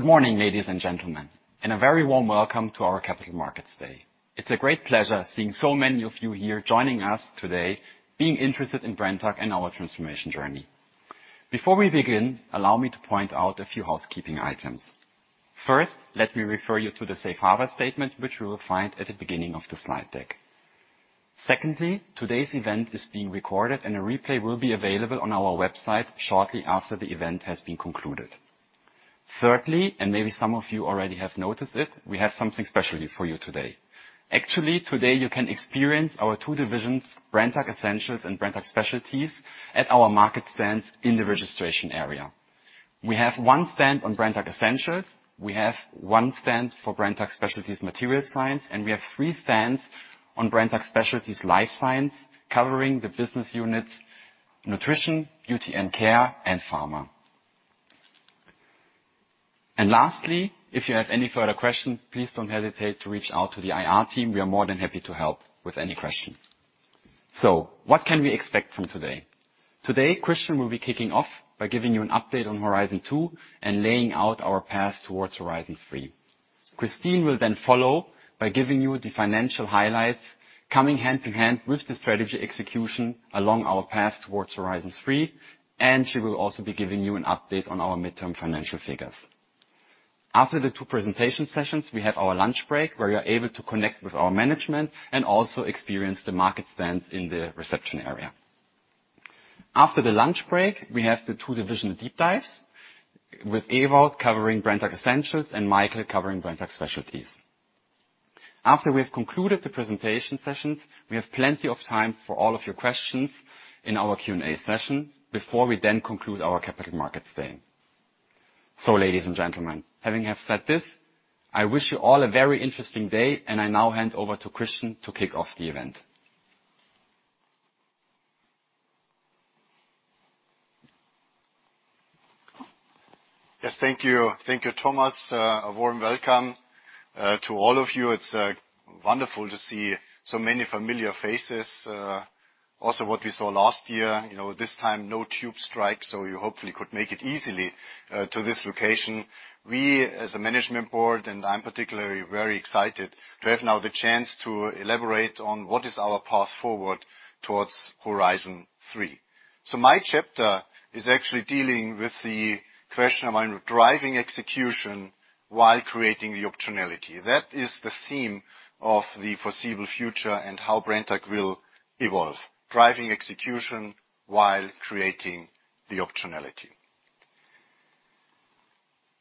Good morning, ladies and gentlemen, and a very warm welcome to our Capital Markets Day. It's a great pleasure seeing so many of you here joining us today, being interested in Brenntag and our transformation journey. Before we begin, allow me to point out a few housekeeping items. First, let me refer you to the safe harbor statement, which you will find at the beginning of the slide deck. Secondly, today's event is being recorded, and a replay will be available on our website shortly after the event has been concluded. Thirdly, and maybe some of you already have noticed it, we have something special for you today. Actually, today, you can experience our two divisions, Brenntag Essentials and Brenntag Specialties, at our market stands in the registration area. We have one stand on Brenntag Essentials, we have one stand for Brenntag Specialties Material Science, and we have three stands on Brenntag Specialties Life Science, covering the business units, Nutrition, Beauty & Care, and Pharma. Lastly, if you have any further questions, please don't hesitate to reach out to the IR team. We are more than happy to help with any questions. So what can we expect from today? Today, Christian will be kicking off by giving you an update on Horizon 2 and laying out our path towards Horizon 3. Kristin will then follow by giving you the financial highlights, coming hand in hand with the strategy execution along our path towards Horizon 3, and she will also be giving you an update on our midterm financial figures. After the two presentation sessions, we have our lunch break, where you're able to connect with our management and also experience the market stands in the reception area. After the lunch break, we have the two divisional deep dives, with Ewout covering Brenntag Essentials and Michael covering Brenntag Specialties. After we have concluded the presentation sessions, we have plenty of time for all of your questions in our Q&A session before we then conclude our Capital Markets Day. So, ladies and gentlemen, having said this, I wish you all a very interesting day, and I now hand over to Christian to kick off the event. Yes, thank you. Thank you, Thomas. A warm welcome to all of you. It's wonderful to see so many familiar faces. Also, what we saw last year, you know, this time, no tube strike, so you hopefully could make it easily to this location. We, as a Management Board, and I'm particularly very excited to have now the chance to elaborate on what is our path forward towards Horizon 3. So my chapter is actually dealing with the question of mind, driving execution while creating the optionality. That is the theme of the foreseeable future and how Brenntag will evolve, driving execution while creating the optionality.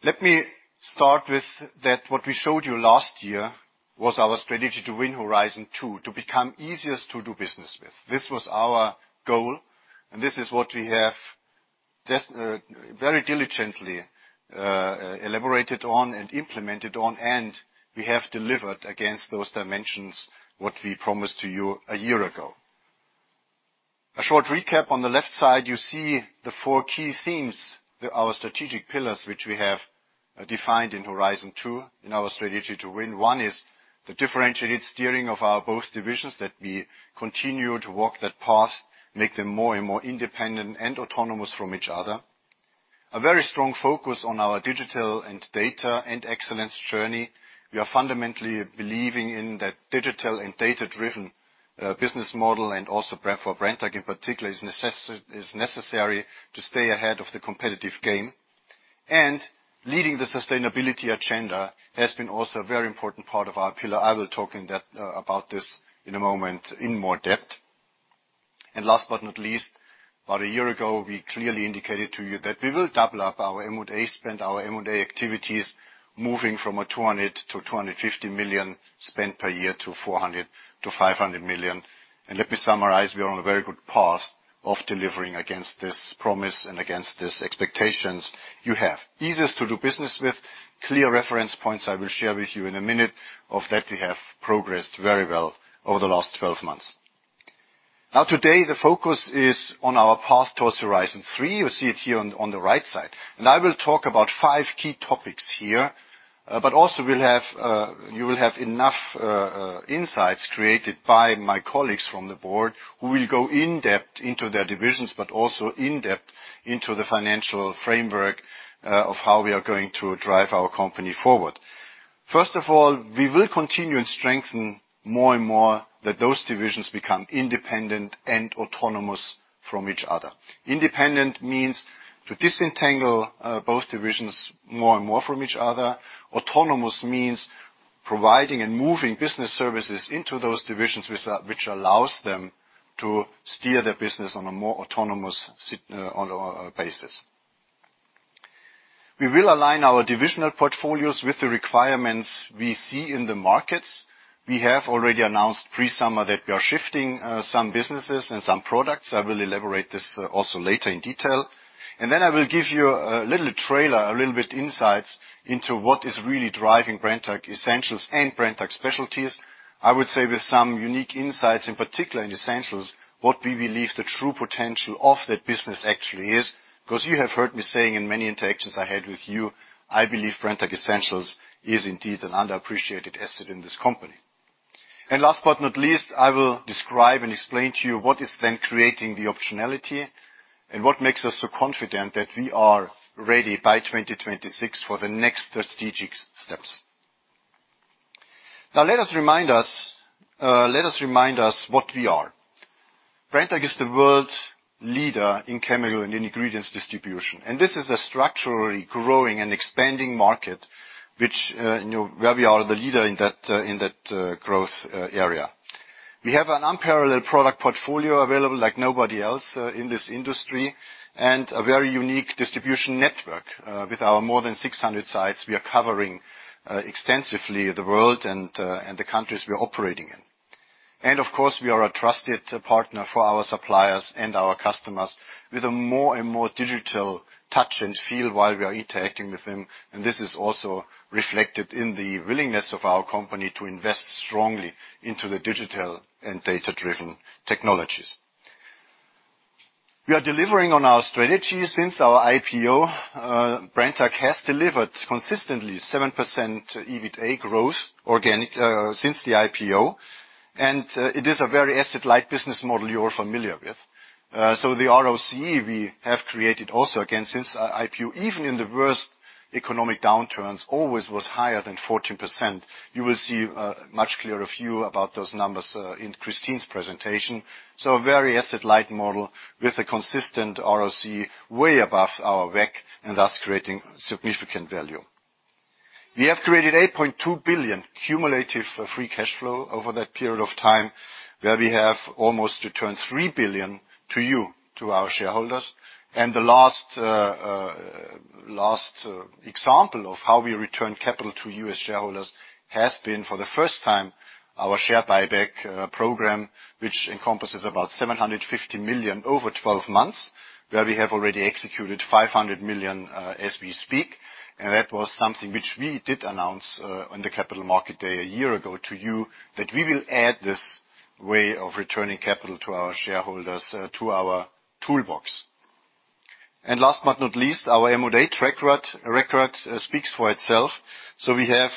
Let me start with that, what we showed you last year was our Strategy to Win Horizon 2, to become easiest to do business with. This was our goal, and this is what we have just, very diligently, elaborated on and implemented on, and we have delivered against those dimensions, what we promised to you a year ago. A short recap, on the left side, you see the four key themes that our strategic pillars, which we have, defined in Horizon 2, in our Strategy to Win. One is the differentiated steering of our both divisions, that we continue to walk that path, make them more and more independent and autonomous from each other. A very strong focus on our digital and data and excellence journey. We are fundamentally believing in that digital and data-driven, business model and also for Brenntag, in particular, is necessary to stay ahead of the competitive game. Leading the sustainability agenda has been also a very important part of our pillar. I will talk in that about this in a moment, in more depth. And last but not least, about a year ago, we clearly indicated to you that we will double up our M&A spend, our M&A activities, moving from a 200 million-250 million spend per year to 400 million-500 million. And let me summarize, we are on a very good path of delivering against this promise and against these expectations you have. Easiest to do business with, clear reference points I will share with you in a minute, of that we have progressed very well over the last 12 months. Now, today, the focus is on our path towards Horizon 3. You see it here on the right side. And I will talk about five key topics here, but also we'll have... You will have enough insights created by my colleagues from the board, who will go in-depth into their divisions, but also in-depth into the financial framework of how we are going to drive our company forward. First of all, we will continue and strengthen more and more that those divisions become independent and autonomous from each other. Independent means to disentangle both divisions more and more from each other. Autonomous means providing and moving business services into those divisions, which allows them to steer their business on a more autonomous basis. We will align our divisional portfolios with the requirements we see in the markets. We have already announced pre-summer that we are shifting some businesses and some products. I will elaborate this also later in detail. And then I will give you a little trailer, a little bit insights into what is really driving Brenntag Essentials and Brenntag Specialties. I would say with some unique insights, in particular in Essentials, what we believe the true potential of that business actually is. Because you have heard me saying in many interactions I had with you, I believe Brenntag Essentials is indeed an underappreciated asset in this company. And last but not least, I will describe and explain to you what is then creating the optionality, and what makes us so confident that we are ready by 2026 for the next strategic steps. Now let us remind us, let us remind us what we are. Brenntag is the world's leader in chemical and ingredients distribution, and this is a structurally growing and expanding market, which, you know, where we are the leader in that growth area. We have an unparalleled product portfolio available like nobody else in this industry, and a very unique distribution network. With our more than 600 sites, we are covering extensively the world and the countries we are operating in. And of course, we are a trusted partner for our suppliers and our customers, with a more and more digital touch and feel while we are interacting with them, and this is also reflected in the willingness of our company to invest strongly into the digital and data-driven technologies. We are delivering on our strategy. Since our IPO, Brenntag has delivered consistently 7% EBITDA growth organic, since the IPO, and, it is a very asset-light business model you're familiar with. So the ROCE we have created also, again, since our IPO, even in the worst economic downturns, always was higher than 14%. You will see a much clearer view about those numbers, in Kristin's presentation. So a very asset-light model with a consistent ROCE way above our WACC, and thus creating significant value. We have created 8.2 billion cumulative free cash flow over that period of time, where we have almost returned 3 billion to you, to our shareholders. The last example of how we return capital to you as shareholders has been, for the first time, our share buyback program, which encompasses about 750 million over 12 months, where we have already executed 500 million as we speak. And that was something which we did announce on the Capital Markets Day a year ago to you, that we will add this way of returning capital to our shareholders to our toolbox. And last but not least, our M&A track record speaks for itself. So we have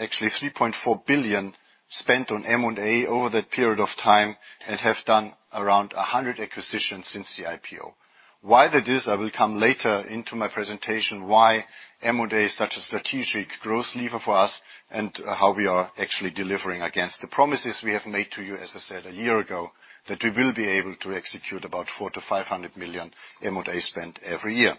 actually 3.4 billion spent on M&A over that period of time, and have done around 100 acquisitions since the IPO. Why that is? I will come later into my presentation, why M&A is such a strategic growth lever for us, and, how we are actually delivering against the promises we have made to you, as I said, a year ago, that we will be able to execute about 400 million-500 million M&A spend every year.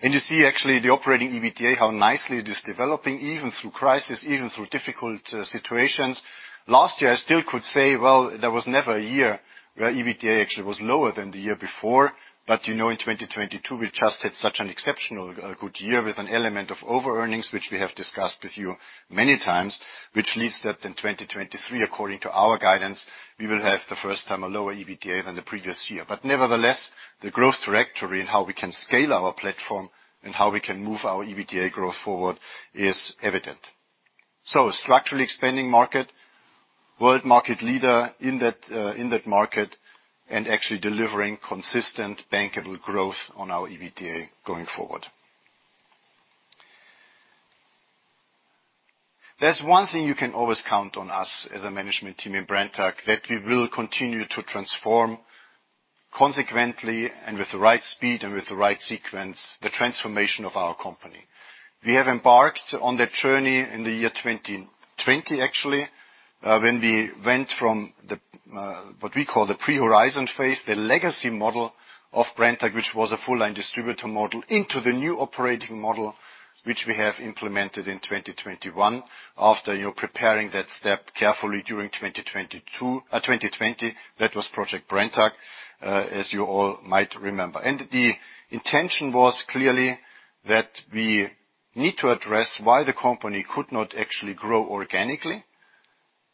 And you see, actually, the operating EBITDA, how nicely it is developing, even through crisis, even through difficult, situations. Last year, I still could say, well, there was never a year where EBITDA actually was lower than the year before, but, you know, in 2022, we just had such an exceptional, good year with an element of overearnings, which we have discussed with you many times, which leads that in 2023, according to our guidance, we will have the first time a lower EBITDA than the previous year. But nevertheless, the growth trajectory and how we can scale our platform, and how we can move our EBITDA growth forward is evident. So a structurally expanding market, world market leader in that, in that market, and actually delivering consistent bankable growth on our EBITDA going forward. There's one thing you can always count on us as a management team in Brenntag, that we will continue to transform consequently and with the right speed and with the right sequence, the transformation of our company. We have embarked on that journey in the year 2020, actually, when we went from the, what we call the pre-Horizon phase, the legacy model of Brenntag, which was a full-line distributor model, into the new operating model, which we have implemented in 2021, after, you know, preparing that step carefully during 2020. That was Project Brenntag, as you all might remember. The intention was clearly that we need to address why the company could not actually grow organically,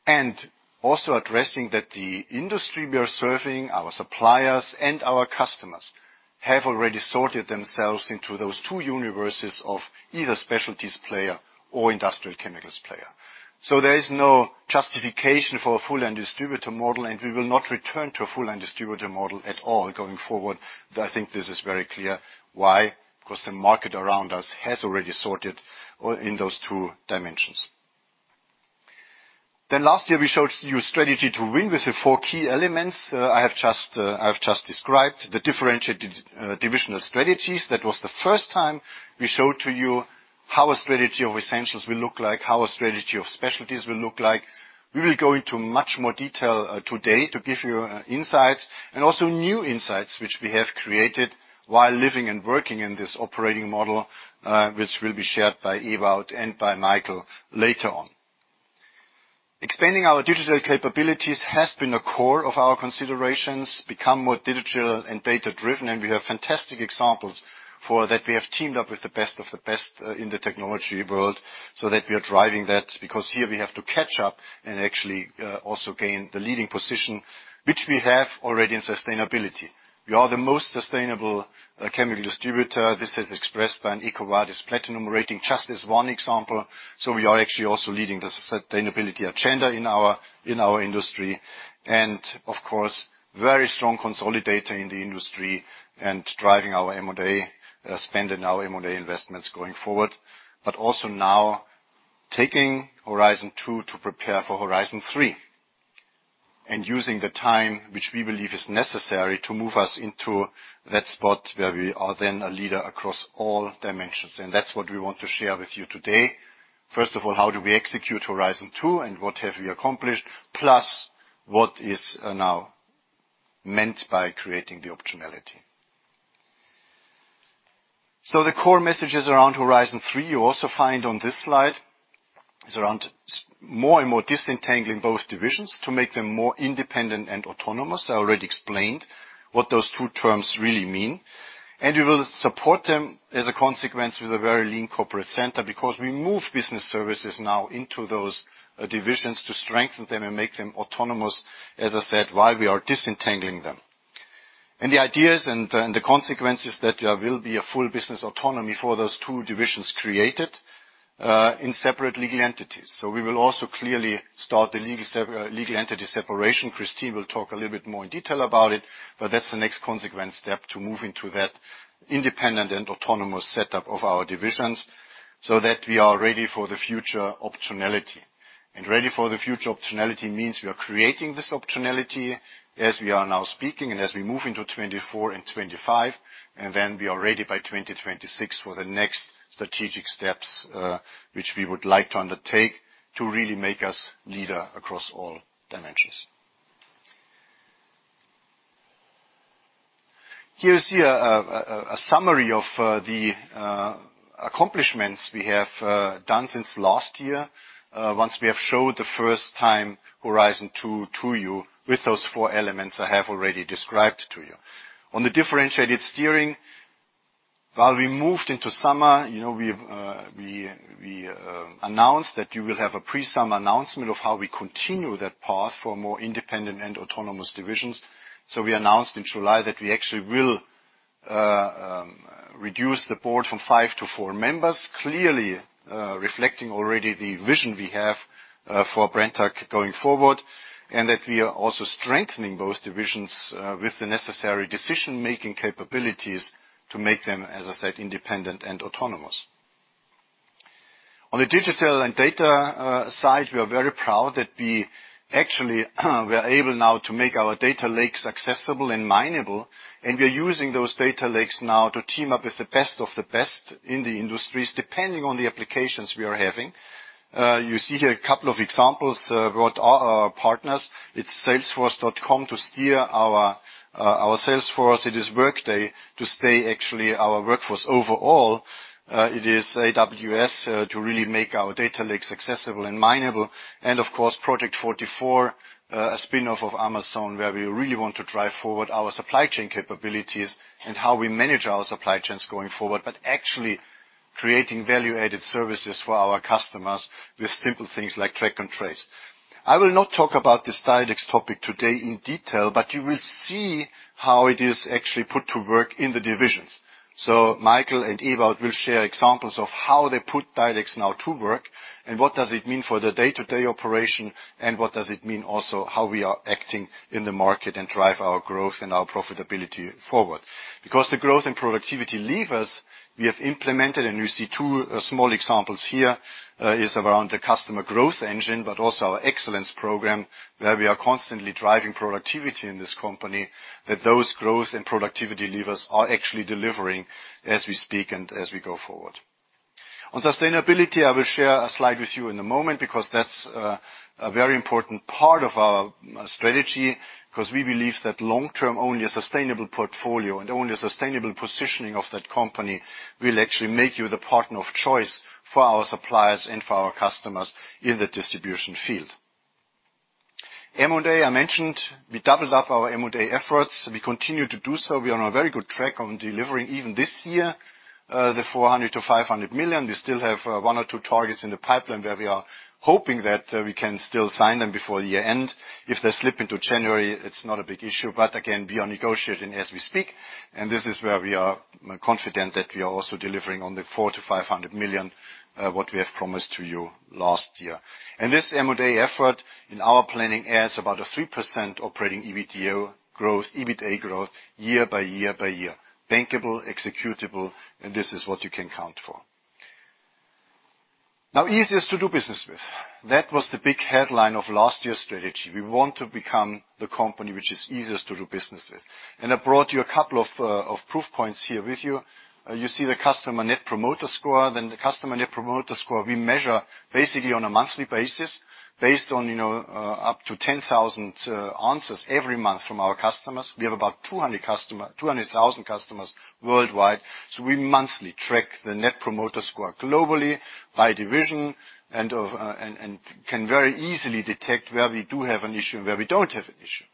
and also addressing that the industry we are serving, our suppliers and our customers, have already sorted themselves into those two universes of either specialties player or industrial chemicals player. So there is no justification for a Full-Line Distributor Model, and we will not return to a Full-Line Distributor Model at all going forward. I think this is very clear. Why? Because the market around us has already sorted in those two dimensions. Last year, we showed you Strategy to Win with the four key elements. I have just, I've just described the differentiated divisional strategies. That was the first time we showed to you how a strategy of essentials will look like, how a strategy of specialties will look like. We will go into much more detail today to give you insights and also new insights, which we have created while living and working in this operating model, which will be shared by Ewout and by Michael later on. Expanding our digital capabilities has been a core of our considerations, become more digital and data-driven, and we have fantastic examples for that. We have teamed up with the best of the best in the technology world, so that we are driving that, because here we have to catch up and actually also gain the leading position, which we have already in sustainability. We are the most sustainable chemical distributor. This is expressed by an EcoVadis Platinum rating, just as one example. So we are actually also leading the sustainability agenda in our industry. And of course, very strong consolidator in the industry and driving our M&A spend and our M&A investments going forward, but also now taking Horizon 2 to prepare for Horizon 3 and using the time, which we believe is necessary, to move us into that spot where we are then a leader across all dimensions. And that's what we want to share with you today. First of all, how do we execute Horizon 2, and what have we accomplished? Plus, what is now meant by creating the optionality. So the core messages around Horizon 3, you also find on this slide, is around more and more disentangling both divisions to make them more independent and autonomous. I already explained what those two terms really mean, and we will support them, as a consequence, with a very lean corporate center, because we move business services now into those divisions to strengthen them and make them autonomous, as I said, while we are disentangling them. And the ideas and the consequences that there will be a full business autonomy for those two divisions created in separate legal entities. So we will also clearly start the legal entity separation. Kristin will talk a little bit more in detail about it, but that's the next consequent step to moving to that independent and autonomous setup of our divisions, so that we are ready for the future optionality. Ready for the future optionality means we are creating this optionality as we are now speaking and as we move into 2024 and 2025, and then we are ready by 2026 for the next strategic steps, which we would like to undertake to really make us leader across all dimensions. Here is a summary of the accomplishments we have done since last year. Once we have showed the first time Horizon 2 to you with those four elements I have already described to you. On the differentiated steering, while we moved into summer, you know, we announced that you will have a pre-summer announcement of how we continue that path for more independent and autonomous divisions. We announced in July that we actually will reduce the board from five to four members, clearly reflecting already the vision we have for Brenntag going forward, and that we are also strengthening both divisions with the necessary decision-making capabilities to make them, as I said, independent and autonomous. On the digital and data side, we are very proud that we actually are able now to make our data lakes accessible and mineable, and we are using those data lakes now to team up with the best of the best in the industries, depending on the applications we are having. You see here a couple of examples of what our partners, it's Salesforce.com to steer our sales force. It is Workday to stay actually our workforce. Overall, it is AWS to really make our data lakes accessible and mineable, and of course, Project44, a spin-off of Amazon, where we really want to drive forward our supply chain capabilities and how we manage our supply chains going forward, but actually creating value-added services for our customers with simple things like track and trace. I will not talk about this DiDEX topic today in detail, but you will see how it is actually put to work in the divisions. So Michael and Ewout will share examples of how they put DiDEX now to work, and what does it mean for the day-to-day operation, and what does it mean also how we are acting in the market and drive our growth and our profitability forward. Because the growth and productivity levers we have implemented, and you see two small examples here, is around the Customer Growth Engine, but also our excellence program, where we are constantly driving productivity in this company, that those growth and productivity levers are actually delivering as we speak and as we go forward. On sustainability, I will share a slide with you in a moment, because that's a very important part of our strategy, because we believe that long-term, only a sustainable portfolio and only a sustainable positioning of that company will actually make you the partner of choice for our suppliers and for our customers in the distribution field. M&A, I mentioned, we doubled up our M&A efforts. We continue to do so. We are on a very good track on delivering, even this year, the 400 million-500 million. We still have one or two targets in the pipeline where we are hoping that we can still sign them before the year end. If they slip into January, it's not a big issue, but again, we are negotiating as we speak, and this is where we are confident that we are also delivering on the 400 million-500 million what we have promised to you last year. This M&A effort, in our planning, adds about a 3% operating EBITDA growth, EBITDA growth, year by year by year. Bankable, executable, and this is what you can count for. Now, easiest to do business with. That was the big headline of last year's strategy. We want to become the company which is easiest to do business with. And I brought you a couple of proof points here with you. You see the customer Net Promoter Score, then the customer Net Promoter Score we measure basically on a monthly basis, based on, you know, up to 10,000 answers every month from our customers. We have about 200,000 customers worldwide, so we monthly track the Net Promoter Score globally, by division, and can very easily detect where we do have an issue and where we don't have an issue.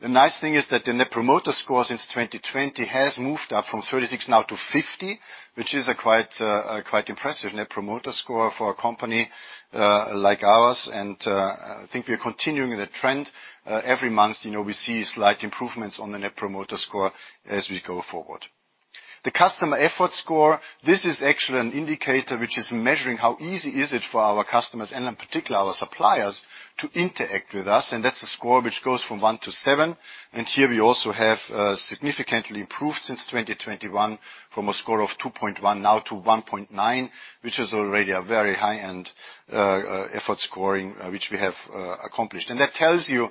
The nice thing is that the Net Promoter Score since 2020 has moved up from 36 now to 50, which is quite impressive Net Promoter Score for a company like ours, and I think we're continuing the trend. Every month, you know, we see slight improvements on the Net Promoter Score as we go forward. The Customer Effort Score, this is actually an indicator which is measuring how easy is it for our customers, and in particular our suppliers, to interact with us, and that's a score which goes from 1-7. Here we also have significantly improved since 2021 from a score of 2.1 now to 1.9, which is already a very high-end effort scoring which we have accomplished. That tells you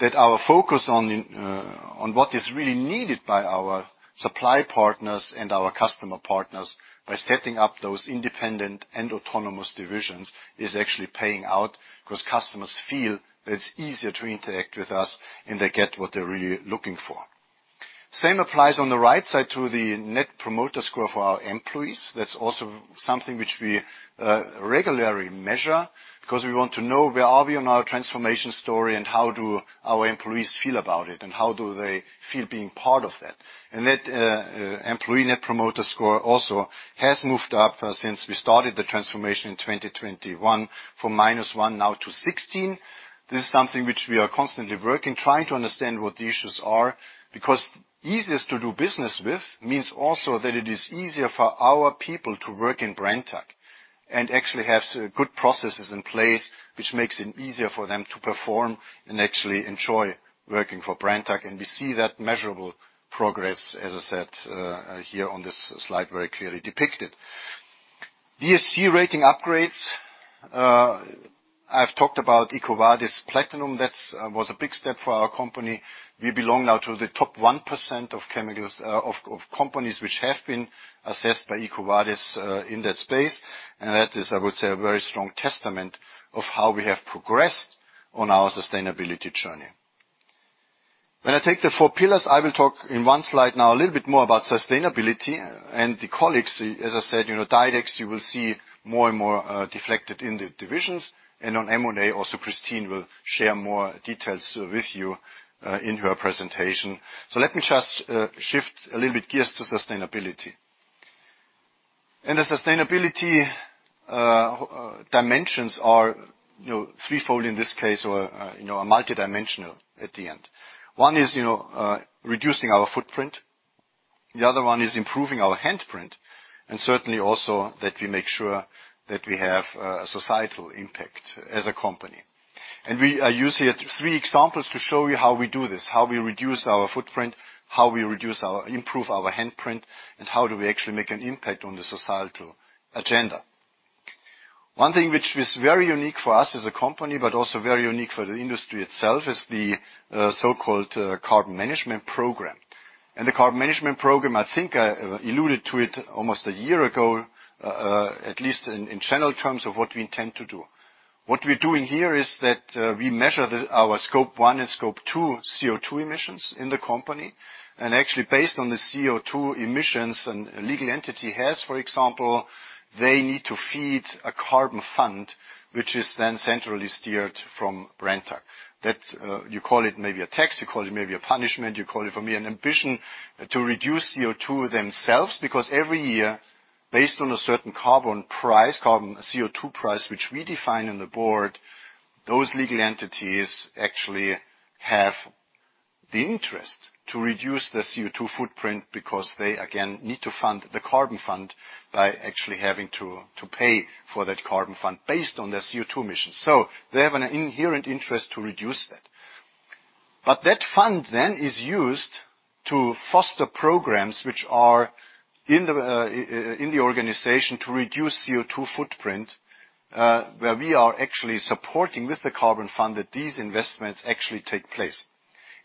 that our focus on what is really needed by our supply partners and our customer partners, by setting up those independent and autonomous divisions, is actually paying out, because customers feel that it's easier to interact with us, and they get what they're really looking for. Same applies on the right side to the net promoter score for our employees. That's also something which we regularly measure, because we want to know where are we on our transformation story, and how do our employees feel about it, and how do they feel being part of that? And that employee net promoter score also has moved up since we started the transformation in 2021, from -1 now to 16. This is something which we are constantly working, trying to understand what the issues are, because easiest to do business with means also that it is easier for our people to work in Brenntag, and actually have good processes in place, which makes it easier for them to perform and actually enjoy working for Brenntag. And we see that measurable progress, as I said, here on this slide, very clearly depicted. ESG rating upgrades, I've talked about EcoVadis Platinum. That was a big step for our company. We belong now to the top 1% of chemicals of companies which have been assessed by EcoVadis in that space, and that is, I would say, a very strong testament of how we have progressed on our sustainability journey. When I take the four pillars, I will talk in one slide now a little bit more about sustainability and the colleagues, as I said, you know, DiDEX, you will see more and more reflected in the divisions, and on M&A also, Kristin will share more details with you in her presentation. So let me just shift a little bit gears to sustainability. And the sustainability dimensions are, you know, threefold in this case, or, you know, are multidimensional at the end. One is, you know, reducing our footprint, the other one is improving our handprint, and certainly also that we make sure that we have societal impact as a company. We are using here three examples to show you how we do this, how we reduce our footprint, how we improve our handprint, and how do we actually make an impact on the societal agenda. One thing which is very unique for us as a company, but also very unique for the industry itself, is the so-called Carbon Management Program. The Carbon Management Program, I think I alluded to it almost a year ago, at least in general terms of what we intend to do. What we're doing here is that, we measure our Scope 1 and Scope 2 CO2 emissions in the company, and actually, based on the CO2 emissions a legal entity has, for example, they need to feed a carbon fund, which is then centrally steered from Brenntag. That, you call it maybe a tax, you call it maybe a punishment, you call it, for me, an ambition to reduce CO2 themselves. Because every year, based on a certain carbon price, carbon CO2 price, which we define in the board, those legal entities actually have the interest to reduce their CO2 footprint because they, again, need to fund the carbon fund by actually having to pay for that carbon fund based on their CO2 emissions. So they have an inherent interest to reduce that. But that fund then is used to foster programs which are in the, in the organization to reduce CO2 footprint, where we are actually supporting, with the carbon fund, that these investments actually take place.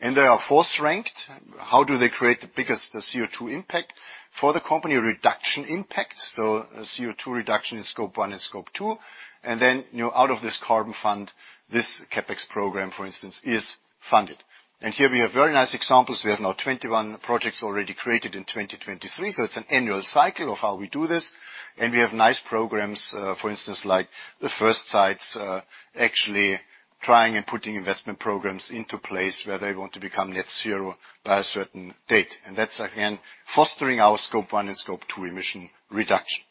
And they are force ranked. How do they create the biggest CO2 impact for the company? Reduction impact, so a CO2 reduction in Scope 1 and Scope 2. And then, you know, out of this carbon fund, this CapEx program, for instance, is funded. And here we have very nice examples. We have now 21 projects already created in 2023, so it's an annual cycle of how we do this. And we have nice programs, for instance, like the first sites, actually trying and putting investment programs into place where they want to become net zero by a certain date. That's, again, fostering our Scope 1 and Scope 2 emission reduction.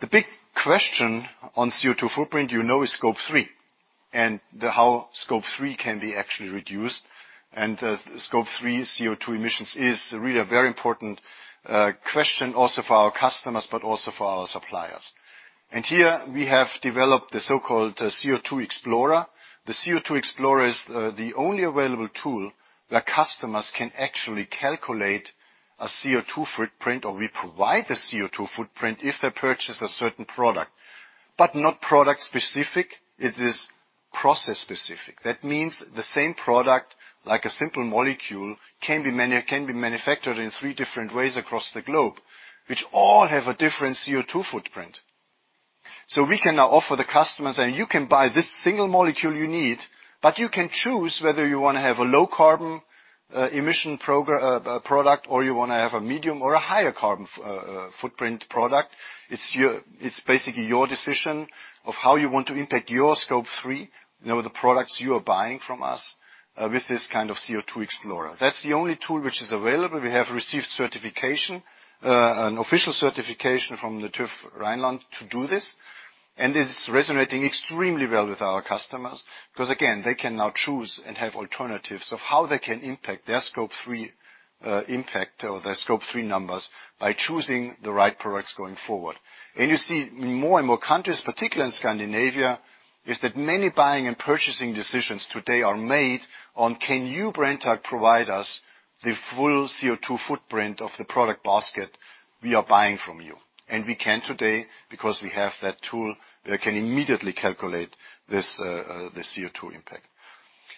The big question on CO2 footprint, you know, is Scope 3, and how Scope 3 can be actually reduced. Scope 3 CO2 emissions is really a very important question also for our customers, but also for our suppliers. And here we have developed the so-called CO2Xplorer. The CO2Xplorer is the only available tool where customers can actually calculate a CO2 footprint, or we provide the CO2 footprint if they purchase a certain product. But not product specific, it is process specific. That means the same product, like a simple molecule, can be manufactured in three different ways across the globe, which all have a different CO2 footprint. So we can now offer the customers, and you can buy this single molecule you need, but you can choose whether you want to have a low carbon emission product, or you want to have a medium or a higher carbon footprint product. It's basically your decision of how you want to impact your Scope 3, you know, the products you are buying from us, with this kind of CO2Xplorer. That's the only tool which is available. We have received certification, an official certification from the TÜV Rheinland to do this, and it's resonating extremely well with our customers. Because, again, they can now choose and have alternatives of how they can impact their Scope 3 impact or their Scope 3 numbers by choosing the right products going forward. You see, more and more countries, particularly in Scandinavia, is that many buying and purchasing decisions today are made on, "Can you, Brenntag, provide us the full CO2 footprint of the product basket we are buying from you?" We can today, because we have that tool that can immediately calculate this, the CO2 impact.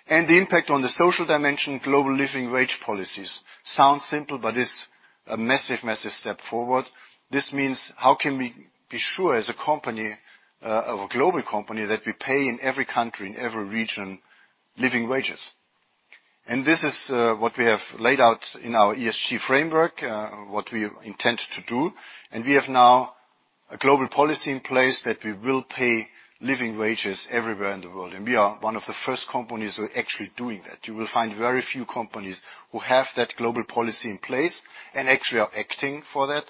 And the impact on the social dimension, global living wage policies. Sounds simple, but it's a massive, massive step forward. This means how can we be sure as a company, of a global company, that we pay in every country, in every region, living wages? This is what we have laid out in our ESG framework, what we intend to do, and we have now a global policy in place that we will pay living wages everywhere in the world, and we are one of the first companies who are actually doing that. You will find very few companies who have that global policy in place and actually are acting for that.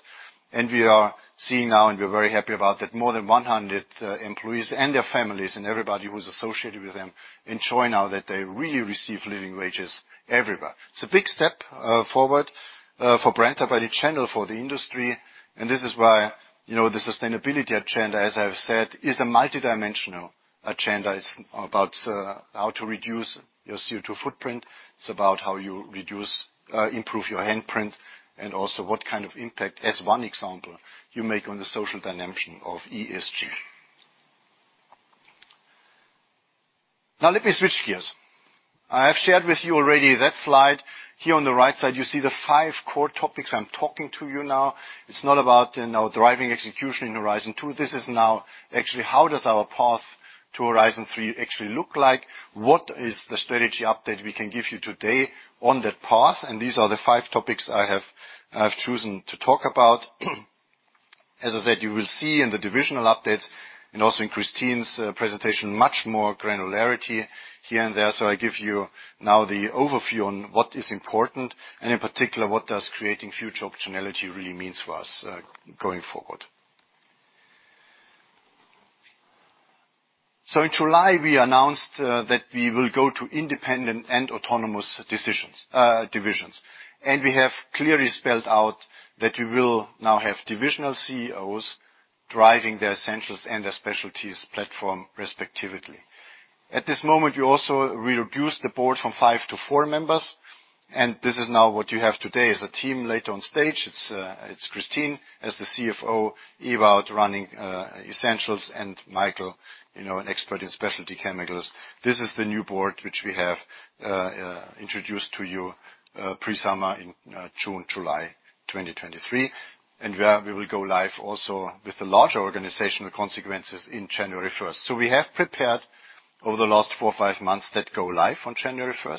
And we are seeing now, and we're very happy about, that more than 100 employees and their families, and everybody who's associated with them, ensuring now that they really receive living wages everywhere. It's a big step forward for Brenntag, but a channel for the industry, and this is why, you know, the sustainability agenda, as I've said, is a multidimensional agenda. It's about how to reduce your CO2 footprint. It's about how you reduce, improve your handprint, and also what kind of impact, as one example, you make on the social dimension of ESG. Now, let me switch gears. I have shared with you already that slide. Here on the right side, you see the five core topics I'm talking to you now. It's not about, you know, driving execution in Horizon 2. This is now actually, how does our path to Horizon 3 actually look like? What is the strategy update we can give you today on that path? And these are the five topics I have, I have chosen to talk about. As I said, you will see in the divisional updates, and also in Kristin's presentation, much more granularity here and there. So I give you now the overview on what is important, and in particular, what does creating future optionality really means for us, going forward. In July, we announced that we will go to independent and autonomous decisions, divisions. We have clearly spelled out that we will now have divisional CEOs driving their Essentials and their Specialties platform, respectively. At this moment, we also reduced the board from five to four members, and this is now what you have today, as a team later on stage. It's Kristin as the CFO, Ewout running Essentials, and Michael, you know, an expert in Specialty Chemicals. This is the new board which we have introduced to you pre-summer in June, July 2023, and where we will go live also with the larger organizational consequences in January first. So we have prepared over the last four or five months that go live on January 1.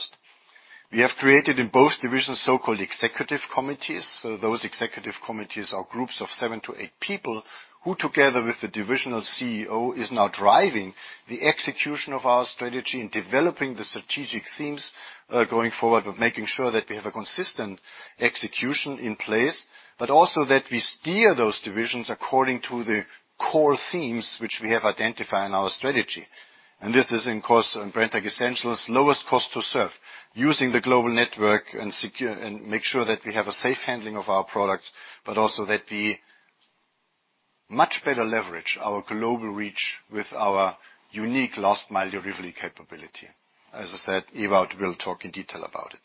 We have created in both divisions, so-called executive committees. So those executive committees are groups of 7-8 people, who, together with the divisional CEO, is now driving the execution of our strategy in developing the strategic themes, going forward, but making sure that we have a consistent execution in place. But also that we steer those divisions according to the core themes which we have identified in our strategy. And this is, of course, in Brenntag Essentials, lowest cost to serve, using the global network and secure and make sure that we have a safe handling of our products, but also that we much better leverage our global reach with our unique Last Mile delivery capability. As I said, Ewout will talk in detail about it.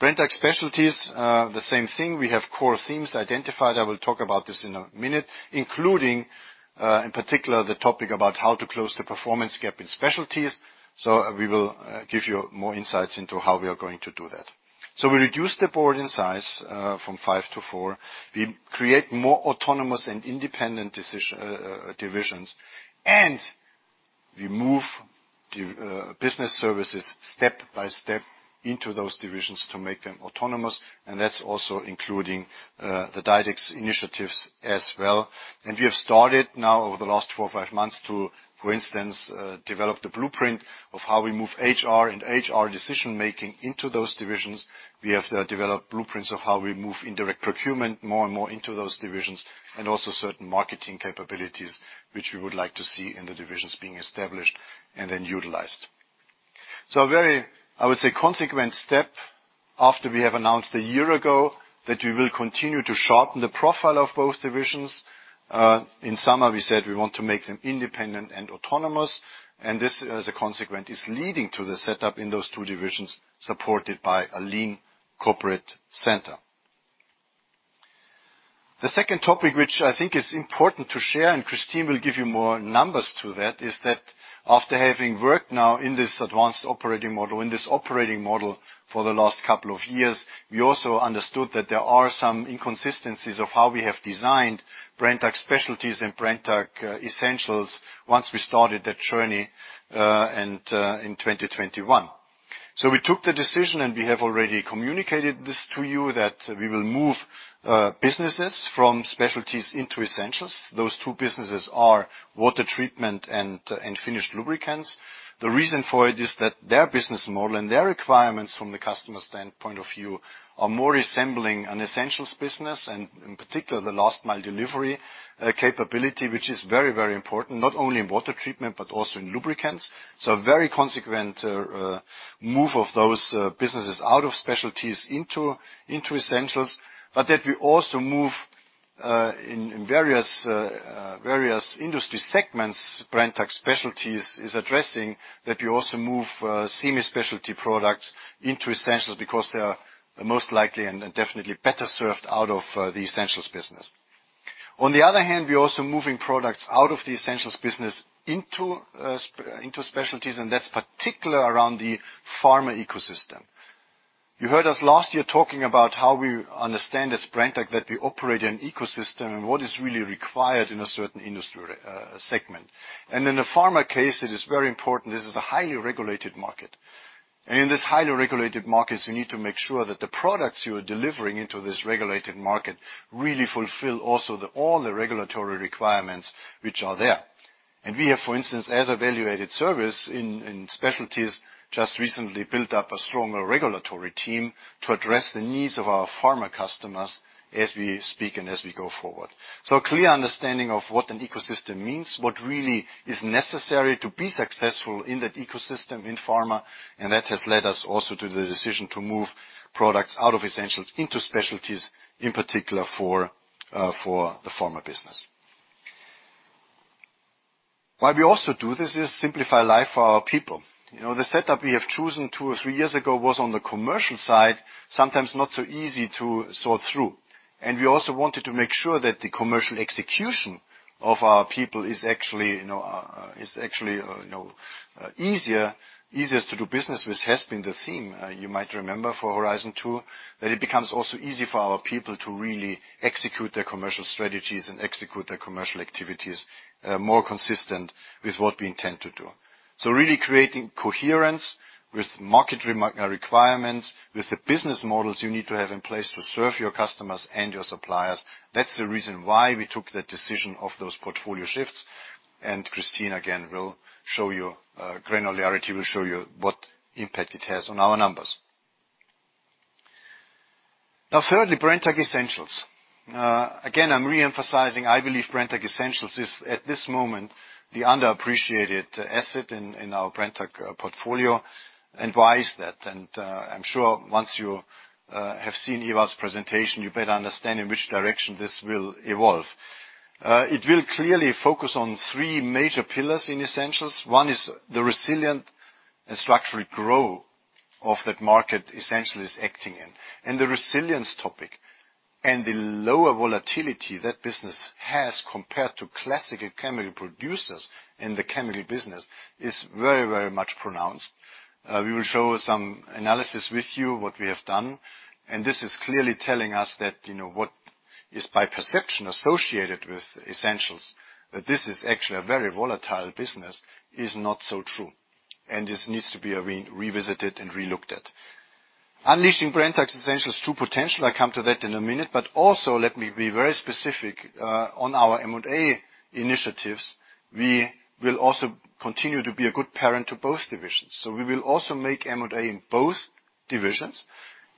Brenntag Specialties, the same thing. We have core themes identified, I will talk about this in a minute, including, in particular, the topic about how to close the performance gap in Specialties. So we will give you more insights into how we are going to do that. So we reduce the board in size from five to four. We create more autonomous and independent decision divisions, and we move the business services step by step into those divisions to make them autonomous, and that's also including the DiDEX initiatives as well. And we have started now, over the last 4 or 5 months, to, for instance, develop the blueprint of how we move HR and HR decision-making into those divisions. We have developed blueprints of how we move indirect procurement more and more into those divisions, and also certain marketing capabilities, which we would like to see in the divisions being established and then utilized. So a very, I would say, consequent step after we have announced a year ago that we will continue to sharpen the profile of both divisions. In summer, we said we want to make them independent and autonomous, and this, as a consequent, is leading to the setup in those two divisions, supported by a lean corporate center. The second topic, which I think is important to share, and Kristin will give you more numbers to that, is that after having worked now in this advanced operating model, in this operating model for the last couple of years, we also understood that there are some inconsistencies of how we have designed Brenntag Specialties and Brenntag Essentials once we started that journey, and in 2021. So we took the decision, and we have already communicated this to you, that we will move businesses from Specialties into Essentials. Those two businesses are water treatment and finished lubricants. The reason for it is that their business model and their requirements from the customer's standpoint of view are more resembling an Essentials business, and in particular, the Last Mile delivery capability, which is very, very important, not only in water treatment, but also in lubricants. So a very consequent move of those businesses out of Specialties into Essentials, but that we also move in various industry segments Brenntag Specialties is addressing, that we also move semi-specialty products into Essentials, because they are most likely and definitely better served out of the Essentials business. On the other hand, we're also moving products out of the Essentials business into Specialties, and that's particular around the Pharma ecosystem. You heard us last year talking about how we understand as Brenntag, that we operate in an ecosystem and what is really required in a certain industry segment. In the Pharma case, it is very important; this is a highly regulated market. In this highly regulated markets, we need to make sure that the products you are delivering into this regulated market really fulfill also all the regulatory requirements which are there. We have, for instance, as a value-added service in Specialties, just recently built up a stronger regulatory team to address the needs of our Pharma customers as we speak and as we go forward. A clear understanding of what an ecosystem means, what really is necessary to be successful in that ecosystem in Pharma, and that has led us also to the decision to move products out of Essentials into Specialties, in particular for for the Pharma business. Why we also do this is simplify life for our people. You know, the setup we have chosen two or three years ago was on the commercial side, sometimes not so easy to sort through. We also wanted to make sure that the commercial execution of our people is actually, you know, is actually, you know, easier, easier to do business with, has been the theme, you might remember for Horizon 2, that it becomes also easy for our people to really execute their commercial strategies and execute their commercial activities, more consistent with what we intend to do. So really creating coherence with market requirements, with the business models you need to have in place to serve your customers and your suppliers. That's the reason why we took the decision of those portfolio shifts, and Kristin, again, will show you, granularity will show you what impact it has on our numbers. Now, thirdly, Brenntag Essentials. Again, I'm re-emphasizing, I believe Brenntag Essentials is, at this moment, the underappreciated asset in, in our Brenntag, portfolio. Why is that? I'm sure once you have seen Ewout's presentation, you better understand in which direction this will evolve. It will clearly focus on three major pillars in Essentials. One is the resilient and structural growth of that market Essentials is acting in. The resilience topic, and the lower volatility that business has, compared to classical chemical producers in the chemical business, is very, very much pronounced. We will show some analysis with you, what we have done, and this is clearly telling us that, you know, what is by perception associated with Essentials, that this is actually a very volatile business, is not so true, and this needs to be revisited and relooked at. Unleashing Brenntag Essentials' true potential, I come to that in a minute, but also let me be very specific on our M&A initiatives. We will also continue to be a good parent to both divisions. So we will also make M&A in both divisions.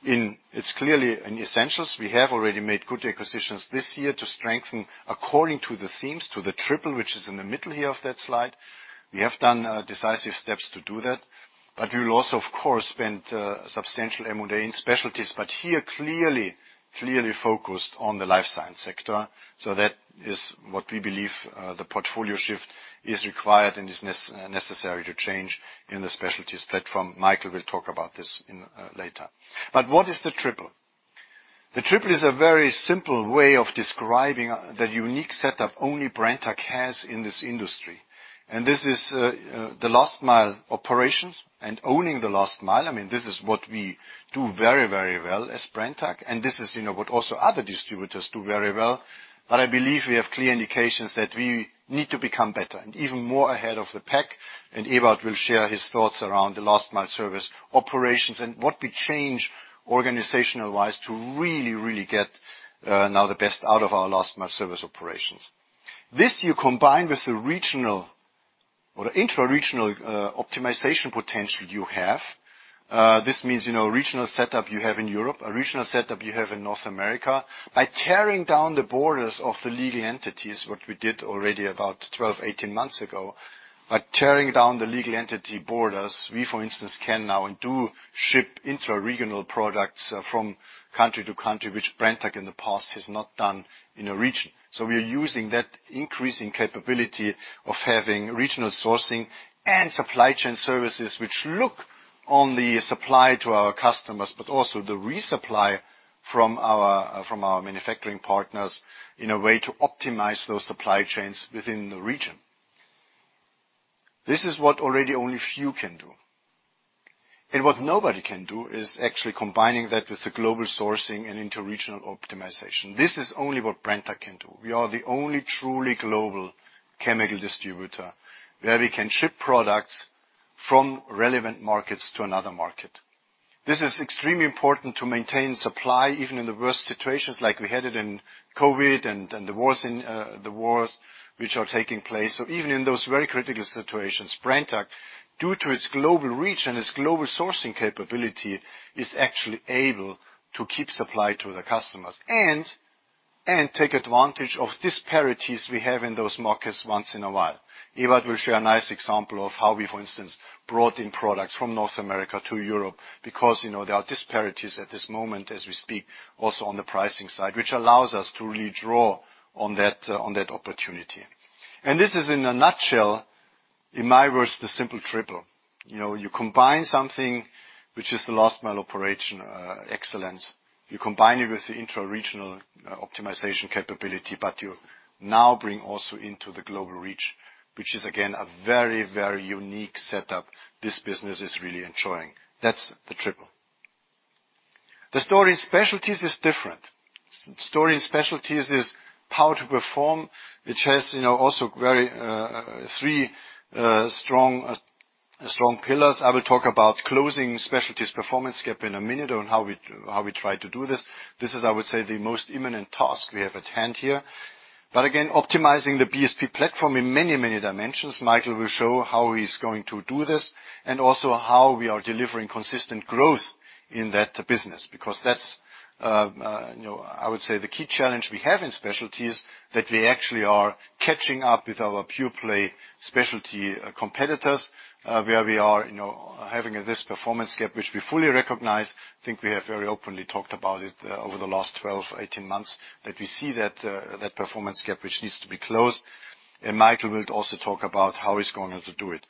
It's clearly in Essentials, we have already made good acquisitions this year to strengthen according to the themes, to the Triple, which is in the middle here of that slide. We have done decisive steps to do that, but we will also, of course, spend substantial M&A in Specialties, but here, clearly, clearly focused on the Life Science sector. So that is what we believe, the portfolio shift is required and is necessary to change in the Specialties platform. Michael will talk about this later. But what is the Triple? The Triple is a very simple way of describing the unique setup only Brenntag has in this industry. And this is the Last Mile operations and owning the Last Mile. I mean, this is what we do very, very well as Brenntag, and this is, you know, what also other distributors do very well. But I believe we have clear indications that we need to become better and even more ahead of the pack, and Ewout will share his thoughts around the Last Mile service operations and what we change organizational-wise to really, really get now the best out of our Last Mile service operations. This, you combine with the regional or intra-regional optimization potential you have. This means, you know, a regional setup you have in Europe, a regional setup you have in North America. By tearing down the borders of the legal entities, what we did already about 12, 18 months ago, by tearing down the legal entity borders, we, for instance, can now and do ship intra-regional products from country to country, which Brenntag in the past has not done in a region. So we are using that increasing capability of having regional sourcing and supply chain services, which look on the supply to our customers, but also the resupply from our, from our manufacturing partners, in a way to optimize those supply chains within the region. This is what already only few can do. And what nobody can do is actually combining that with the global sourcing and intra-regional optimization. This is only what Brenntag can do. We are the only truly global chemical distributor, where we can ship products from relevant markets to another market. This is extremely important to maintain supply, even in the worst situations, like we had it in COVID and, and the wars in, the wars which are taking place. So even in those very critical situations, Brenntag, due to its global reach and its global sourcing capability, is actually able to keep supply to the customers and, and take advantage of disparities we have in those markets once in a while. Ewout will share a nice example of how we, for instance, brought in products from North America to Europe, because, you know, there are disparities at this moment as we speak, also on the pricing side, which allows us to really draw on that, on that opportunity. And this is in a nutshell-... in my words, the simple Triple. You know, you combine something which is the Last Mile operation excellence, you combine it with the intra-regional optimization capability, but you now bring also into the global reach, which is again, a very, very unique setup this business is really enjoying. That's the Triple. The story in Specialties is different. The story in Specialties is how to perform, which has, you know, also very three strong, strong pillars. I will talk about closing Specialties performance gap in a minute, on how we, how we try to do this. This is, I would say, the most imminent task we have at hand here. But again, optimizing the BSP platform in many, many dimensions, Michael will show how he's going to do this, and also how we are delivering consistent growth in that business. Because that's, you know, I would say, the key challenge we have in specialties, that we actually are catching up with our pure-play specialty, competitors, where we are, you know, having this performance gap, which we fully recognize. I think we have very openly talked about it, over the last 12, 18 months, that we see that, that performance gap, which needs to be closed, and Michael will also talk about how he's going to do it.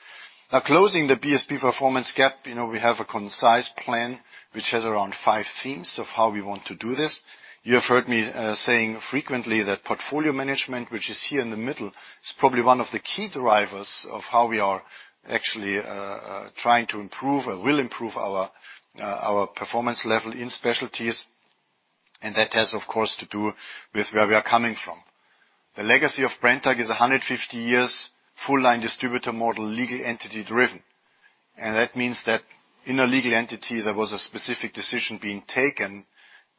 Now, closing the BSP performance gap, you know, we have a concise plan which has around five themes of how we want to do this. You have heard me saying frequently that portfolio management, which is here in the middle, is probably one of the key drivers of how we are actually trying to improve or will improve our performance level in specialties, and that has, of course, to do with where we are coming from. The legacy of Brenntag is 150 years, Full-Line Distributor Model, legal entity-driven. That means that in a legal entity, there was a specific decision being taken,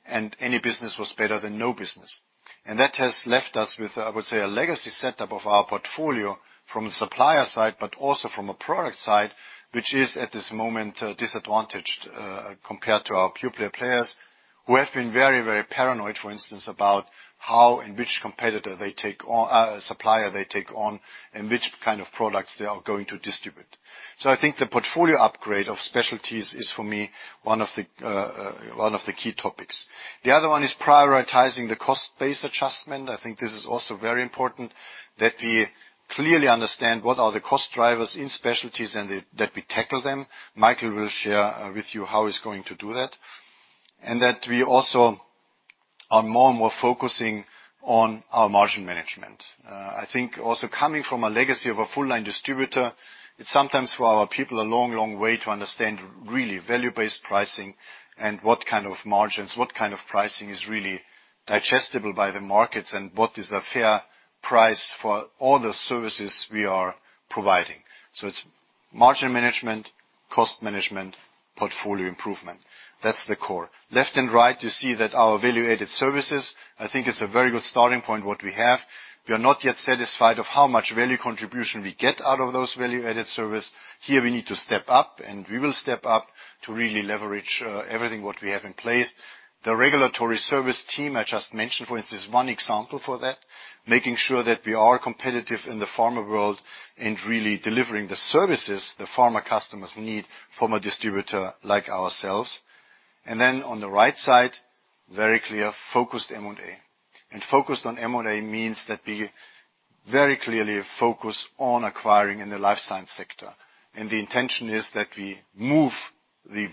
and any business was better than no business. That has left us with, I would say, a legacy setup of our portfolio from a supplier side, but also from a product side, which is, at this moment, disadvantaged, compared to our pure-play players, who have been very, very paranoid, for instance, about how and which competitor they take on, supplier they take on, and which kind of products they are going to distribute. So I think the portfolio upgrade of specialties is, for me, one of the, one of the key topics. The other one is prioritizing the cost base adjustment. I think this is also very important, that we clearly understand what are the cost drivers in specialties and that, that we tackle them. Michael will share with you how he's going to do that, and that we also are more and more focusing on our margin management. I think also coming from a legacy of a full line distributor, it's sometimes for our people, a long, long way to understand really value-based pricing and what kind of margins, what kind of pricing is really digestible by the markets, and what is a fair price for all the services we are providing. So it's margin management, cost management, portfolio improvement. That's the core. Left and right, you see that our value-added services, I think, is a very good starting point what we have. We are not yet satisfied of how much value contribution we get out of those value-added service. Here, we need to step up, and we will step up to really leverage, everything what we have in place. The regulatory service team I just mentioned, for instance, one example for that, making sure that we are competitive in the Pharma world and really delivering the services the Pharma customers need from a distributor like ourselves. And then on the right side, very clear, focused M&A. And focused on M&A means that we very clearly focus on acquiring in the Life Science sector. And the intention is that we move the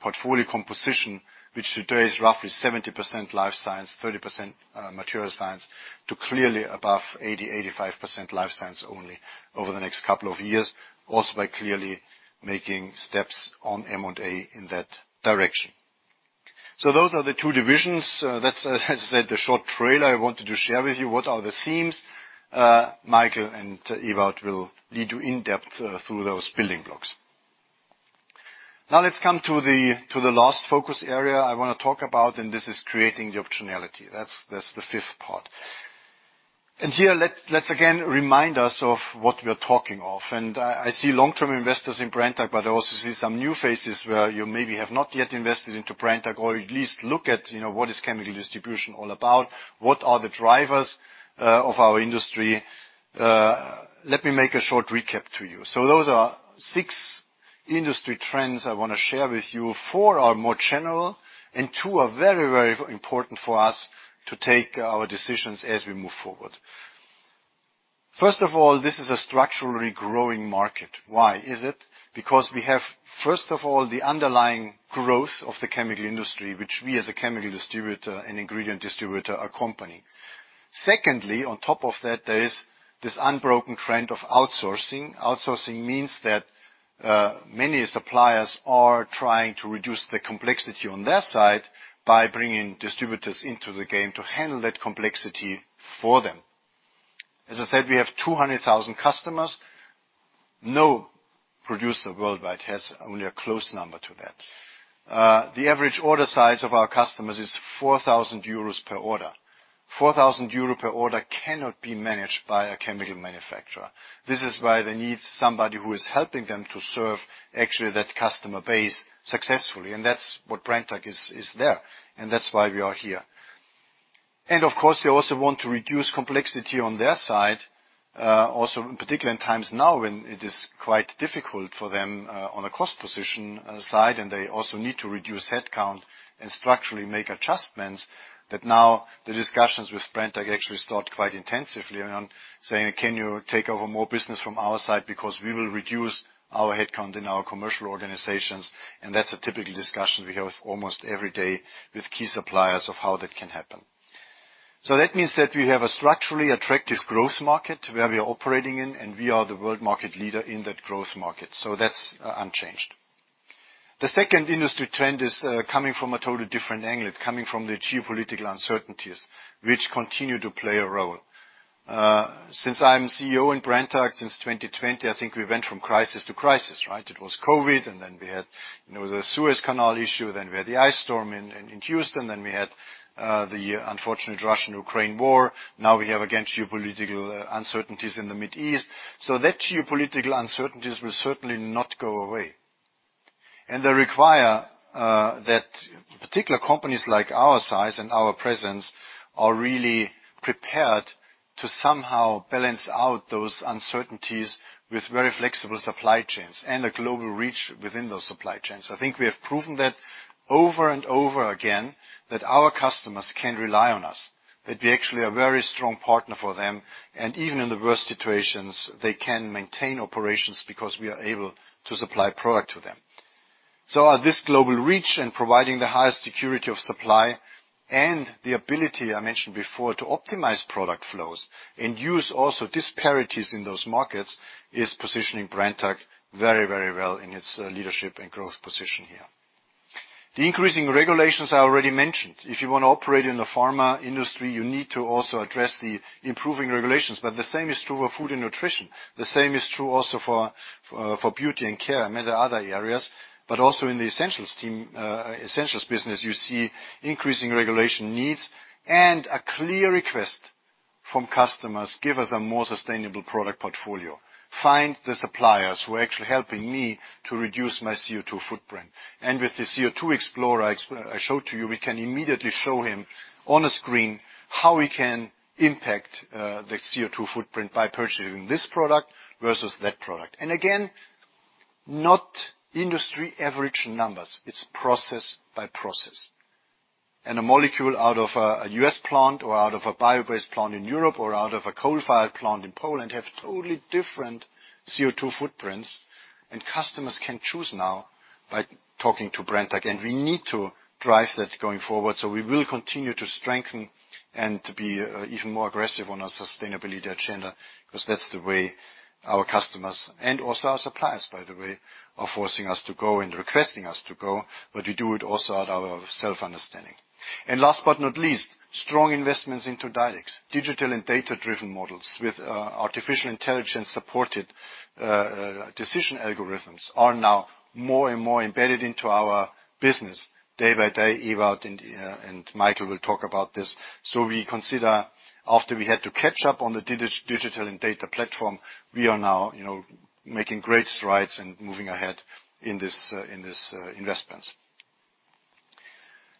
portfolio composition, which today is roughly 70% Life Science, 30% Material Science, to clearly above 80%-85% Life Science only over the next couple of years, also by clearly making steps on M&A in that direction. So those are the two divisions. That's as I said, the short trailer I wanted to share with you. What are the themes? Michael and Ewout will lead you in-depth through those building blocks. Now let's come to the last focus area I want to talk about, and this is creating the optionality. That's the fifth part. And here, let's again remind us of what we are talking of. And I see long-term investors in Brenntag, but I also see some new faces where you maybe have not yet invested into Brenntag or at least look at, you know, what is chemical distribution all about? What are the drivers of our industry? Let me make a short recap to you. So those are six industry trends I want to share with you. Four are more general, and two are very, very important for us to take our decisions as we move forward. First of all, this is a structurally growing market. Why is it? Because we have, first of all, the underlying growth of the chemical industry, which we, as a chemical distributor and ingredient distributor, accompany. Secondly, on top of that, there is this unbroken trend of outsourcing. Outsourcing means that many suppliers are trying to reduce the complexity on their side by bringing distributors into the game to handle that complexity for them. As I said, we have 200,000 customers. No producer worldwide has only a close number to that. The average order size of our customers is 4,000 euros per order. 4,000 euros per order cannot be managed by a chemical manufacturer. This is why they need somebody who is helping them to serve, actually, that customer base successfully, and that's what Brenntag is, is there, and that's why we are here. Of course, they also want to reduce complexity on their side, also in particular in times now, when it is quite difficult for them, on a cost position, side, and they also need to reduce headcount and structurally make adjustments, that now the discussions with Brenntag actually start quite intensively on saying, "Can you take over more business from our side? Because we will reduce our headcount in our commercial organizations." That's a typical discussion we have almost every day with key suppliers of how that can happen. So that means that we have a structurally attractive growth market where we are operating in, and we are the world market leader in that growth market, so that's unchanged. The second industry trend is coming from a totally different angle. It's coming from the geopolitical uncertainties, which continue to play a role. Since I'm CEO in Brenntag since 2020, I think we went from crisis to crisis, right? It was COVID, and then we had, you know, the Suez Canal issue, then we had the ice storm in Houston, then we had the unfortunate Russia-Ukraine war. Now, we have again, geopolitical uncertainties in the Middle East. So that geopolitical uncertainties will certainly not go away. And they require that particular companies like our size and our presence are really prepared to somehow balance out those uncertainties with very flexible supply chains and a global reach within those supply chains. I think we have proven that over and over again, that our customers can rely on us, that we actually are a very strong partner for them, and even in the worst situations, they can maintain operations because we are able to supply product to them. So this global reach and providing the highest security of supply and the ability, I mentioned before, to optimize product flows and use also disparities in those markets, is positioning Brenntag very, very well in its, leadership and growth position here. The increasing regulations I already mentioned. If you want to operate in the Pharma industry, you need to also address the improving regulations, but the same is true of Food & Nutrition. The same is true also for, for Beauty & Care, and many other areas, but also in the Essentials team, Essentials business, you see increasing regulation needs and a clear request from customers: "Give us a more sustainable product portfolio. Find the suppliers who are actually helping me to reduce my CO2 footprint." And with the CO2Xplorer I showed to you, we can immediately show him on a screen how we can impact the CO2 footprint by purchasing this product versus that product. And again, not industry average numbers. It's process by process. And a molecule out of a U.S. plant or out of a bio-based plant in Europe or out of a coal-fired plant in Poland have totally different CO2 footprints, and customers can choose now by talking to Brenntag. We need to drive that going forward, so we will continue to strengthen and to be even more aggressive on our sustainability agenda, because that's the way our customers, and also our suppliers, by the way, are forcing us to go and requesting us to go, but we do it also out of self-understanding. And last, but not least, strong investments into DiDEX. Digital and data-driven models with artificial intelligence-supported decision algorithms are now more and more embedded into our business day by day. Ewout and Michael will talk about this. So we consider, after we had to catch up on the digital and data platform, we are now, you know, making great strides in moving ahead in this investments.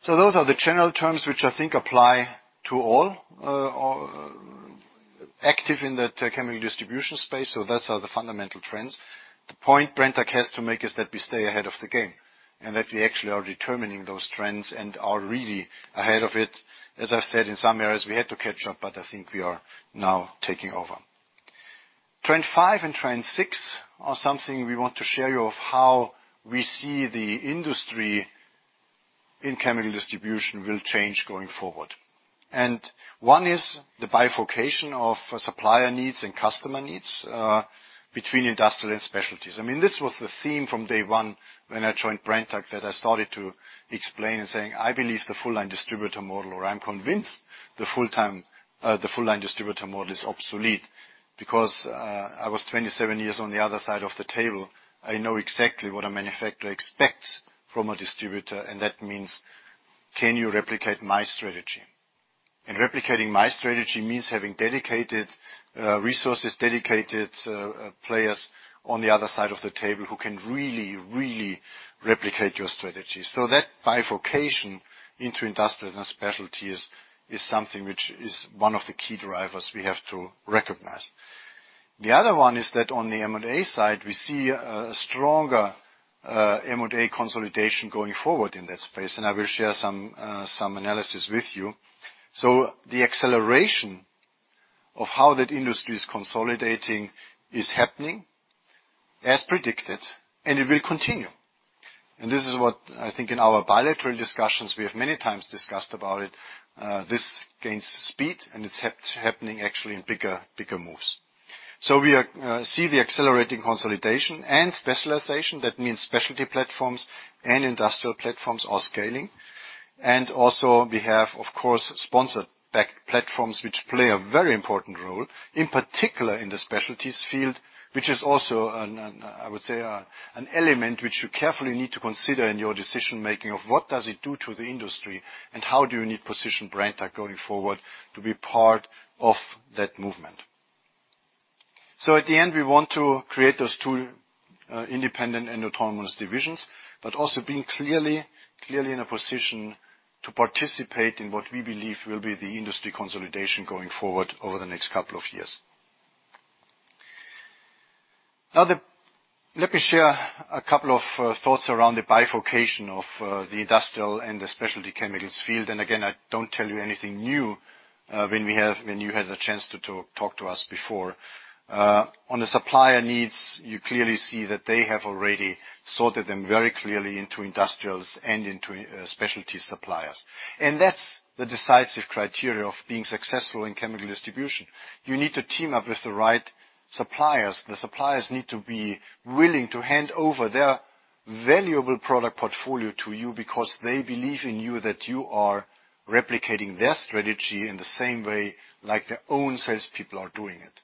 So those are the general terms, which I think apply to all, all... Active in the chemical distribution space, so that's what are the fundamental trends. The point Brenntag has to make is that we stay ahead of the game, and that we actually are determining those trends and are really ahead of it. As I've said, in some areas, we had to catch up, but I think we are now taking over. Trend five and trend six are something we want to share with you how we see the industry in chemical distribution will change going forward. And one is the bifurcation of supplier needs and customer needs between industrial and specialties. I mean, this was the theme from day one when I joined Brenntag, that I started to explain and saying, "I believe the Full-Line Distributor Model, or I'm convinced the full-time, the Full-Line Distributor Model is obsolete." Because, I was 27 years on the other side of the table, I know exactly what a manufacturer expects from a distributor, and that means: Can you replicate my strategy? And replicating my strategy means having dedicated, resources, dedicated, players on the other side of the table who can really, really replicate your strategy. So that bifurcation into industrial and specialties is something which is one of the key drivers we have to recognize. The other one is that on the M&A side, we see a stronger, M&A consolidation going forward in that space, and I will share some analysis with you. So the acceleration of how that industry is consolidating is happening as predicted, and it will continue. This is what I think in our bilateral discussions, we have many times discussed about it, this gains speed, and it's happening actually in bigger, bigger moves. So we see the accelerating consolidation and specialization. That means specialty platforms and industrial platforms are scaling. And also, we have, of course, sponsor-backed platforms, which play a very important role, in particular in the specialties field, which is also an, I would say, an element which you carefully need to consider in your decision-making of what does it do to the industry, and how do you need position Brenntag going forward to be part of that movement? So at the end, we want to create those two-... Independent and autonomous divisions, but also being clearly, clearly in a position to participate in what we believe will be the industry consolidation going forward over the next couple of years. Now let me share a couple of thoughts around the bifurcation of the industrial and the specialty chemicals field. And again, I don't tell you anything new, when you had the chance to talk to us before. On the supplier needs, you clearly see that they have already sorted them very clearly into industrials and into specialty suppliers. And that's the decisive criteria of being successful in chemical distribution. You need to team up with the right suppliers. The suppliers need to be willing to hand over their valuable product portfolio to you because they believe in you, that you are replicating their strategy in the same way, like their own salespeople are doing it.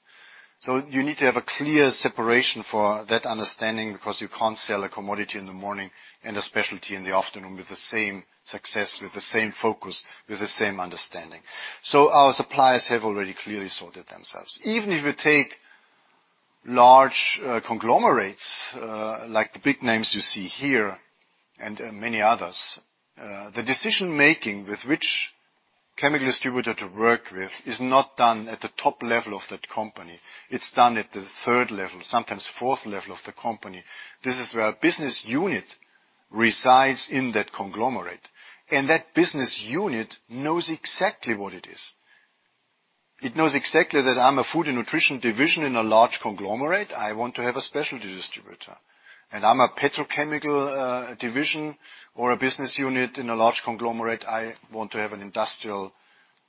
So you need to have a clear separation for that understanding, because you can't sell a commodity in the morning and a specialty in the afternoon with the same success, with the same focus, with the same understanding. So our suppliers have already clearly sorted themselves. Even if you take large, conglomerates, like the big names you see here and, and many others, the decision-making with which chemical distributor to work with is not done at the top level of that company. It's done at the third level, sometimes fourth level of the company. This is where a business unit resides in that conglomerate, and that business unit knows exactly what it is. It knows exactly that I'm a Food & Nutrition division in a large conglomerate; I want to have a specialty distributor. And I'm a petrochemical division or a business unit in a large conglomerate; I want to have an industrial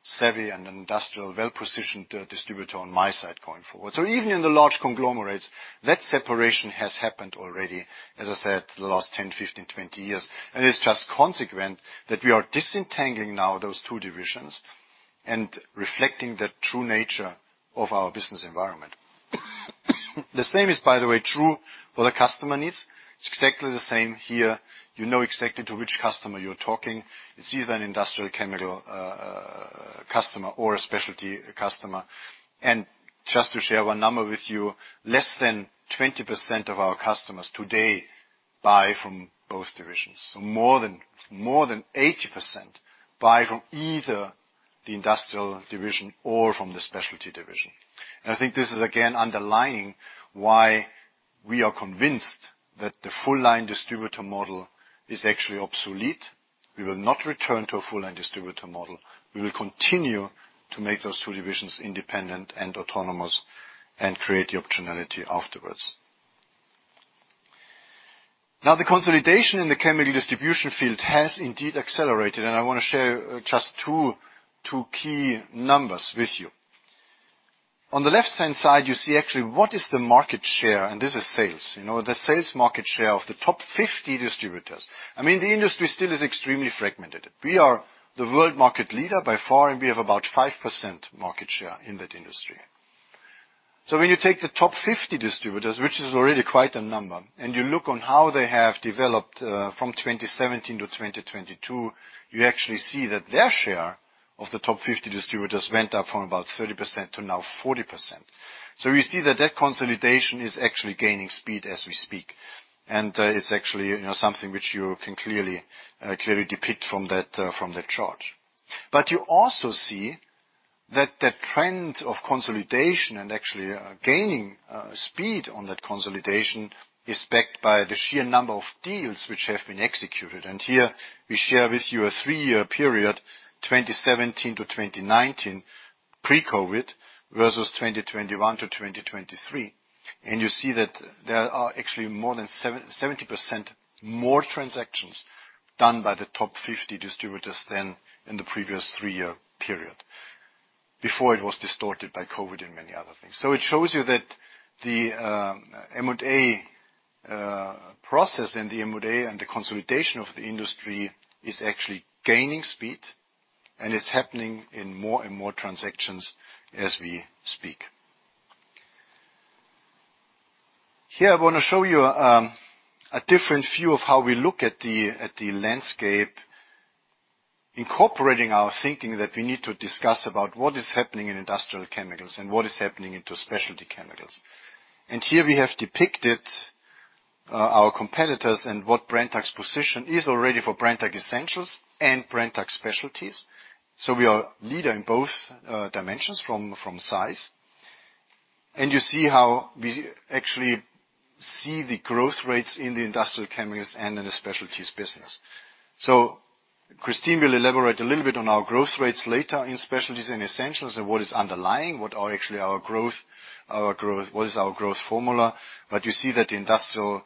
savvy and an industrial well-positioned distributor on my side going forward. So even in the large conglomerates, that separation has happened already, as I said, the last 10, 15, 20 years. And it's just consequent that we are disentangling now those two divisions and reflecting the true nature of our business environment. The same is, by the way, true for the customer needs. It's exactly the same here. You know exactly to which customer you're talking. It's either an industrial chemical customer or a specialty customer. Just to share one number with you, less than 20% of our customers today buy from both divisions. More than 80% buy from either the industrial division or from the specialty division. I think this is again underlining why we are convinced that the Full-Line Distributor Model is actually obsolete. We will not return to a full-line distributor model. We will continue to make those two divisions independent and autonomous and create the optionality afterwards. Now, the consolidation in the chemical distribution field has indeed accelerated, and I want to share just two key numbers with you. On the left-hand side, you see actually what is the market share, and this is sales. You know, the sales market share of the top 50 distributors. I mean, the industry still is extremely fragmented. We are the world market leader by far, and we have about 5% market share in that industry. So when you take the top 50 distributors, which is already quite a number, and you look on how they have developed from 2017 to 2022, you actually see that their share of the top 50 distributors went up from about 30% to now 40%. So you see that that consolidation is actually gaining speed as we speak, and it's actually, you know, something which you can clearly clearly depict from that from that chart. But you also see that the trend of consolidation and actually gaining speed on that consolidation is backed by the sheer number of deals which have been executed. Here we share with you a three-year period, 2017 to 2019, pre-COVID, versus 2021 to 2023. You see that there are actually more than 70% more transactions done by the top 50 distributors than in the previous three-year period, before it was distorted by COVID and many other things. It shows you that the M&A process and the M&A and the consolidation of the industry is actually gaining speed, and it's happening in more and more transactions as we speak. Here, I want to show you a different view of how we look at the landscape, incorporating our thinking that we need to discuss about what is happening in industrial chemicals and what is happening into specialty chemicals. Here we have depicted our competitors and what Brenntag's position is already for Brenntag Essentials and Brenntag Specialties. So we are leader in both dimensions from size. And you see how we actually see the growth rates in the industrial chemicals and in the specialties business. So Kristin will elaborate a little bit on our growth rates later in Specialties and Essentials, and what is underlying, what are actually our growth, our growth—what is our growth formula. But you see that the industrial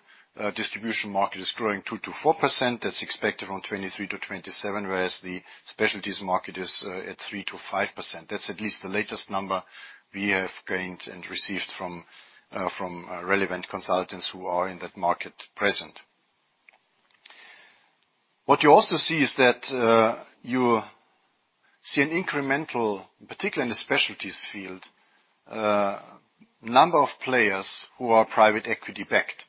distribution market is growing 2%-4%. That's expected on 2023-2027, whereas the specialties market is at 3%-5%. That's at least the latest number we have gained and received from relevant consultants who are in that market present. What you also see is that, you see an incremental, particularly in the specialties field, a number of players who are private equity-backed.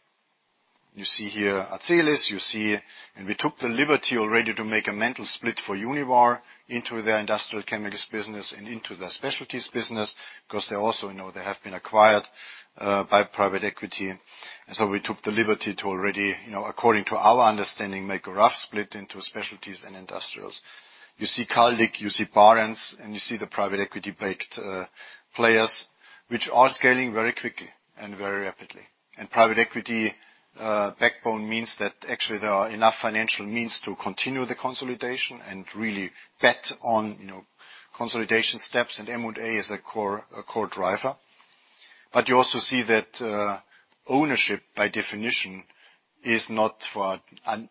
You see here, Azelis, you see-- and we took the liberty already to make a mental split for Univar into their industrial chemicals business and into their specialties business, because they also, you know, they have been acquired by private equity. And so we took the liberty to already, you know, according to our understanding, make a rough split into specialties and industrials. You see Caldic, you see Barentz, and you see the private equity-backed players, which are scaling very quickly and very rapidly. And private equity backbone means that actually there are enough financial means to continue the consolidation and really bet on, you know, consolidation steps, and M&A is a core, a core driver. But you also see that, ownership, by definition, is not for ad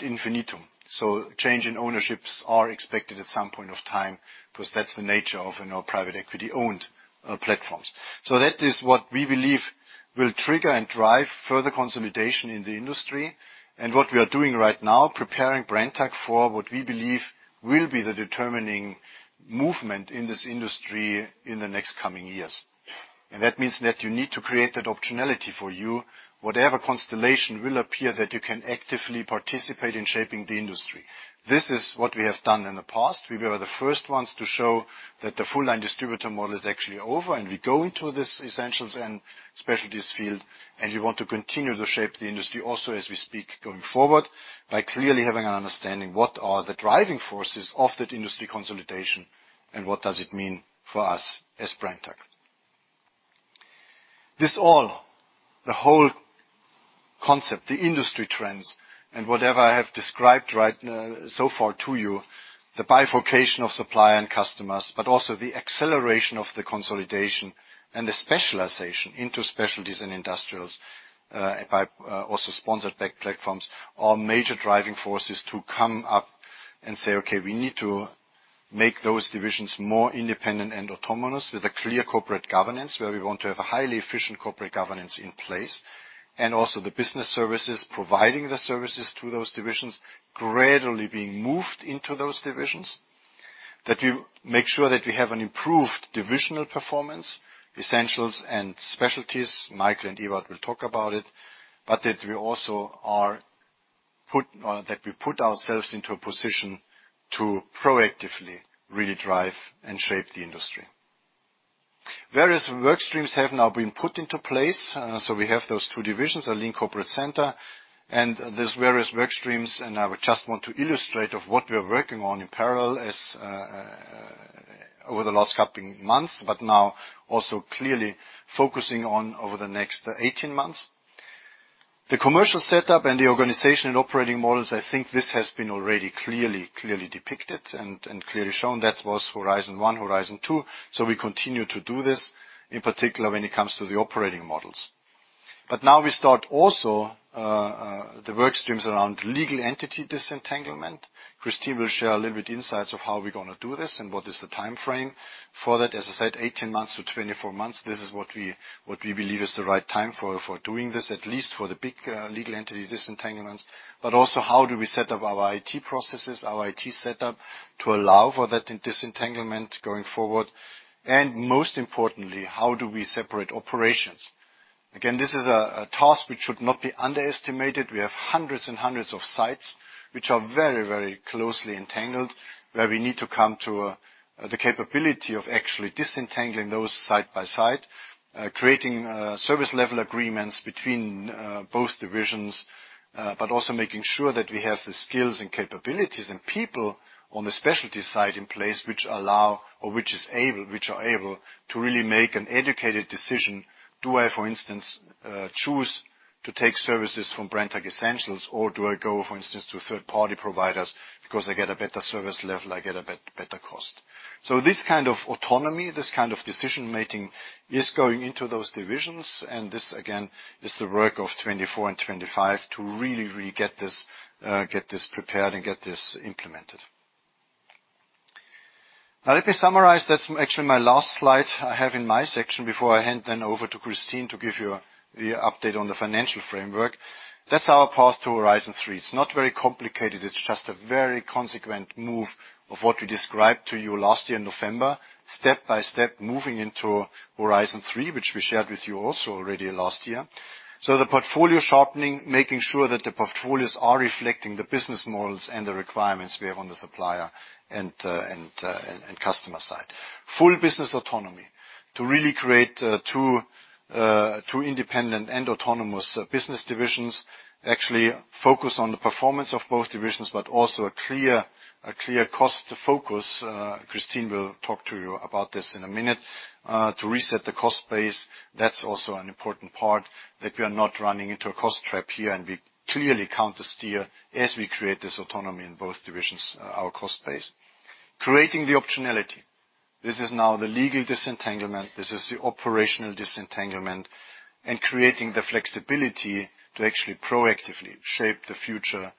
infinitum. So change in ownerships are expected at some point of time, because that's the nature of, you know, private equity-owned platforms. So that is what we believe will trigger and drive further consolidation in the industry. And what we are doing right now, preparing Brenntag for what we believe will be the determining movement in this industry in the next coming years. And that means that you need to create that optionality for you, whatever constellation will appear, that you can actively participate in shaping the industry. This is what we have done in the past. We were the first ones to show that the Full-Line Distributor Model is actually over, and we go into this Essentials and Specialties field, and we want to continue to shape the industry also as we speak, going forward, by clearly having an understanding what are the driving forces of that industry consolidation, and what does it mean for us as Brenntag? This all, the whole concept, the industry trends, and whatever I have described right, so far to you, the bifurcation of supplier and customers, but also the acceleration of the consolidation and the specialization into specialties and industrials, by, also sponsor-backed platforms, are major driving forces to come up and say: "Okay, we need to make those divisions more independent and autonomous, with a clear corporate governance, where we want to have a highly efficient corporate governance in place, and also the business services, providing the services to those divisions, gradually being moved into those divisions. That we make sure that we have an improved divisional performance, Essentials and Specialties, Michael and Ewout will talk about it, but that we also are put-- that we put ourselves into a position to proactively really drive and shape the industry. Various work streams have now been put into place, so we have those two divisions, a lean corporate center, and there's various work streams, and I would just want to illustrate of what we are working on in parallel as, over the last couple months, but now also clearly focusing on over the next 18 months. The commercial setup and the organization and operating models, I think this has been already clearly, clearly depicted and, and clearly shown. That was Horizon 1, Horizon 2, so we continue to do this, in particular, when it comes to the operating models. But now we start also, the work streams around legal entity disentanglement. Kristin will share a little bit insights of how we're gonna do this and what is the timeframe for that. As I said, 18-24 months, this is what we, what we believe is the right time for, for doing this, at least for the big legal entity disentanglements. But also, how do we set up our IT processes, our IT setup, to allow for that disentanglement going forward? And most importantly, how do we separate operations? Again, this is a task which should not be underestimated. We have hundreds and hundreds of sites which are very, very closely entangled, where we need to come to the capability of actually disentangling those site by site, creating service level agreements between both divisions, but also making sure that we have the skills and capabilities and people on the specialty side in place which allow or which are able to really make an educated decision. Do I, for instance, choose to take services from Brenntag Essentials, or do I go, for instance, to third-party providers because I get a better service level, I get a better cost? So this kind of autonomy, this kind of decision-making, is going into those divisions, and this, again, is the work of 2024 and 2025 to really, really get this prepared and get this implemented. Now, let me summarize. That's actually my last slide I have in my section before I hand then over to Kristin to give you the update on the financial framework. That's our path to Horizon 3. It's not very complicated, it's just a very consequent move of what we described to you last year in November, step by step, moving into Horizon 3, which we shared with you also already last year. The portfolio sharpening, making sure that the portfolios are reflecting the business models and the requirements we have on the supplier and customer side. Full business autonomy, to really create two independent and autonomous business divisions, actually focus on the performance of both divisions, but also a clear cost focus. Kristin will talk to you about this in a minute. To reset the cost base, that's also an important part, that we are not running into a cost trap here, and we clearly countersteer as we create this autonomy in both divisions, our cost base. Creating the optionality. This is now the legal disentanglement, this is the operational disentanglement, and creating the flexibility to actually proactively shape the future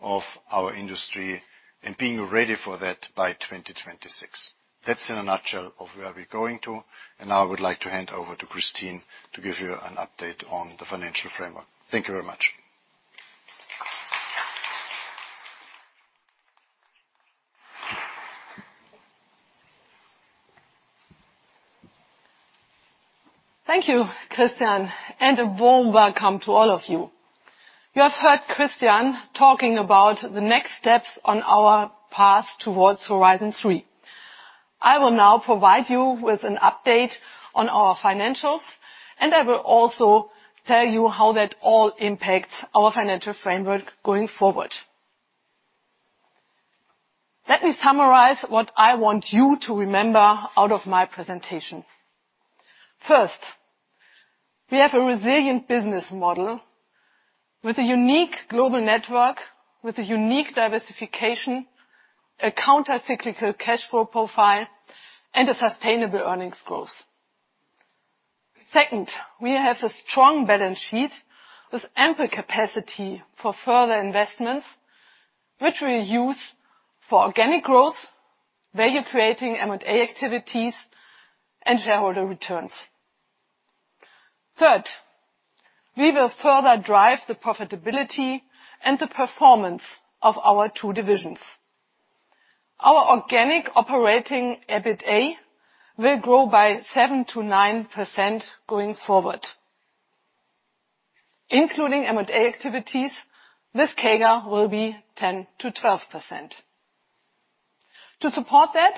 of our industry and being ready for that by 2026. That's in a nutshell of where we're going to, and now I would like to hand over to Kristin to give you an update on the financial framework. Thank you very much. Thank you, Christian, and a warm welcome to all of you. You have heard Christian talking about the next steps on our path towards Horizon 3. I will now provide you with an update on our financials, and I will also tell you how that all impacts our financial framework going forward. Let me summarize what I want you to remember out of my presentation. First, we have a resilient business model with a unique global network, with a unique diversification, a countercyclical cash flow profile, and a sustainable earnings growth. Second, we have a strong balance sheet with ample capacity for further investments, which we use for organic growth, value creating M&A activities, and shareholder returns. Third, we will further drive the profitability and the performance of our two divisions. Our organic operating EBITDA will grow by 7%-9% going forward. Including M&A activities, this CAGR will be 10%-12%. To support that,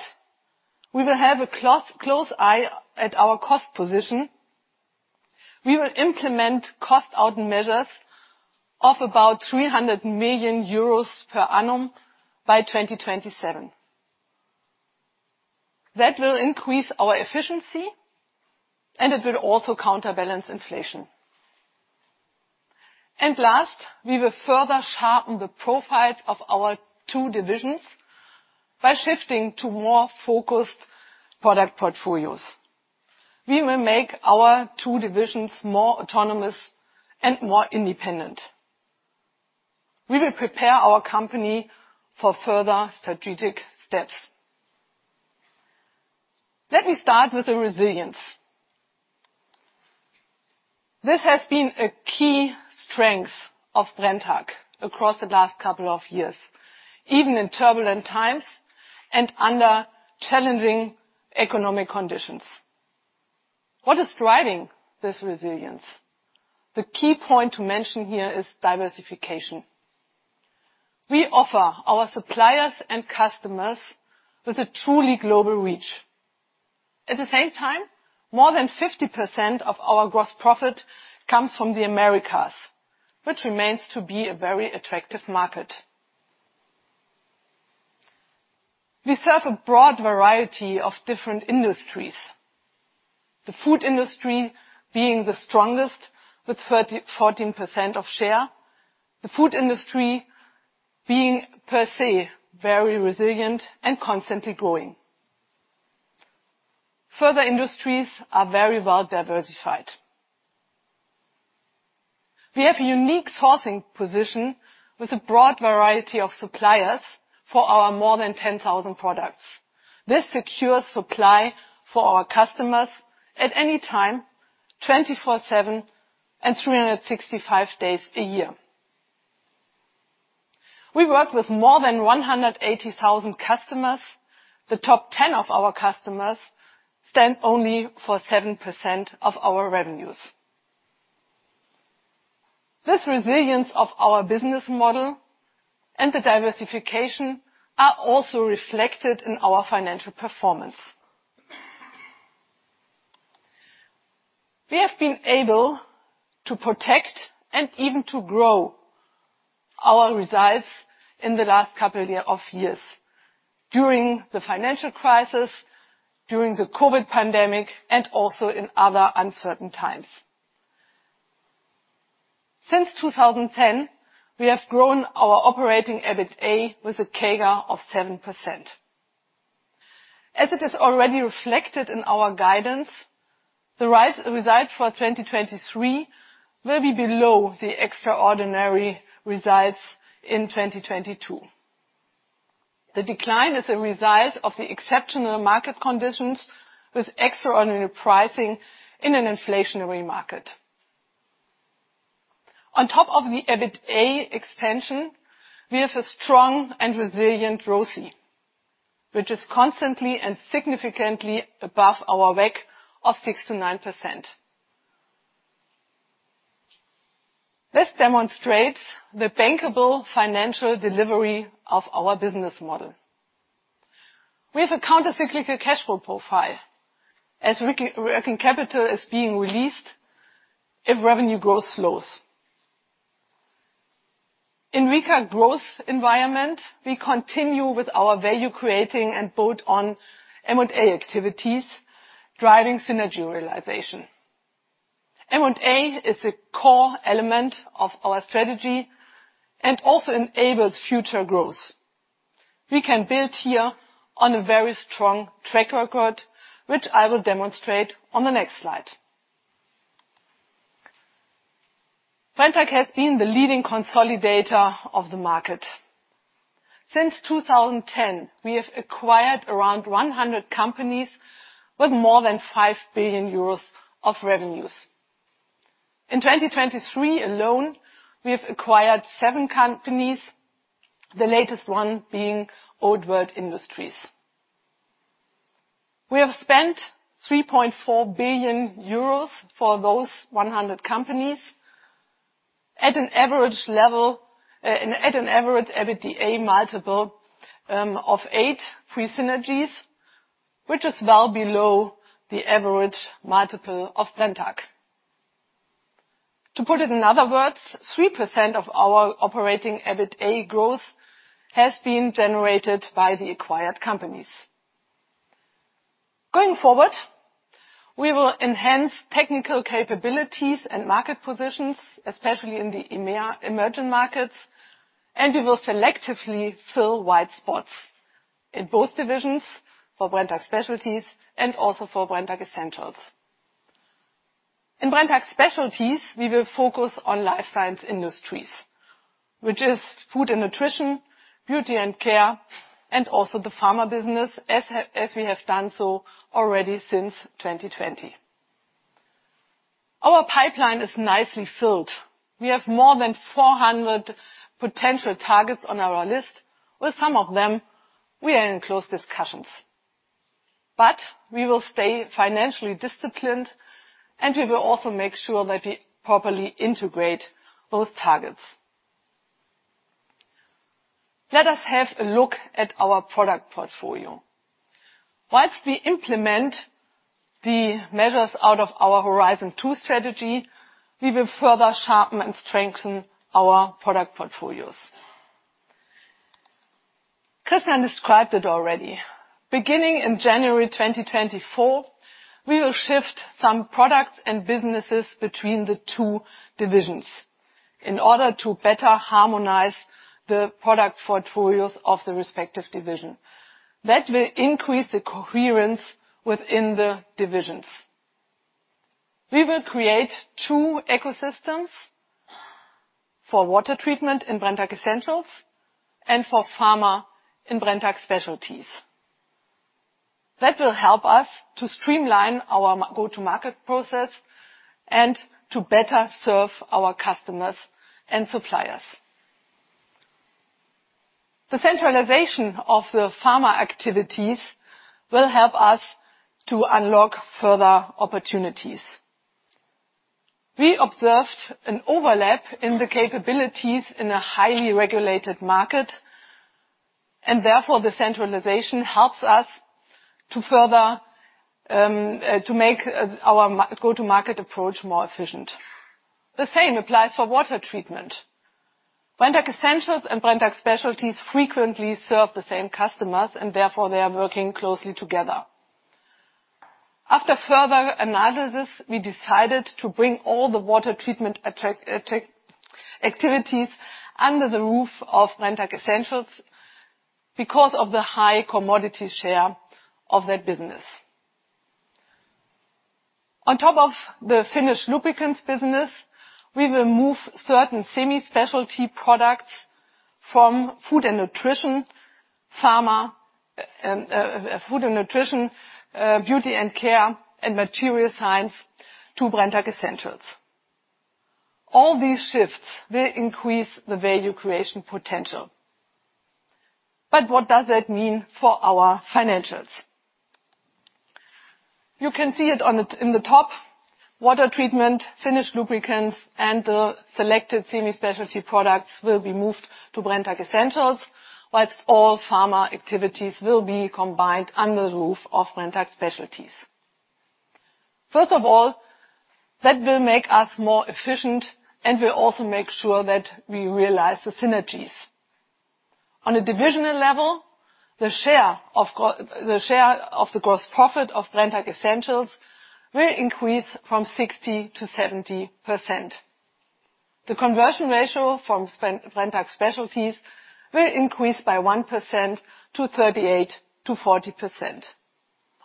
we will have a close eye at our cost position. We will implement cost out measures of about 300 million euros per annum by 2027. That will increase our efficiency, and it will also counterbalance inflation. Last, we will further sharpen the profile of our two divisions by shifting to more focused product portfolios. We will make our two divisions more autonomous and more independent. We will prepare our company for further strategic steps. Let me start with the resilience. This has been a key strength of Brenntag across the last couple of years, even in turbulent times and under challenging economic conditions. What is driving this resilience? The key point to mention here is diversification. We offer our suppliers and customers with a truly global reach. At the same time, more than 50% of our gross profit comes from the Americas, which remains to be a very attractive market. We serve a broad variety of different industries, the Food industry being the strongest, with 14% of share, the Food industry being per se very resilient and constantly growing. Further industries are very well diversified. We have a unique sourcing position with a broad variety of suppliers for our more than 10,000 products. This secures supply for our customers at any time, 24/7 and 365 days a year. We work with more than 180,000 customers. The top ten of our customers stand only for 7% of our revenues. This resilience of our business model and the diversification are also reflected in our financial performance. We have been able to protect and even to grow our results in the last couple of years, during the financial crisis, during the COVID pandemic, and also in other uncertain times. Since 2010, we have grown our operating EBITDA with a CAGR of 7%. As it is already reflected in our guidance, the results for 2023 will be below the extraordinary results in 2022. The decline is a result of the exceptional market conditions, with extraordinary pricing in an inflationary market. On top of the EBITDA expansion, we have a strong and resilient ROCE, which is constantly and significantly above our WACC of 6%-9%. This demonstrates the bankable financial delivery of our business model. We have a countercyclical cash flow profile, as working capital is being released if revenue growth slows. In weaker growth environment, we continue with our value creating and build on M&A activities, driving synergy realization. M&A is a core element of our strategy and also enables future growth. We can build here on a very strong track record, which I will demonstrate on the next slide. Brenntag has been the leading consolidator of the market. Since 2010, we have acquired around 100 companies with more than 5 billion euros of revenues... In 2023 alone, we have acquired seven companies, the latest one being Old World Industries. We have spent 3.4 billion euros for those 100 companies, at an average level, at an average EBITDA multiple, of 8x pre-synergies, which is well below the average multiple of Brenntag. To put it in other words, 3% of our operating EBITDA growth has been generated by the acquired companies. Going forward, we will enhance technical capabilities and market positions, especially in the EMEA emerging markets, and we will selectively fill white spots in both divisions for Brenntag Specialties and also for Brenntag Essentials. In Brenntag Specialties, we will focus on Life Science industries, which is Food & Nutrition, Beauty & Care, and also the Pharma business, as we have done so already since 2020. Our pipeline is nicely filled. We have more than 400 potential targets on our list. With some of them, we are in close discussions. But we will stay financially disciplined, and we will also make sure that we properly integrate those targets. Let us have a look at our product portfolio. While we implement the measures out of our Horizon 2 strategy, we will further sharpen and strengthen our product portfolios. Christian described it already. Beginning in January 2024, we will shift some products and businesses between the two divisions in order to better harmonize the product portfolios of the respective division. That will increase the coherence within the divisions. We will create two ecosystems for water treatment in Brenntag Essentials and for Pharma in Brenntag Specialties. That will help us to streamline our go-to-market process and to better serve our customers and suppliers. The centralization of the Pharma activities will help us to unlock further opportunities. We observed an overlap in the capabilities in a highly regulated market, and therefore, the centralization helps us to further to make our go-to-market approach more efficient. The same applies for water treatment. Brenntag Essentials and Brenntag Specialties frequently serve the same customers, and therefore, they are working closely together. After further analysis, we decided to bring all the water treatment activities under the roof of Brenntag Essentials because of the high commodity share of that business. On top of the finished lubricants business, we will move certain semi-specialty products from Food & Nutrition, Pharma, Beauty & Care, and Material Science to Brenntag Essentials. All these shifts will increase the value creation potential. But what does that mean for our financials? You can see it on the, in the top. Water treatment, finished lubricants, and the selected semi-specialty products will be moved to Brenntag Essentials, whilst all Pharma activities will be combined under the roof of Brenntag Specialties. First of all, that will make us more efficient and will also make sure that we realize the synergies. On a divisional level, the share of the gross profit of Brenntag Essentials will increase from 60%-70%. The conversion ratio from Brenntag Specialties will increase by 1% to 38%-40%.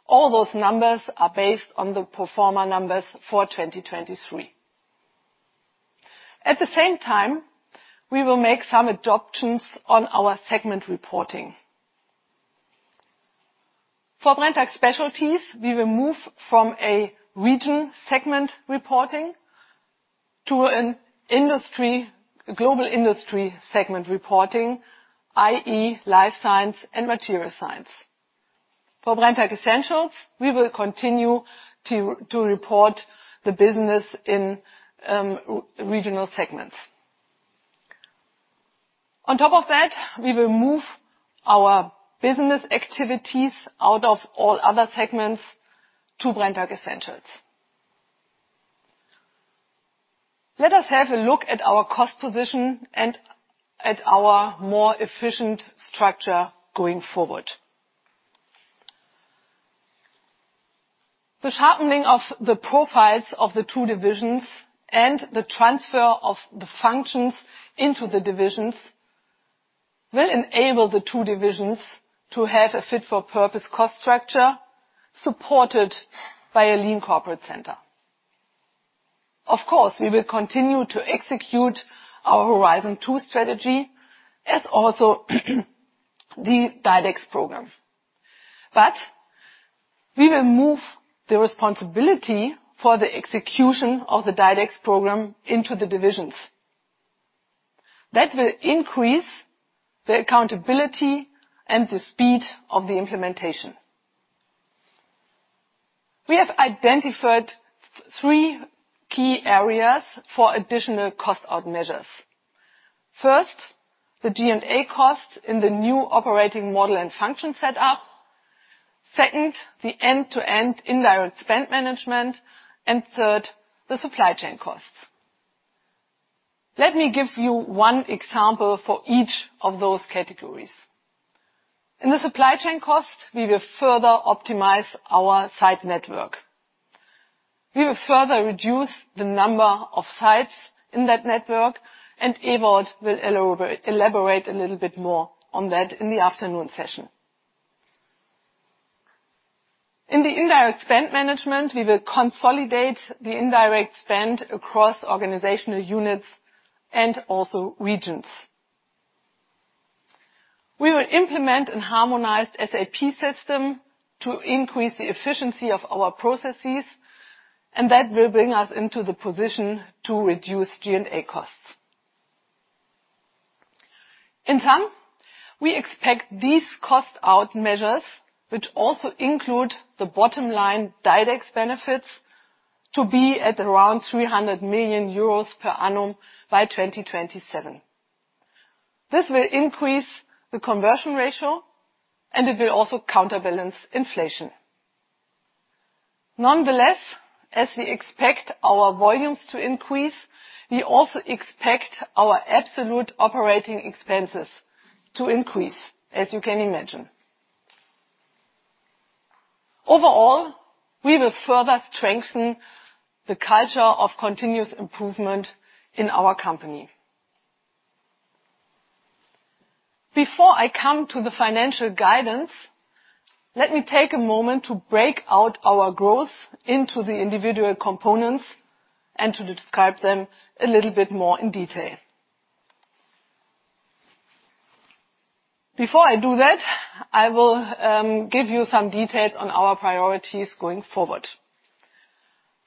All those numbers are based on the pro forma numbers for 2023. At the same time, we will make some adjustments on our segment reporting. For Brenntag Specialties, we will move from a region segment reporting to an industry, a global industry segment reporting, i.e., Life Science and Material Science. For Brenntag Essentials, we will continue to report the business in regional segments. On top of that, we will move our business activities out of all other segments to Brenntag Essentials. Let us have a look at our cost position and at our more efficient structure going forward. The sharpening of the profiles of the two divisions and the transfer of the functions into the divisions will enable the two divisions to have a fit-for-purpose cost structure, supported by a lean corporate center. Of course, we will continue to execute our Horizon 2 strategy, as also the DiDEX program. We will move the responsibility for the execution of the DiDEX program into the divisions. That will increase the accountability and the speed of the implementation. We have identified three key areas for additional cost-out measures. First, the G&A costs in the new operating model and function set up. Second, the end-to-end indirect spend management, and third, the supply chain costs. Let me give you one example for each of those categories. In the supply chain costs, we will further optimize our site network. We will further reduce the number of sites in that network, and Ewout will elaborate a little bit more on that in the afternoon session. In the indirect spend management, we will consolidate the indirect spend across organizational units and also regions. We will implement and harmonize SAP system to increase the efficiency of our processes, and that will bring us into the position to reduce G&A costs. In sum, we expect these cost-out measures, which also include the bottom line DiDEX benefits, to be at around 300 million euros per annum by 2027. This will increase the conversion ratio, and it will also counterbalance inflation. Nonetheless, as we expect our volumes to increase, we also expect our absolute operating expenses to increase, as you can imagine. Overall, we will further strengthen the culture of continuous improvement in our company. Before I come to the financial guidance, let me take a moment to break out our growth into the individual components and to describe them a little bit more in detail. Before I do that, I will give you some details on our priorities going forward.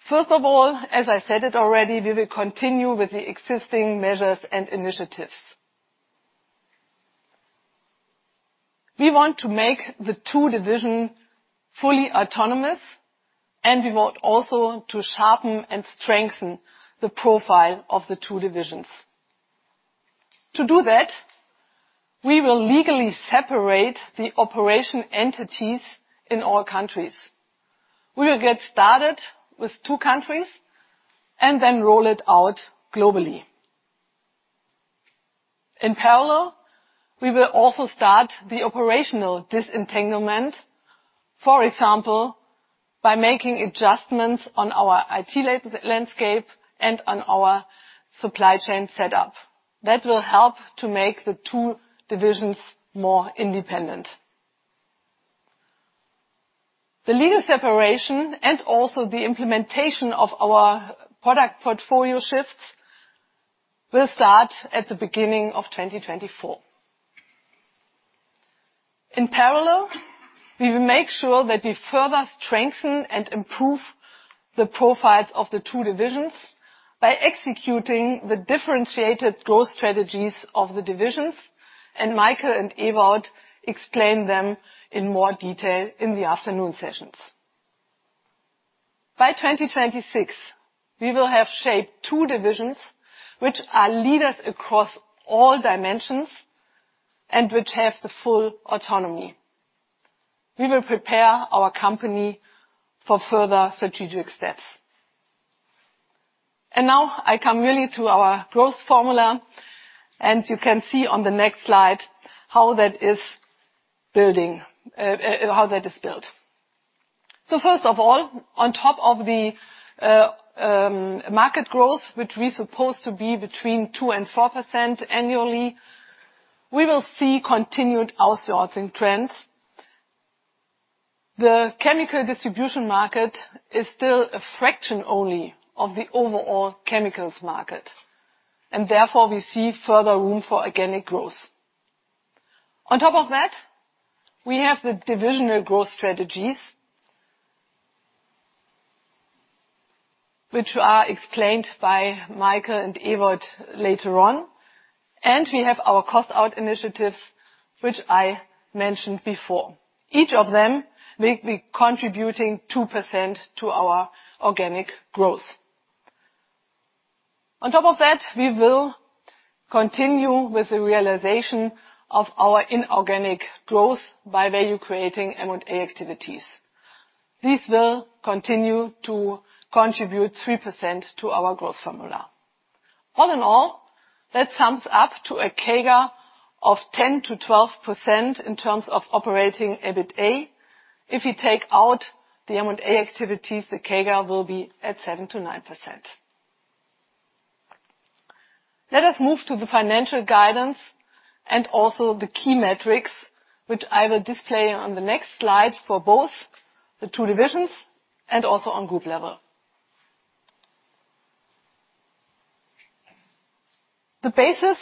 First of all, as I said it already, we will continue with the existing measures and initiatives. We want to make the two division fully autonomous, and we want also to sharpen and strengthen the profile of the two divisions. To do that, we will legally separate the operation entities in all countries. We will get started with two countries, and then roll it out globally. In parallel, we will also start the operational disentanglement, for example, by making adjustments on our IT landscape and on our supply chain setup. That will help to make the two divisions more independent. The legal separation and also the implementation of our product portfolio shifts will start at the beginning of 2024. In parallel, we will make sure that we further strengthen and improve the profiles of the two divisions by executing the differentiated growth strategies of the divisions, and Michael and Ewout explain them in more detail in the afternoon sessions. By 2026, we will have shaped two divisions, which are leaders across all dimensions and which have the full autonomy. We will prepare our company for further strategic steps. Now I come really to our growth formula, and you can see on the next slide how that is building, how that is built. First of all, on top of the market growth, which we suppose to be between 2% and 4% annually, we will see continued outsourcing trends. The chemical distribution market is still a fraction only of the overall chemicals market, and therefore, we see further room for organic growth. On top of that, we have the divisional growth strategies, which are explained by Michael and Ewout later on, and we have our cost-out initiatives, which I mentioned before. Each of them will be contributing 2% to our organic growth. On top of that, we will continue with the realization of our inorganic growth by value creating M&A activities. These will continue to contribute 3% to our growth formula. All in all, that sums up to a CAGR of 10%-12% in terms of operating EBITDA. If you take out the M&A activities, the CAGR will be at 7%-9%. Let us move to the financial guidance and also the key metrics, which I will display on the next slide for both the two divisions and also on group level. The basis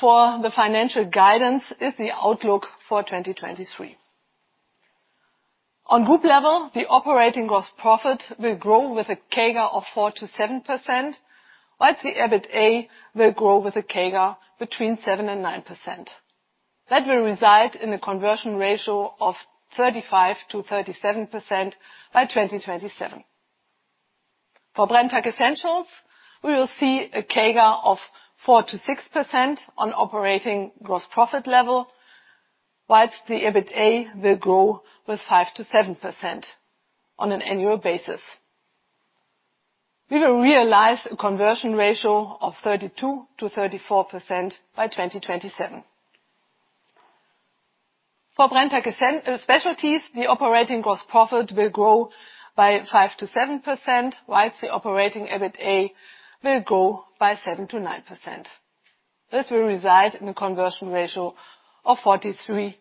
for the financial guidance is the outlook for 2023. On group level, the operating gross profit will grow with a CAGR of 4%-7%, while the EBITDA will grow with a CAGR between 7%-9%. That will result in a conversion ratio of 35%-37% by 2027. For Brenntag Essentials, we will see a CAGR of 4%-6% on operating gross profit level, while the EBITDA will grow with 5%-7% on an annual basis. We will realize a conversion ratio of 32%-34% by 2027. For Brenntag Essentials, the operating gross profit will grow by 5%-7%, while the operating EBITDA will grow by 7%-9%. This will result in a conversion ratio of 43%-45%.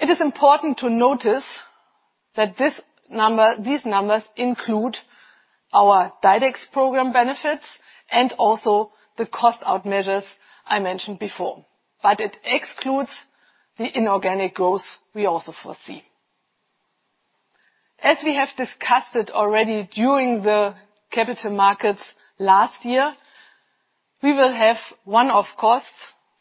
It is important to notice that these numbers include our DiDEX program benefits, and also the cost-out measures I mentioned before, but it excludes the inorganic growth we also foresee. As we have discussed it already during the capital markets last year, we will have one-off costs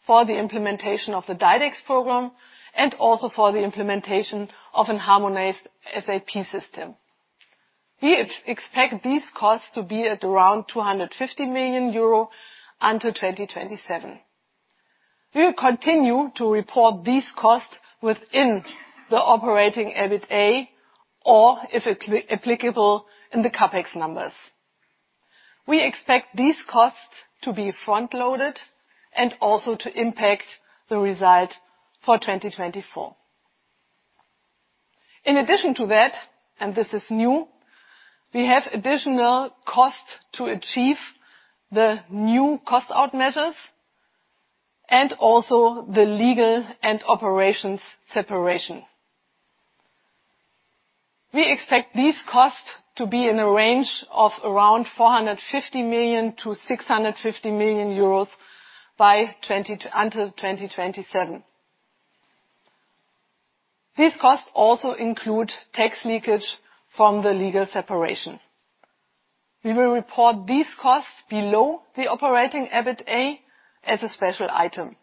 for the implementation of the DiDEX program and also for the implementation of a harmonized SAP system. We expect these costs to be at around 250 million euro until 2027. We will continue to report these costs within the operating EBITDA, or, if applicable, in the CapEx numbers. We expect these costs to be front-loaded and also to impact the result for 2024. In addition to that, and this is new, we have additional costs to achieve the new cost-out measures and also the legal and operations separation. We expect these costs to be in a range of around 450 million-650 million euros until 2027. These costs also include tax leakage from the legal separation. We will report these costs below the operating EBITDA as a special item.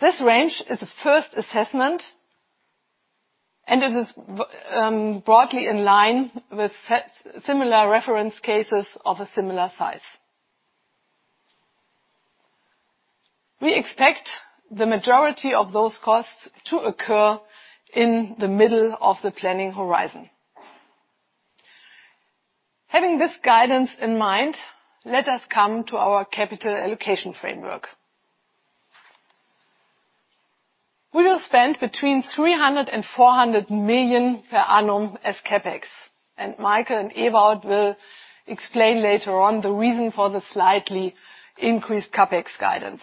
This range is a first assessment, and it is broadly in line with similar reference cases of a similar size. We expect the majority of those costs to occur in the middle of the planning horizon. Having this guidance in mind, let us come to our capital allocation framework. We will spend between 300 million and 400 million per annum as CapEx, and Michael and Ewout will explain later on the reason for the slightly increased CapEx guidance.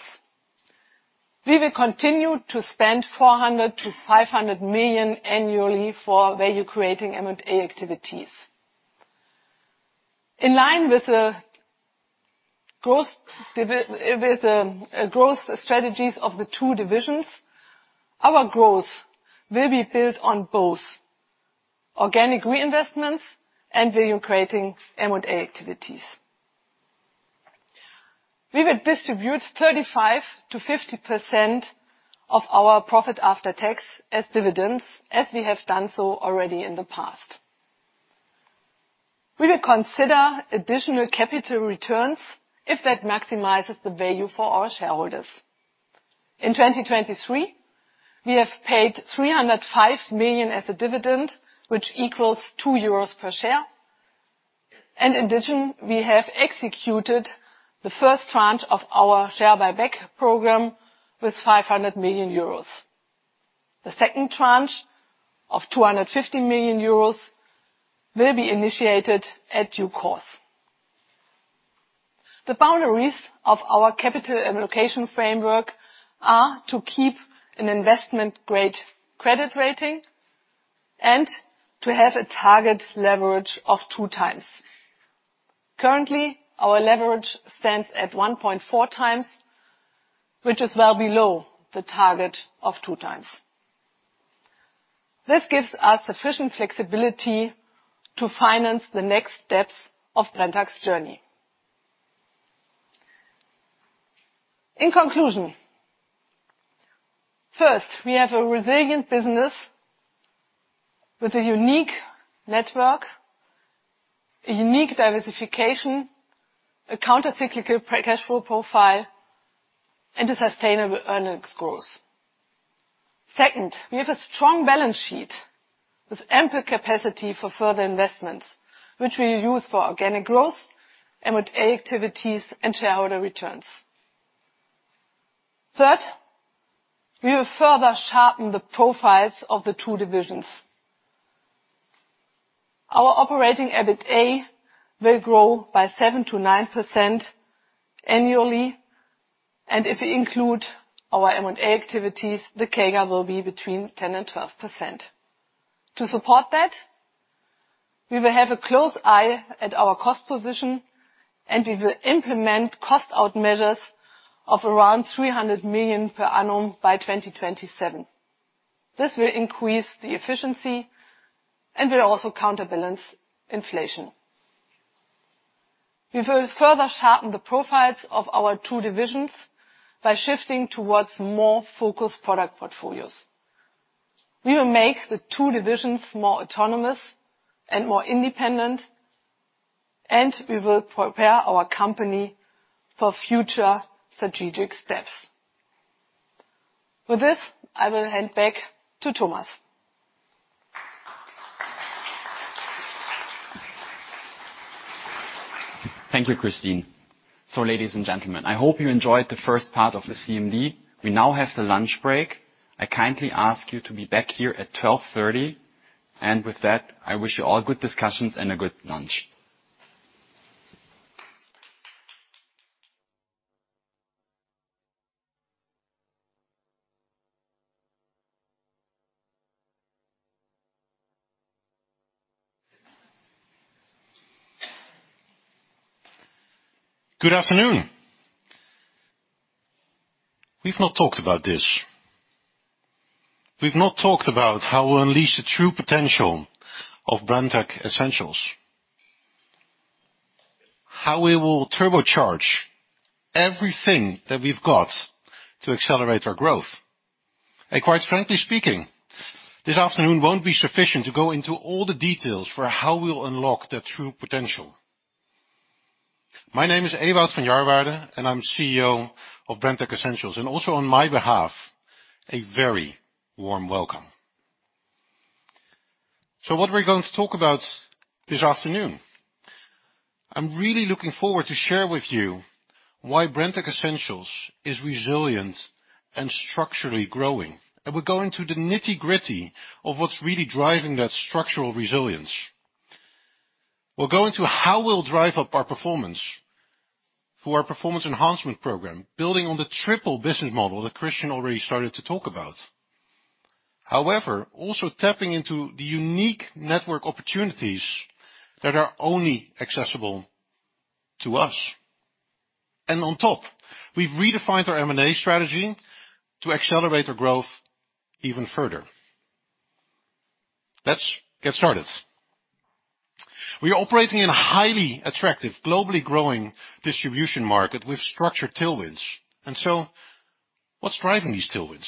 We will continue to spend 400 million-500 million annually for value-creating M&A activities. In line with growth strategies of the two divisions, our growth will be built on both organic reinvestments and value-creating M&A activities. We will distribute 35%-50% of our profit after tax as dividends, as we have done so already in the past. We will consider additional capital returns if that maximizes the value for our shareholders. In 2023, we have paid 305 million as a dividend, which equals 2 euros per share, and in addition, we have executed the first tranche of our share buyback program with 500 million euros. The second tranche of 250 million euros will be initiated in due course. The boundaries of our capital allocation framework are to keep an investment-grade credit rating and to have a target leverage of 2x. Currently, our leverage stands at 1.4x, which is well below the target of 2x. This gives us sufficient flexibility to finance the next steps of Brenntag's journey. In conclusion, first, we have a resilient business with a unique network, a unique diversification, a countercyclical free-cash flow profile, and a sustainable earnings growth. Second, we have a strong balance sheet with ample capacity for further investments, which we will use for organic growth, M&A activities, and shareholder returns. Third, we will further sharpen the profiles of the two divisions. Our operating EBITDA will grow by 7%-9% annually... If you include our M&A activities, the CAGR will be between 10%-12%. To support that, we will have a close eye at our cost position, and we will implement cost out measures of around 300 million per annum by 2027. This will increase the efficiency, and will also counterbalance inflation. We will further sharpen the profiles of our two divisions by shifting towards more focused product portfolios. We will make the two divisions more autonomous and more independent, and we will prepare our company for future strategic steps. With this, I will hand back to Thomas. Thank you, Kristin. So, ladies and gentlemen, I hope you enjoyed the first part of the CMD. We now have the lunch break. I kindly ask you to be back here at 12:30 P.M., and with that, I wish you all good discussions and a good lunch. Good afternoon. We've not talked about this. We've not talked about how we'll unleash the true potential of Brenntag Essentials, how we will turbocharge everything that we've got to accelerate our growth. Quite frankly speaking, this afternoon won't be sufficient to go into all the details for how we will unlock the true potential. My name is Ewout van Jarwaarde, and I'm CEO of Brenntag Essentials, and also on my behalf, a very warm welcome. What we're going to talk about this afternoon, I'm really looking forward to share with you why Brenntag Essentials is resilient and structurally growing. We're going to the nitty-gritty of what's really driving that structural resilience. We'll go into how we'll drive up our performance through our performance enhancement program, building on The Triple business model that Christian already started to talk about. However, also tapping into the unique network opportunities that are only accessible to us. On top, we've redefined our M&A strategy to accelerate our growth even further. Let's get started. We are operating in a highly attractive, globally growing distribution market with structured tailwinds. So what's driving these tailwinds?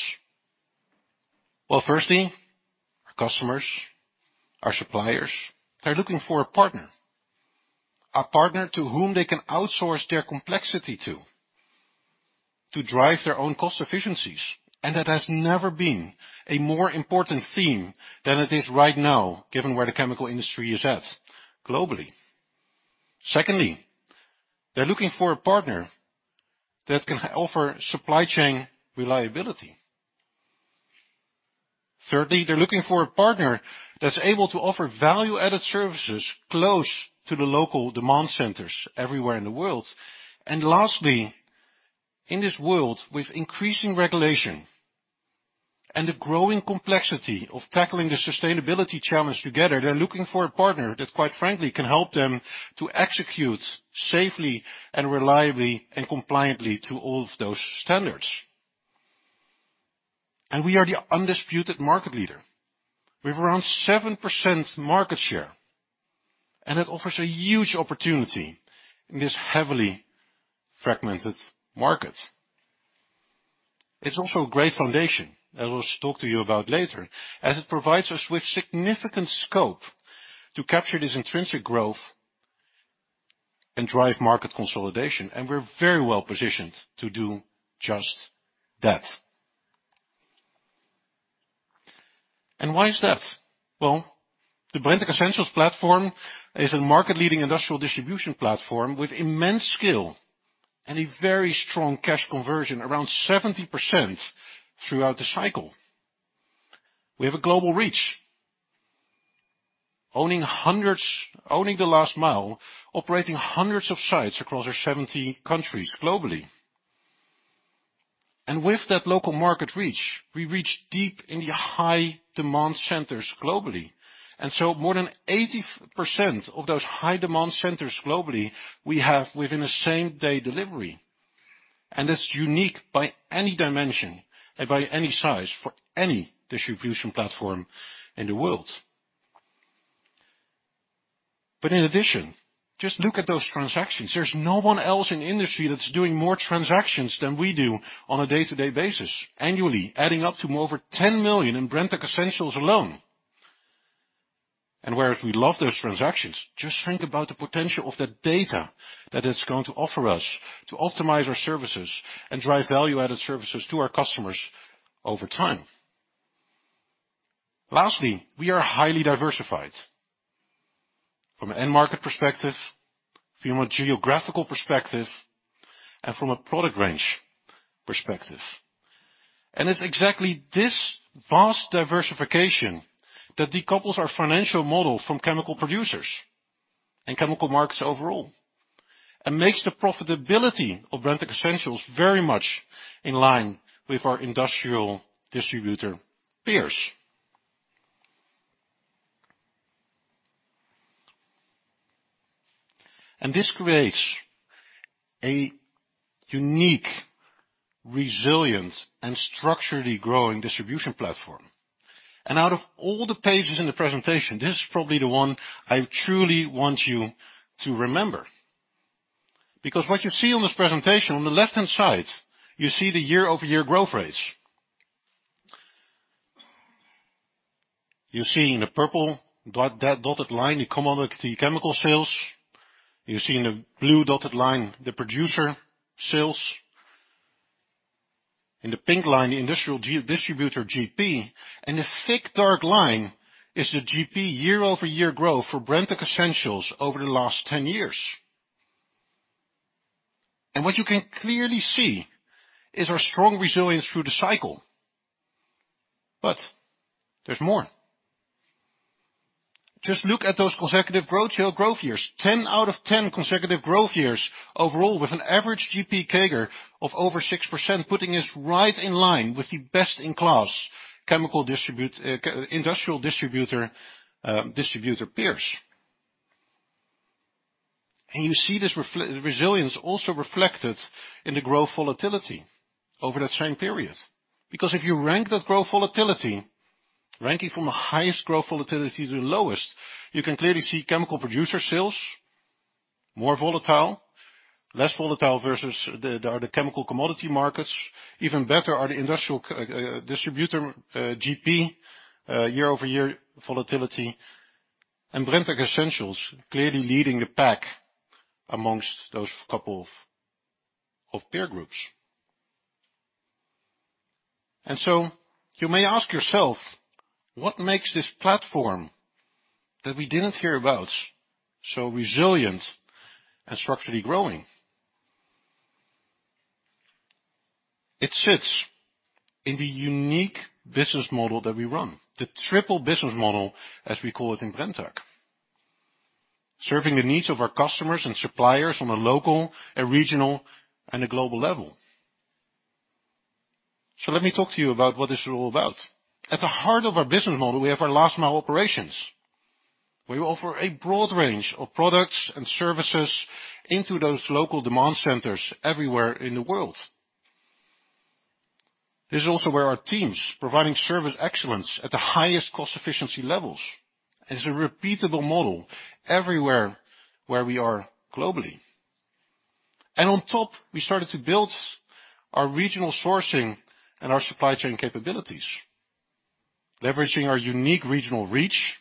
Well, firstly, our customers, our suppliers, they're looking for a partner, a partner to whom they can outsource their complexity to, to drive their own cost efficiencies. And that has never been a more important theme than it is right now, given where the chemical industry is at globally. Secondly, they're looking for a partner that can offer supply chain reliability. Thirdly, they're looking for a partner that's able to offer value-added services close to the local demand centers everywhere in the world. Lastly, in this world, with increasing regulation and the growing complexity of tackling the sustainability challenge together, they're looking for a partner that, quite frankly, can help them to execute safely and reliably and compliantly to all of those standards. We are the undisputed market leader. We have around 7% market share, and it offers a huge opportunity in this heavily fragmented market. It's also a great foundation, as we'll talk to you about later, as it provides us with significant scope to capture this intrinsic growth and drive market consolidation, and we're very well positioned to do just that. Why is that? Well, the Brenntag Essentials platform is a market-leading industrial distribution platform with immense scale and a very strong cash conversion, around 70% throughout the cycle. We have a global reach, owning hundreds, owning the Last Mile, operating hundreds of sites across our 70 countries globally. With that local market reach, we reach deep in the high demand centers globally. So more than 80% of those high demand centers globally, we have within a same-day delivery. That's unique by any dimension and by any size, for any distribution platform in the world. But in addition, just look at those transactions. There's no one else in the industry that's doing more transactions than we do on a day-to-day basis, annually, adding up to more over 10 million in Brenntag Essentials alone. Whereas we love those transactions, just think about the potential of that data that it's going to offer us to optimize our services and drive value-added services to our customers over time. Lastly, we are highly diversified from an end market perspective, from a geographical perspective, and from a product range perspective. It's exactly this vast diversification that decouples our financial model from chemical producers, and chemical markets overall. Makes the profitability of Brenntag Essentials very much in line with our industrial distributor peers. This creates a unique, resilient, and structurally growing distribution platform. Out of all the pages in the presentation, this is probably the one I truly want you to remember. Because what you see on this presentation, on the left-hand side, you see the year-over-year growth rates. You see in the purple dot, that dotted line, the commodity chemical sales. You see in the blue dotted line, the producer sales. In the pink line, the industrial distributor GP, and the thick, dark line is the GP year-over-year growth for Brenntag Essentials over the last 10 years. And what you can clearly see is our strong resilience through the cycle. But there's more. Just look at those consecutive growth years. 10 out of 10 consecutive growth years overall, with an average GP CAGR of over 6%, putting us right in line with the best-in-class chemical distributor peers. And you see this resilience also reflected in the growth volatility over that same period. Because if you rank that growth volatility, ranking from the highest growth volatility to the lowest, you can clearly see chemical producer sales, more volatile, less volatile versus the chemical commodity markets. Even better are the industrial distributor GP year-over-year volatility, and Brenntag Essentials clearly leading the pack amongst those couple of peer groups. And so you may ask yourself, "What makes this platform that we didn't hear about so resilient and structurally growing?" It sits in the unique business model that we run, the Triple business model, as we call it in Brenntag. Serving the needs of our customers and suppliers on a local, regional, and global level. So let me talk to you about what this is all about. At the heart of our business model, we have our last-mile operations, where we offer a broad range of products and services into those local demand centers everywhere in the world. This is also where our team's providing service excellence at the highest cost efficiency levels. It's a repeatable model everywhere where we are globally. And on top, we started to build our regional sourcing and our supply chain capabilities, leveraging our unique regional reach,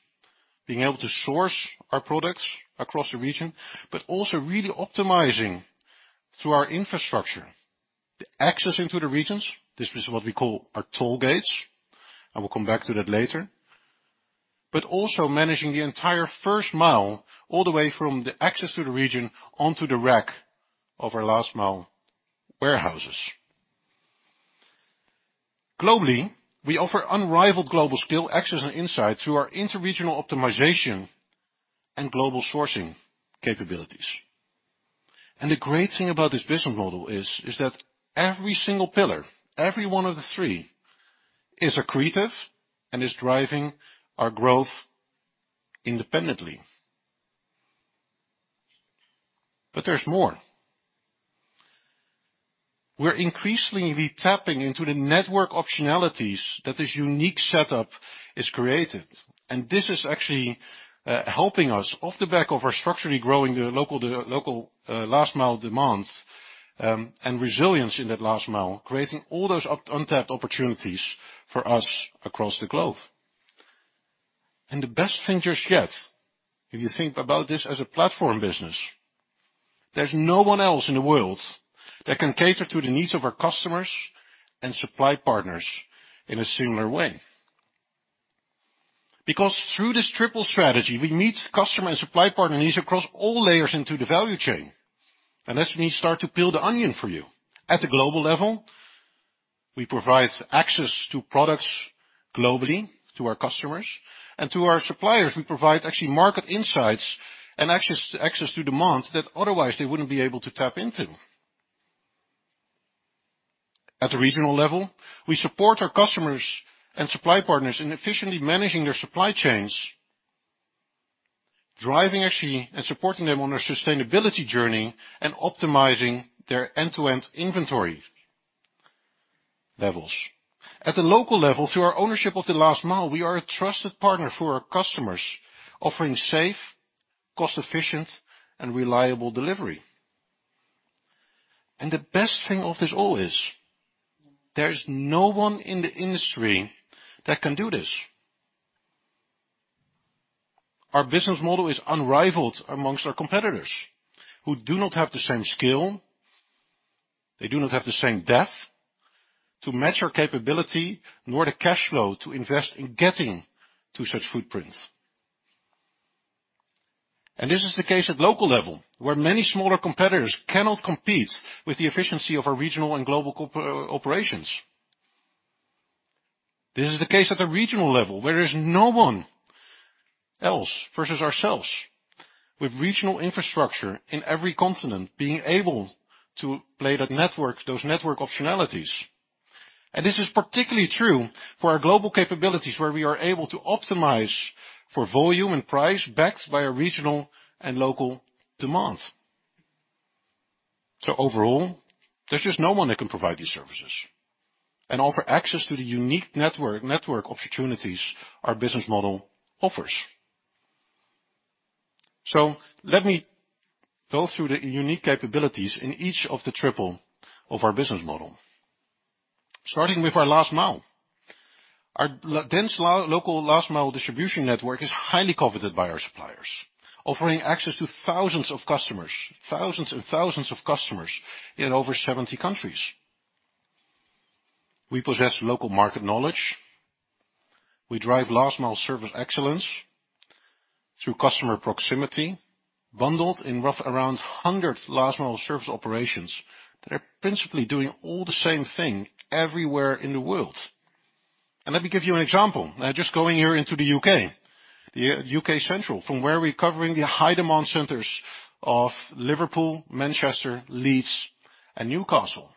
being able to source our products across the region, but also really optimizing through our infrastructure, the access into the regions. This is what we call our Toll Gates, and we'll come back to that later. But also managing the entire first mile, all the way from the access to the region, onto the rack of our last-mile warehouses. Globally, we offer unrivaled global scale, access, and insight through our inter-regional optimization and global sourcing capabilities. And the great thing about this business model is that every single pillar, every one of the three, is accretive and is driving our growth independently. But there's more. We're increasingly tapping into the network optionalities that this unique setup has created, and this is actually helping us off the back of our structurally growing the local last-mile demands, and resilience in that Last Mile, creating all those untapped opportunities for us across the globe. The best thing just yet, if you think about this as a platform business, there's no one else in the world that can cater to the needs of our customers and supply partners in a similar way. Because through this Triple strategy, we meet customer and supply partner needs across all layers into the value chain. Let me start to peel the onion for you. At the global level, we provide access to products globally to our customers, and to our suppliers, we provide actually market insights and access, access to demands that otherwise they wouldn't be able to tap into. At the regional level, we support our customers and supply partners in efficiently managing their supply chains, driving actually and supporting them on their sustainability journey, and optimizing their end-to-end inventory levels. At the local level, through our ownership of the Last Mile, we are a trusted partner for our customers, offering safe, cost-efficient, and reliable delivery. And the best thing of this all is, there's no one in the industry that can do this. Our business model is unrivaled amongst our competitors, who do not have the same skill. They do not have the same depth to match our capability, nor the cash flow to invest in getting to such footprints. This is the case at local level, where many smaller competitors cannot compete with the efficiency of our regional and global core operations. This is the case at the regional level, where there is no one else versus ourselves. With regional infrastructure in every continent, being able to play that network, those network optionalities. This is particularly true for our global capabilities, where we are able to optimize for volume and price, backed by a regional and local demand. Overall, there's just no one that can provide these services and offer access to the unique network, network opportunities our business model offers. Let me go through the unique capabilities in each of the Triple of our business model. Starting with our Last Mile. Our dense local Last Mile distribution network is highly coveted by our suppliers, offering access to thousands of customers, thousands and thousands of customers in over 70 countries. We possess local market knowledge, we drive Last Mile service excellence through customer proximity, bundled in roughly around 100 Last Mile service operations that are principally doing all the same thing everywhere in the world. And let me give you an example. Now, just going here into the U.K.. The U.K. Central, from where we're covering the high-demand centers of Liverpool, Manchester, Leeds, and Newcastle.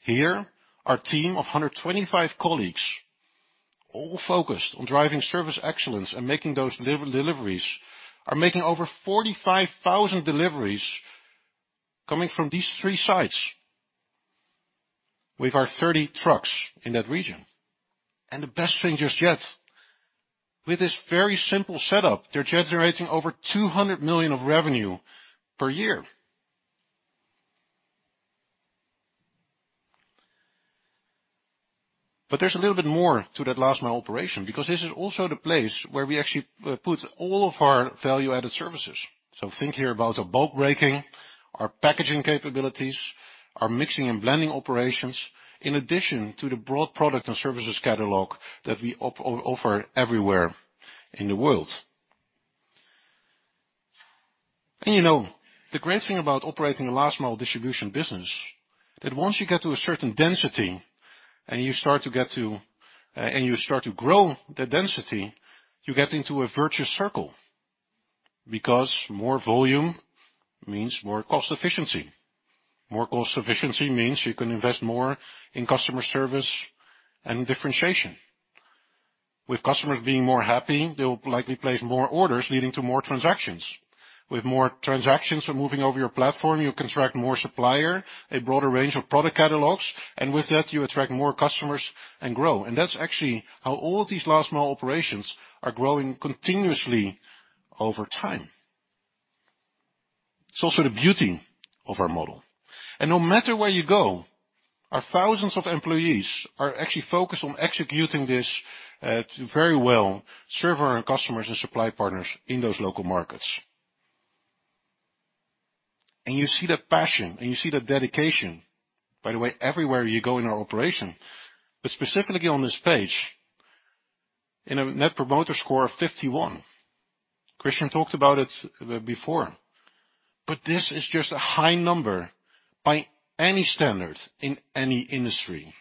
Here, our team of 125 colleagues, all focused on driving service excellence and making those deliveries, are making over 45,000 deliveries coming from these three sites with our 30 trucks in that region. The best thing just yet, with this very simple setup, they're generating over 200 million of revenue per year. But there's a little bit more to that Last Mile operation, because this is also the place where we actually put all of our value-added services. So think here about our bulk breaking, our packaging capabilities, our mixing and blending operations, in addition to the broad product and services catalog that we offer everywhere in the world. And you know, the great thing about operating a Last Mile distribution business, that once you get to a certain density and you start to get to and you start to grow the density, you get into a virtuous circle. Because more volume means more cost efficiency. More cost efficiency means you can invest more in customer service and differentiation. With customers being more happy, they will likely place more orders, leading to more transactions. With more transactions moving over your platform, you attract more supplier, a broader range of product catalogs, and with that, you attract more customers and grow. That's actually how all of these Last Mile Operations are growing continuously over time. It's also the beauty of our model. No matter where you go, our thousands of employees are actually focused on executing this to very well serve our customers and supply partners in those local markets. You see that passion, and you see that dedication, by the way, everywhere you go in our operation. But specifically on this page, in a Net Promoter Score of 51. Christian talked about it before, but this is just a high number by any standard in any industry.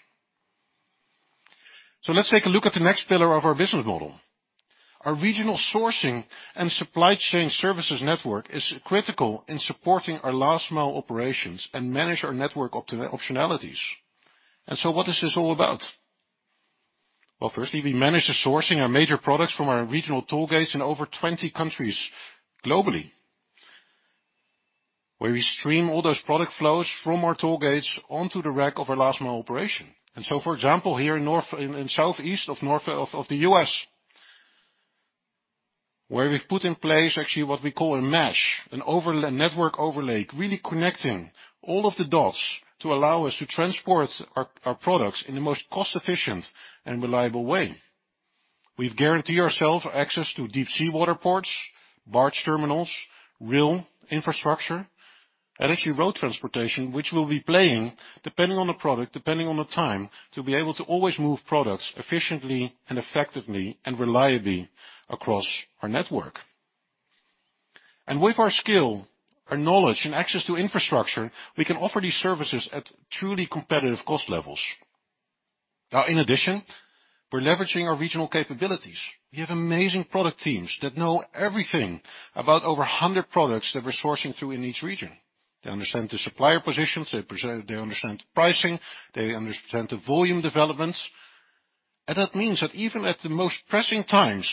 So let's take a look at the next pillar of our business model. Our regional sourcing and supply chain services network is critical in supporting our Last Mile operations and manage our network optionalities. And so what is this all about? Well, firstly, we manage the sourcing of major products from our regional toll gates in over 20 countries globally, where we stream all those product flows from our toll gates onto the rack of our Last Mile operation. And so, for example, here in the Southeast of the U.S., where we've put in place actually what we call a mesh, a network overlay, really connecting all of the dots to allow us to transport our products in the most cost-efficient and reliable way. We've guaranteed ourselves access to deep sea water ports, barge terminals, rail infrastructure, and actually road transportation, which we'll be playing, depending on the product, depending on the time, to be able to always move products efficiently and effectively and reliably across our network. And with our skill, our knowledge, and access to infrastructure, we can offer these services at truly competitive cost levels. Now, in addition, we're leveraging our regional capabilities. We have amazing product teams that know everything about over a hundred products that we're sourcing through in each region. They understand the supplier positions, they understand the pricing, they understand the volume developments. And that means that even at the most pressing times,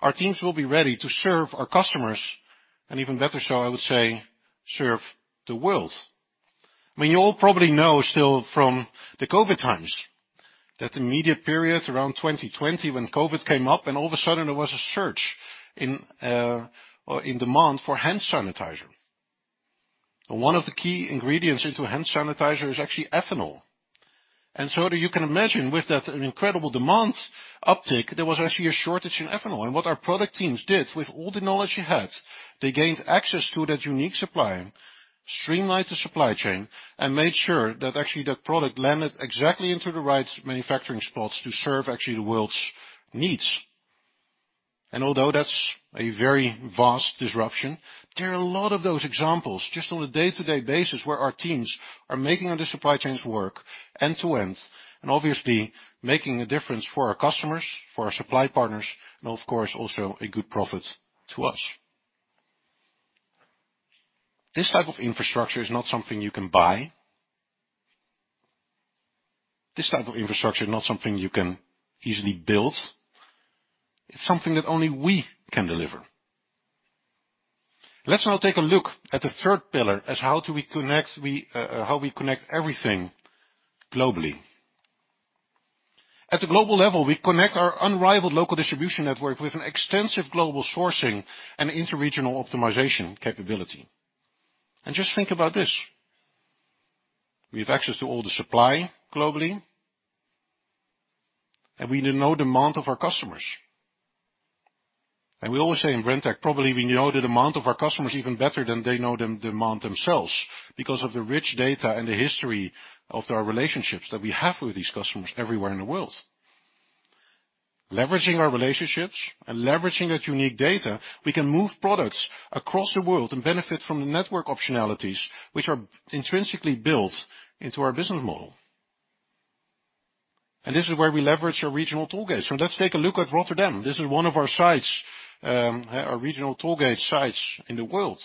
our teams will be ready to serve our customers, and even better so, I would say, serve the world. I mean, you all probably know still from the COVID times, that the immediate periods around 2020, when COVID came up, and all of a sudden there was a surge in demand for hand sanitizer. One of the key ingredients into hand sanitizer is actually ethanol. And so you can imagine with that incredible demand uptick, there was actually a shortage in ethanol. And what our product teams did with all the knowledge they had, they gained access to that unique supplier, streamline the supply chain, and made sure that actually that product landed exactly into the right manufacturing spots to serve actually the world's needs. Although that's a very vast disruption, there are a lot of those examples, just on a day-to-day basis, where our teams are making all the supply chains work end-to-end, and obviously, making a difference for our customers, for our supply partners, and of course, also a good profit to us. This type of infrastructure is not something you can buy. This type of infrastructure is not something you can easily build. It's something that only we can deliver. Let's now take a look at the third pillar as how do we connect we, how we connect everything globally. At the global level, we connect our unrivaled local distribution network with an extensive global sourcing and inter-regional optimization capability. And just think about this: we have access to all the supply globally, and we know the amount of our customers. We always say in Brenntag, probably we know the demand of our customers even better than they know the, the demand themselves, because of the rich data and the history of our relationships that we have with these customers everywhere in the world. Leveraging our relationships and leveraging that unique data, we can move products across the world and benefit from the network optionalities, which are intrinsically built into our business model. This is where we leverage our regional toll gates. Let's take a look at Rotterdam. This is one of our sites, our regional toll gate sites in the world,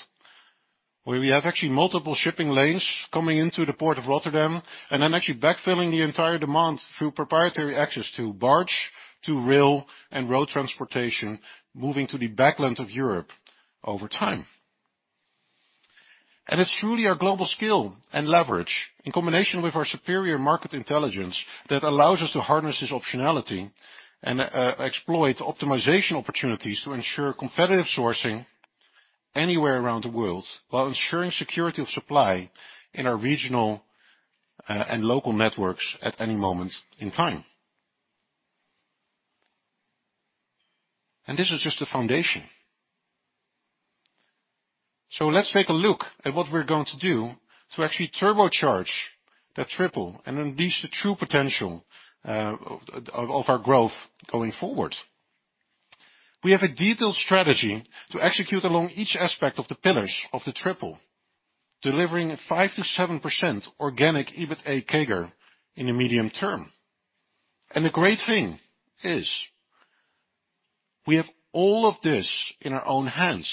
where we have actually multiple shipping lanes coming into the port of Rotterdam, and then actually backfilling the entire demand through proprietary access to barge, to rail, and road transportation, moving to the backland of Europe over time. And it's truly our global scale and leverage, in combination with our superior market intelligence, that allows us to harness this optionality and exploit optimization opportunities to ensure competitive sourcing anywhere around the world, while ensuring security of supply in our regional and local networks at any moment in time. And this is just the foundation. So let's take a look at what we're going to do to actually turbocharge that Triple and unleash the true potential of our growth going forward. We have a detailed strategy to execute along each aspect of the pillars of the Triple, delivering a 5%-7% organic EBITDA CAGR in the medium term. And the great thing is, we have all of this in our own hands.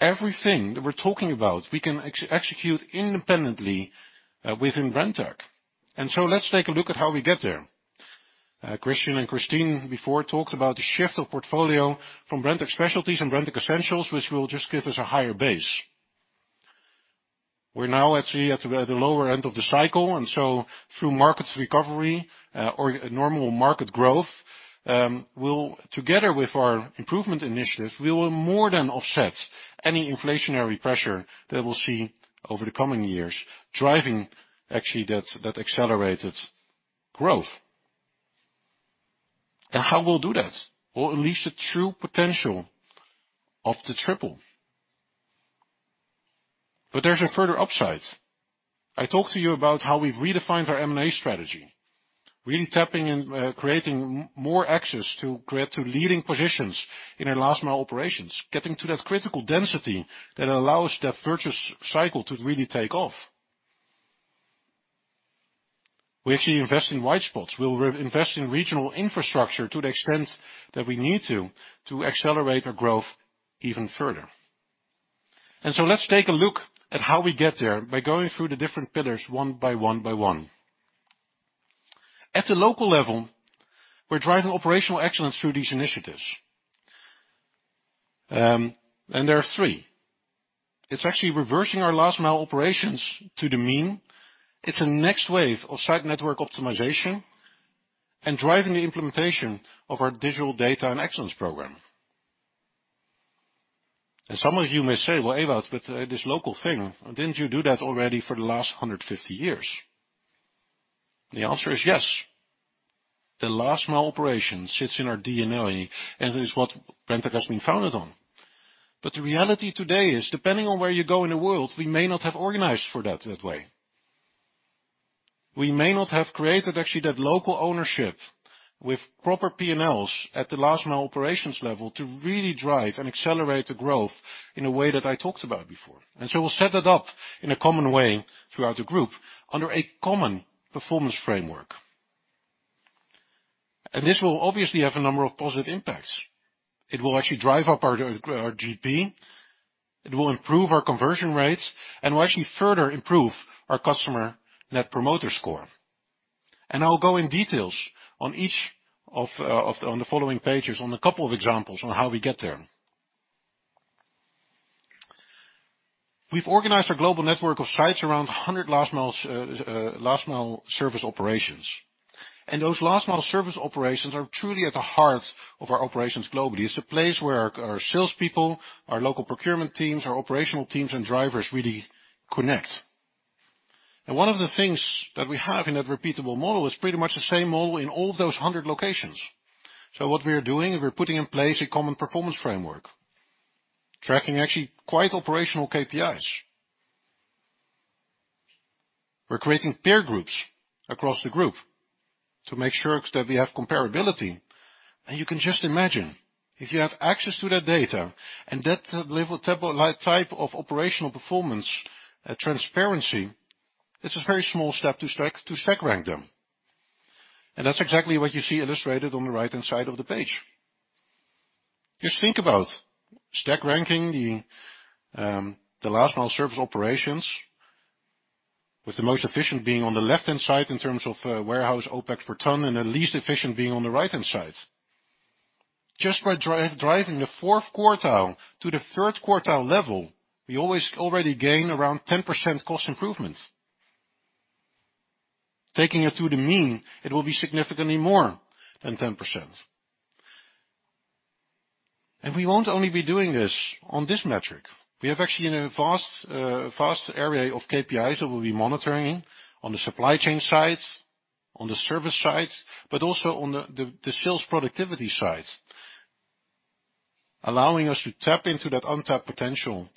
Everything that we're talking about, we can execute independently within Brenntag. Let's take a look at how we get there. Christian and Kristin before talked about the shift of portfolio from Brenntag Specialties and Brenntag Essentials, which will just give us a higher base. We're now actually at the lower end of the cycle, and so through market recovery or normal market growth, we'll together with our improvement initiatives, we will more than offset any inflationary pressure that we'll see over the coming years, driving actually that accelerated growth. And how we'll do that? We'll unleash the true potential of the Triple. But there's a further upside. I talked to you about how we've redefined our M&A strategy, really tapping and creating more access to leading positions in our last-mile operations, getting to that critical density that allows that virtuous cycle to really take off. We actually invest in white spots. We'll reinvest in regional infrastructure to the extent that we need to, to accelerate our growth even further. And so let's take a look at how we get there by going through the different pillars one by one by one. At the local level, we're driving operational excellence through these initiatives. And there are three. It's actually reversing our last-mile operations to the mean. It's a next wave of site network optimization and driving the implementation of our digital data and excellence program. And some of you may say, "Well, Ewout, but, this local thing, didn't you do that already for the last 150 years?" "The answer is yes. The last-mile operation sits in our DNA, and it is what Brenntag has been founded on. The reality today is, depending on where you go in the world, we may not have organized for that that way. We may not have created actually that local ownership with proper P&Ls at the last-mile operations level to really drive and accelerate the growth in a way that I talked about before. So we'll set that up in a common way throughout the group under a common performance framework. This will obviously have a number of positive impacts. It will actually drive up our GP, it will improve our conversion rates, and will actually further improve our customer net promoter score. I'll go into details on each of the... On the following pages, on a couple of examples on how we get there. We've organized our global network of sites around 100 last-mile service operations, and those last-mile service operations are truly at the heart of our operations globally. It's a place where our salespeople, our local procurement teams, our operational teams, and drivers really connect. And one of the things that we have in that repeatable model is pretty much the same model in all those 100 locations. So what we are doing is we're putting in place a common performance framework, tracking actually quite operational KPIs. We're creating peer groups across the group to make sure that we have comparability. And you can just imagine, if you have access to that data and that level type of operational performance transparency, it's a very small step to stack rank them. And that's exactly what you see illustrated on the right-hand side of the page. Just think about stack ranking the Last Mile service operations, with the most efficient being on the left-hand side in terms of warehouse OpEx per ton, and the least efficient being on the right-hand side. Just by driving the fourth quartile to the third quartile level, we always already gain around 10% cost improvements. Taking it to the mean, it will be significantly more than 10%. We won't only be doing this on this metric. We have actually a vast area of KPIs that we'll be monitoring on the supply chain side, on the service side, but also on the sales productivity side. Allowing us to tap into that untapped potential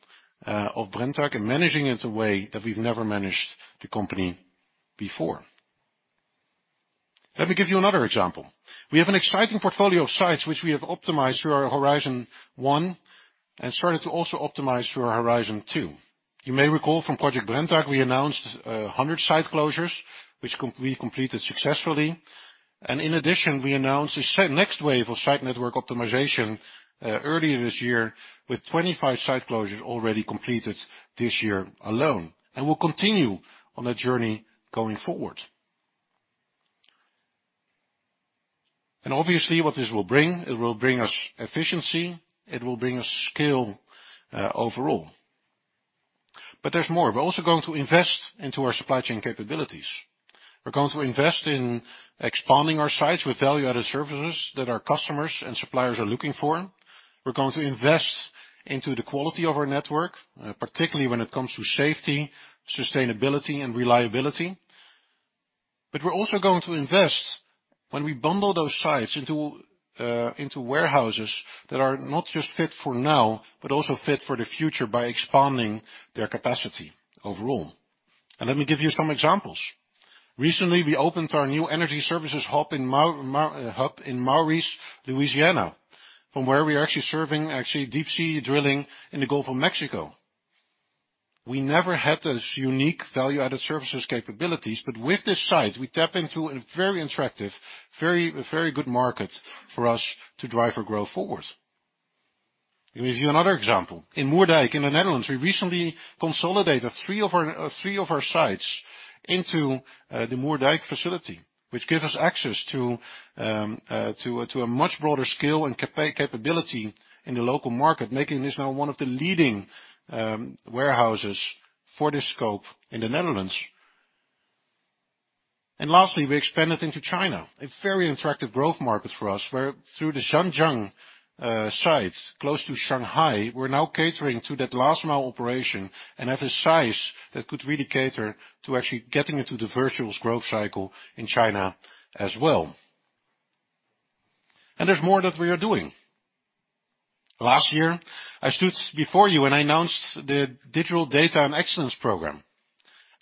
of Brenntag and managing it in a way that we've never managed the company before. Let me give you another example. We have an exciting portfolio of sites which we have optimized through our Horizon 1, and started to also optimize through our Horizon 2. You may recall from Project Brenntag, we announced a hundred site closures, which we completed successfully. In addition, we announced the next wave of site network optimization earlier this year, with 25 site closures already completed this year alone. We'll continue on that journey going forward. Obviously, what this will bring, it will bring us efficiency, it will bring us scale overall. But there's more. We're also going to invest into our supply chain capabilities. We're going to invest in expanding our sites with value-added services that our customers and suppliers are looking for. We're going to invest into the quality of our network, particularly when it comes to safety, sustainability, and reliability. But we're also going to invest when we bundle those sites into warehouses that are not just fit for now, but also fit for the future by expanding their capacity overall. Let me give you some examples. Recently, we opened our new energy services hub in Maurice, Louisiana, from where we are actually serving deep-sea drilling in the Gulf of Mexico. We never had those unique value-added services capabilities, but with this site, we tap into a very attractive, very good market for us to drive our growth forward. Let me give you another example. In Moerdijk, in the Netherlands, we recently consolidated three of our sites into the Moerdijk facility, which gives us access to a much broader scale and capability in the local market, making this now one of the leading warehouses for this scope in the Netherlands. And lastly, we expanded into China, a very attractive growth market for us, where through the Zhangjiagang site, close to Shanghai, we're now catering to that Last Mile operation and at a size that could really cater to actually getting into the virtuous growth cycle in China as well. And there's more that we are doing. Last year, I stood before you and I announced the Digital Data and Excellence program,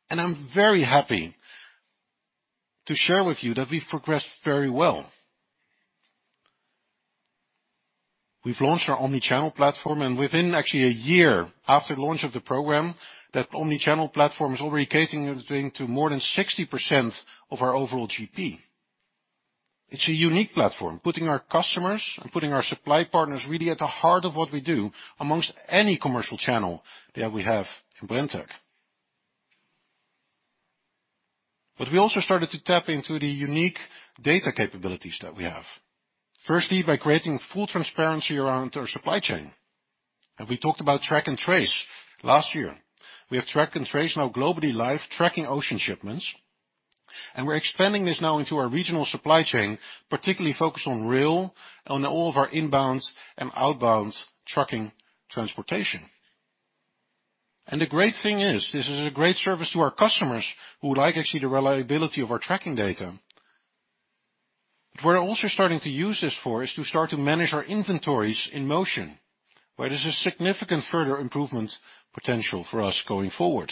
and I'm very happy to share with you that we've progressed very well. We've launched our omnichannel platform, and within actually a year after launch of the program, that omnichannel platform is already catering to more than 60% of our overall GP. It's a unique platform, putting our customers and putting our supply partners really at the heart of what we do, among any commercial channel that we have in Brenntag. But we also started to tap into the unique data capabilities that we have. Firstly, by creating full transparency around our supply chain. We talked about track and trace last year. We have track and trace now globally live, tracking ocean shipments, and we're expanding this now into our regional supply chain, particularly focused on rail, on all of our inbounds and outbounds trucking transportation. The great thing is, this is a great service to our customers, who like actually the reliability of our tracking data. What we're also starting to use this for, is to start to manage our inventories in motion, where there's a significant further improvement potential for us going forward.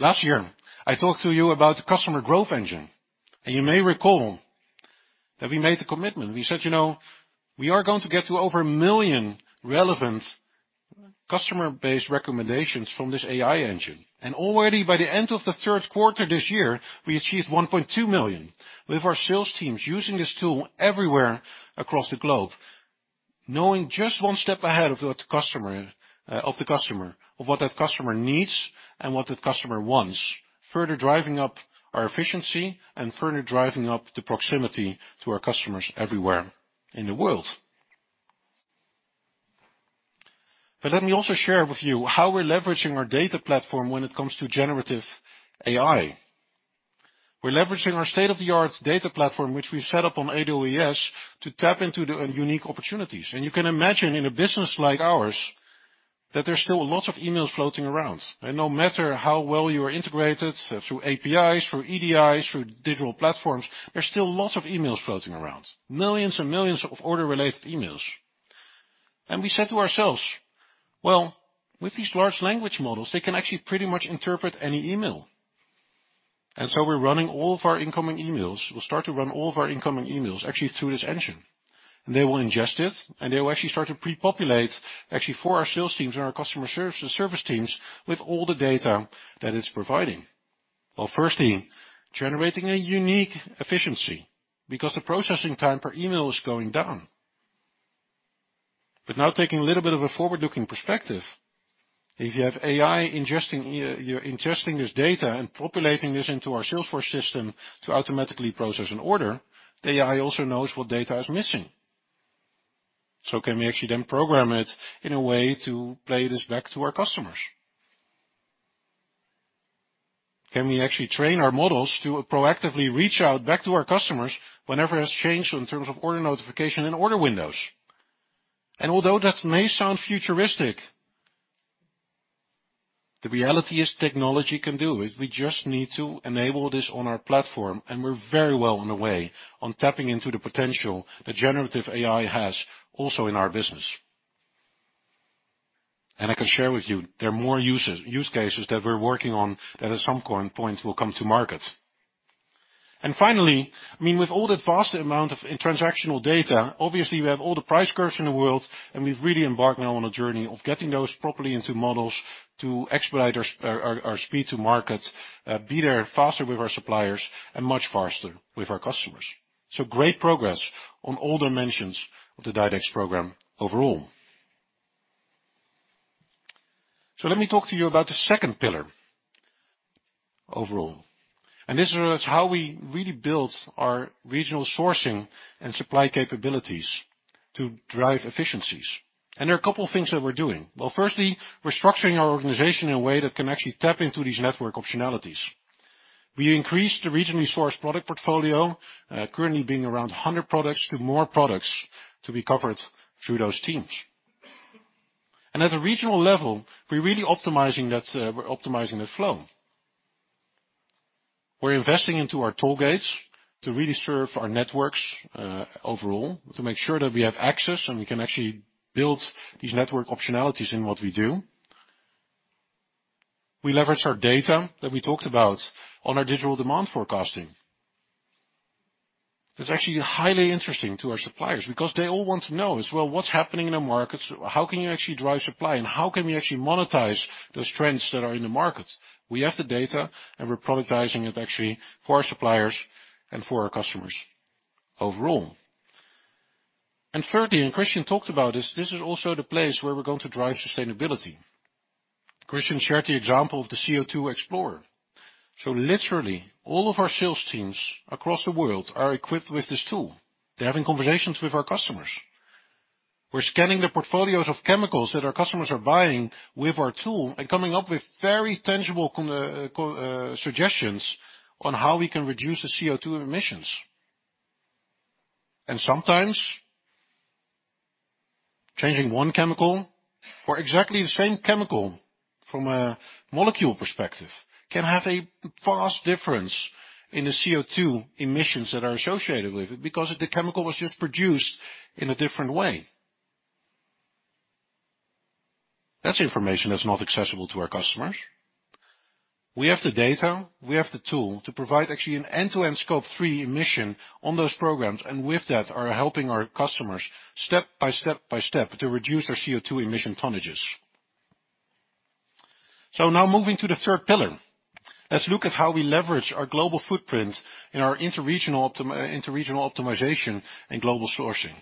Last year, I talked to you about the Customer Growth Engine, and you may recall that we made a commitment. We said, "You know, we are going to get to over 1 million relevant customer-based recommendations from this AI engine." And already by the end of the third quarter this year, we achieved 1.2 million. We have our sales teams using this tool everywhere across the globe, knowing just one step ahead of the customer, of what that customer needs and what that customer wants, further driving up our efficiency and further driving up the proximity to our customers everywhere in the world. But let me also share with you how we're leveraging our data platform when it comes to generative AI... We're leveraging our state-of-the-art data platform, which we set up on AWS, to tap into the unique opportunities. And you can imagine, in a business like ours, that there's still a lot of emails floating around. And no matter how well you are integrated through APIs, through EDIs, through digital platforms, there's still lots of emails floating around, millions and millions of order-related emails. We said to ourselves, "Well, with these large language models, they can actually pretty much interpret any email." We'll start to run all of our incoming emails actually through this engine, and they will ingest it, and they will actually start to prepopulate, actually, for our sales teams and our customer service teams with all the data that it's providing. Well, firstly, generating a unique efficiency, because the processing time per email is going down. But now taking a little bit of a forward-looking perspective, if you have AI ingesting, you're ingesting this data and populating this into our Salesforce system to automatically process an order, the AI also knows what data is missing. So can we actually then program it in a way to play this back to our customers? Can we actually train our models to proactively reach out back to our customers whenever there's changed in terms of order notification and order windows? And although that may sound futuristic, the reality is technology can do it. We just need to enable this on our platform, and we're very well on the way on tapping into the potential that generative AI has also in our business. And I can share with you, there are more uses, use cases that we're working on that at some point will come to market. And finally, I mean, with all that vast amount of transactional data, obviously, we have all the price curves in the world, and we've really embarked now on a journey of getting those properly into models to expedite our speed to market, be there faster with our suppliers and much faster with our customers. Great progress on all dimensions of the DiDEX program overall. So let me talk to you about the second pillar overall, and this is how we really built our regional sourcing and supply capabilities to drive efficiencies. And there are a couple of things that we're doing. Well, firstly, we're structuring our organization in a way that can actually tap into these network optionalities. We increased the regionally sourced product portfolio, currently being around 100 products, to more products to be covered through those teams. And at a regional level, we're really optimizing that, we're optimizing the flow. We're investing into our toll gates to really serve our networks, overall, to make sure that we have access, and we can actually build these network optionalities in what we do. We leverage our data that we talked about on our digital demand forecasting. That's actually highly interesting to our suppliers because they all want to know as well, what's happening in the markets? How can you actually drive supply, and how can we actually monetize those trends that are in the market? We have the data, and we're productizing it actually for our suppliers and for our customers overall. And thirdly, and Christian talked about this, this is also the place where we're going to drive sustainability. Christian shared the example of the CO2Xplorer. So literally, all of our sales teams across the world are equipped with this tool. They're having conversations with our customers. We're scanning the portfolios of chemicals that our customers are buying with our tool and coming up with very tangible concrete suggestions on how we can reduce the CO2 emissions. And sometimes, changing one chemical or exactly the same chemical from a molecule perspective, can have a vast difference in the CO2 emissions that are associated with it, because the chemical was just produced in a different way. That's information that's not accessible to our customers. We have the data, we have the tool to provide actually an end-to-end Scope 3 emission on those programs, and with that, are helping our customers step by step by step, to reduce their CO2 emission tonnages. So now moving to the third pillar. Let's look at how we leverage our global footprint in our interregional optimization and global sourcing.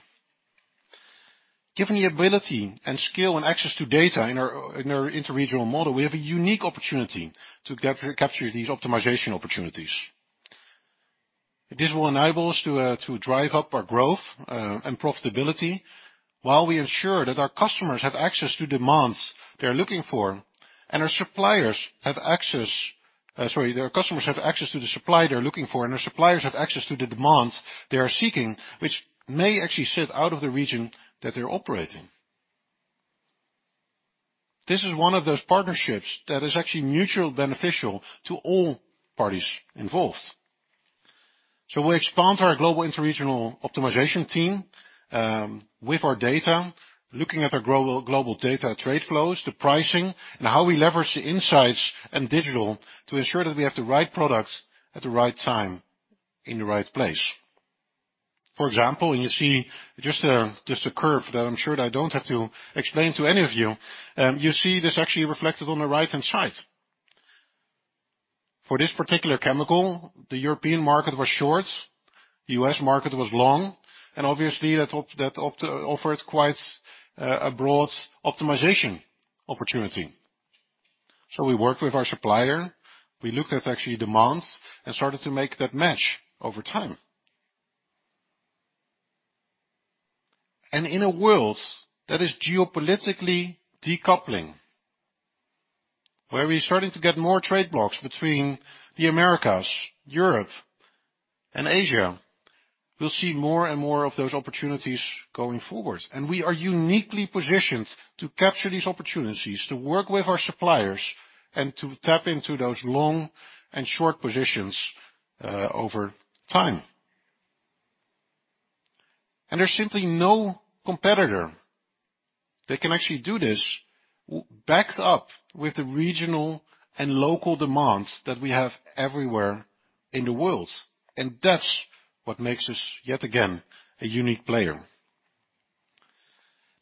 Given the ability and skill and access to data in our, in our interregional model, we have a unique opportunity to capture these optimization opportunities. This will enable us to drive up our growth and profitability, while we ensure that our customers have access to demands they are looking for, and our suppliers have access... their customers have access to the supply they're looking for, and our suppliers have access to the demands they are seeking, which may actually sit out of the region that they're operating. This is one of those partnerships that is actually mutually beneficial to all parties involved. So we expanded our global interregional optimization team with our data, looking at our global global data trade flows, the pricing, and how we leverage the insights and digital to ensure that we have the right products at the right time in the right place. For example, when you see just a curve that I'm sure I don't have to explain to any of you, you see this actually reflected on the right-hand side. For this particular chemical, the European market was short, the U.S. market was long, and obviously, that offered quite a broad optimization opportunity. So we worked with our supplier, we looked at actually demands and started to make that match over time. In a world that is geopolitically decoupling, where we're starting to get more trade blocks between the Americas, Europe, and Asia, we'll see more and more of those opportunities going forward. We are uniquely positioned to capture these opportunities, to work with our suppliers, and to tap into those long and short positions over time. There's simply no competitor that can actually do this, backs up with the regional and local demands that we have everywhere in the world. That's what makes us, yet again, a unique player.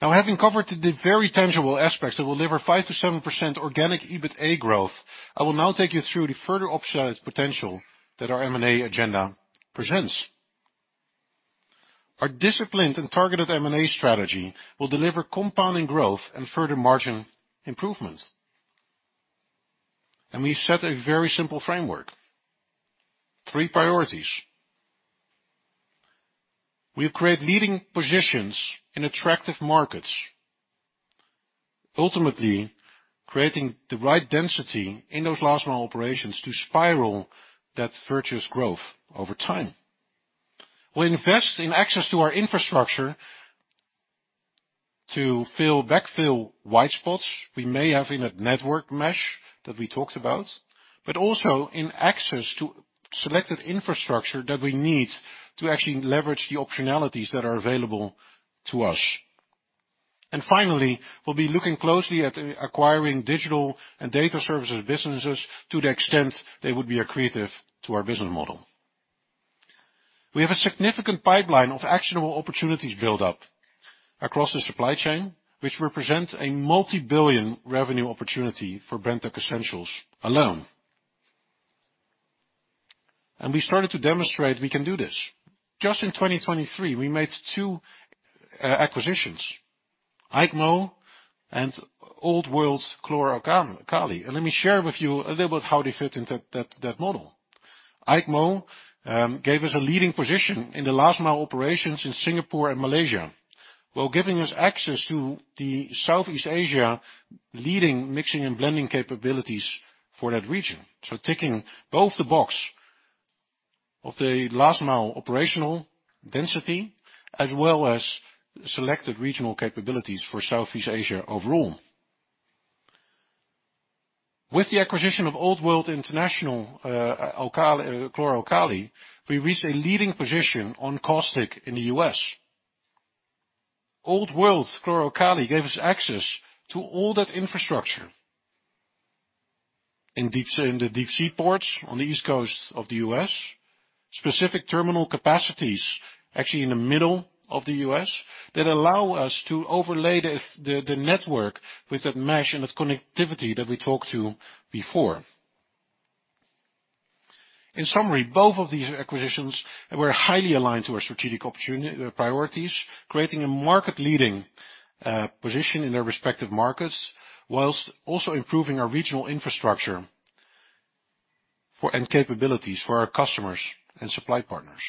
Now, having covered the very tangible aspects that will deliver 5%-7% organic EBITDA growth, I will now take you through the further upside potential that our M&A agenda presents. Our disciplined and targeted M&A strategy will deliver compounding growth and further margin improvement. We set a very simple framework. Three priorities: We create leading positions in attractive markets, ultimately creating the right density in those last-mile operations to spiral that virtuous growth over time. We invest in access to our infrastructure to backfill white spots we may have in that network mesh that we talked about, but also in access to selected infrastructure that we need to actually leverage the optionalities that are available to us. And finally, we'll be looking closely at acquiring digital and data services businesses to the extent they would be accretive to our business model. We have a significant pipeline of actionable opportunities built up across the supply chain, which represents a multi-billion revenue opportunity for Brenntag Essentials alone. And we started to demonstrate we can do this. Just in 2023, we made two acquisitions, Aik Moh and Old World Chlor-Alkali. And let me share with you a little about how they fit into that model. Aik Moh gave us a leading position in the Last Mile operations in Singapore and Malaysia, while giving us access to the Southeast Asia leading mixing and blending capabilities for that region. So ticking both the box of the Last Mile operational density, as well as selected regional capabilities for Southeast Asia overall. With the acquisition of Old World Industries, Alkali, Chlor-Alkali, we reached a leading position on caustic in the U.S. Old World's Chlor-Alkali gave us access to all that infrastructure. In the deep sea ports on the East Coast of the U.S., specific terminal capacities, actually in the middle of the U.S., that allow us to overlay the network with that mesh and that connectivity that we talked to before. In summary, both of these acquisitions were highly aligned to our strategic opportunity priorities, creating a market-leading position in their respective markets, while also improving our regional infrastructure and capabilities for our customers and supply partners.